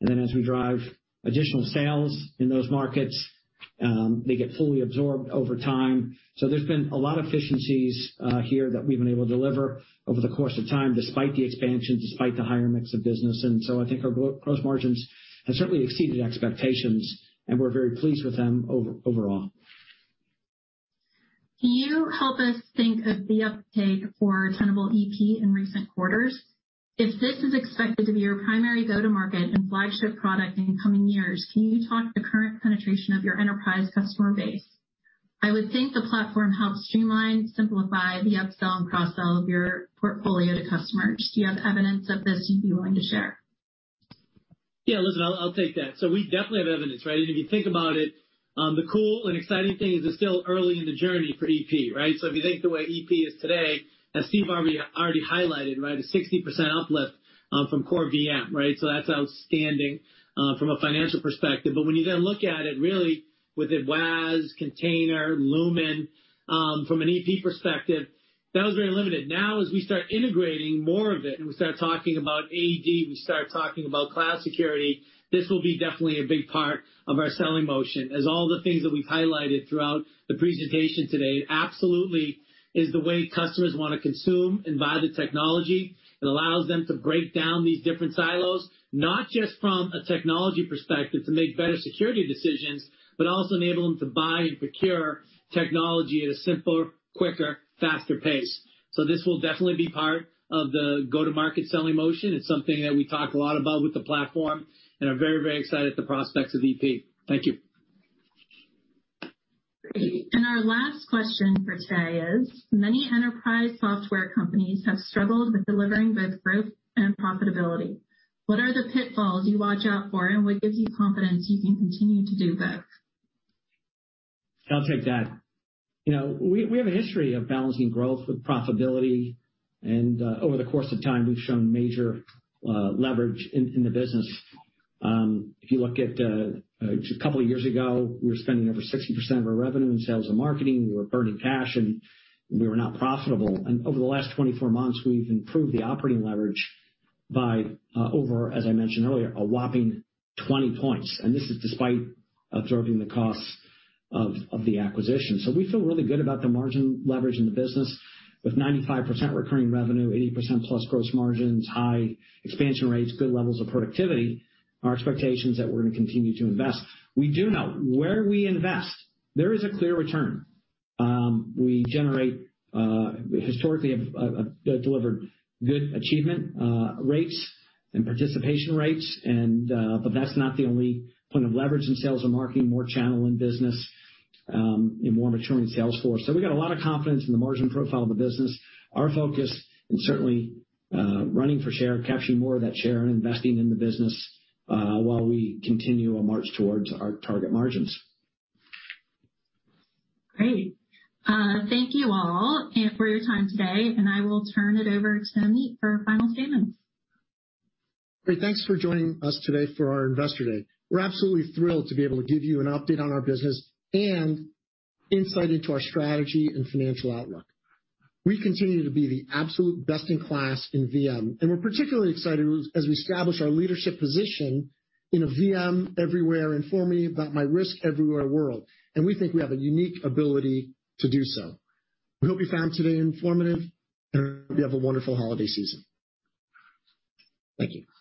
as we drive additional sales in those markets, they get fully absorbed over time. There's been a lot of efficiencies here that we've been able to deliver over the course of time, despite the expansion, despite the higher mix of business. I think our gross margins have certainly exceeded expectations, and we're very pleased with them overall. Can you help us think of the uptake for Tenable.ep in recent quarters? If this is expected to be your primary go-to-market and flagship product in the coming years, can you talk the current penetration of your enterprise customer base? I would think the platform helps streamline, simplify the upsell and cross-sell of your portfolio to customers. Do you have evidence of this you'd be willing to share? Yeah. Listen, I'll take that. We definitely have evidence, right? If you think about it, the cool and exciting thing is it's still early in the journey for EP, right? If you think the way EP is today, as Steve already highlighted, right, a 60% uplift from core VM, right? That's outstanding from a financial perspective. When you then look at it, really, within WAS, Container, Lumin from an EP perspective, that was very limited. Now as we start integrating more of it, and we start talking about AD, we start talking about cloud security, this will be definitely a big part of our selling motion. As all the things that we've highlighted throughout the presentation today, it absolutely is the way customers wanna consume and buy the technology. It allows them to break down these different silos, not just from a technology perspective to make better security decisions, but also enable them to buy and procure technology at a simpler, quicker, faster pace. This will definitely be part of the go-to-market selling motion. It's something that we talk a lot about with the platform and are very, very excited at the prospects of EP. Thank you. Great. Our last question for today is, many enterprise software companies have struggled with delivering both growth and profitability. What are the pitfalls you watch out for, and what gives you confidence you can continue to do both? I'll take that. You know, we have a history of balancing growth with profitability, and over the course of time, we've shown major leverage in the business. If you look at just a couple of years ago, we were spending over 60% of our revenue in sales and marketing. We were burning cash, and we were not profitable. Over the last 24 months, we've improved the operating leverage by over, as I mentioned earlier, a whopping 20 points, and this is despite absorbing the costs of the acquisition. We feel really good about the margin leverage in the business with 95% recurring revenue, 80% plus gross margins, high expansion rates, good levels of productivity. Our expectation is that we're gonna continue to invest. We do know where we invest, there is a clear return. We historically have delivered good achievement rates and participation rates. That's not the only point of leverage in sales and marketing, more channel business, and more maturing sales force. We got a lot of confidence in the margin profile of the business. Our focus and certainly running for share, capturing more of that share, and investing in the business while we continue our march towards our target margins. Great. Thank you all for your time today, and I will turn it over to Amit for final statements. Great. Thanks for joining us today for our Investor Day. We're absolutely thrilled to be able to give you an update on our business and insight into our strategy and financial outlook. We continue to be the absolute best in class in VM, and we're particularly excited as we establish our leadership position in a VM everywhere, inform me about my risk everywhere world. We think we have a unique ability to do so. We hope you found today informative, and we hope you have a wonderful holiday season. Thank you.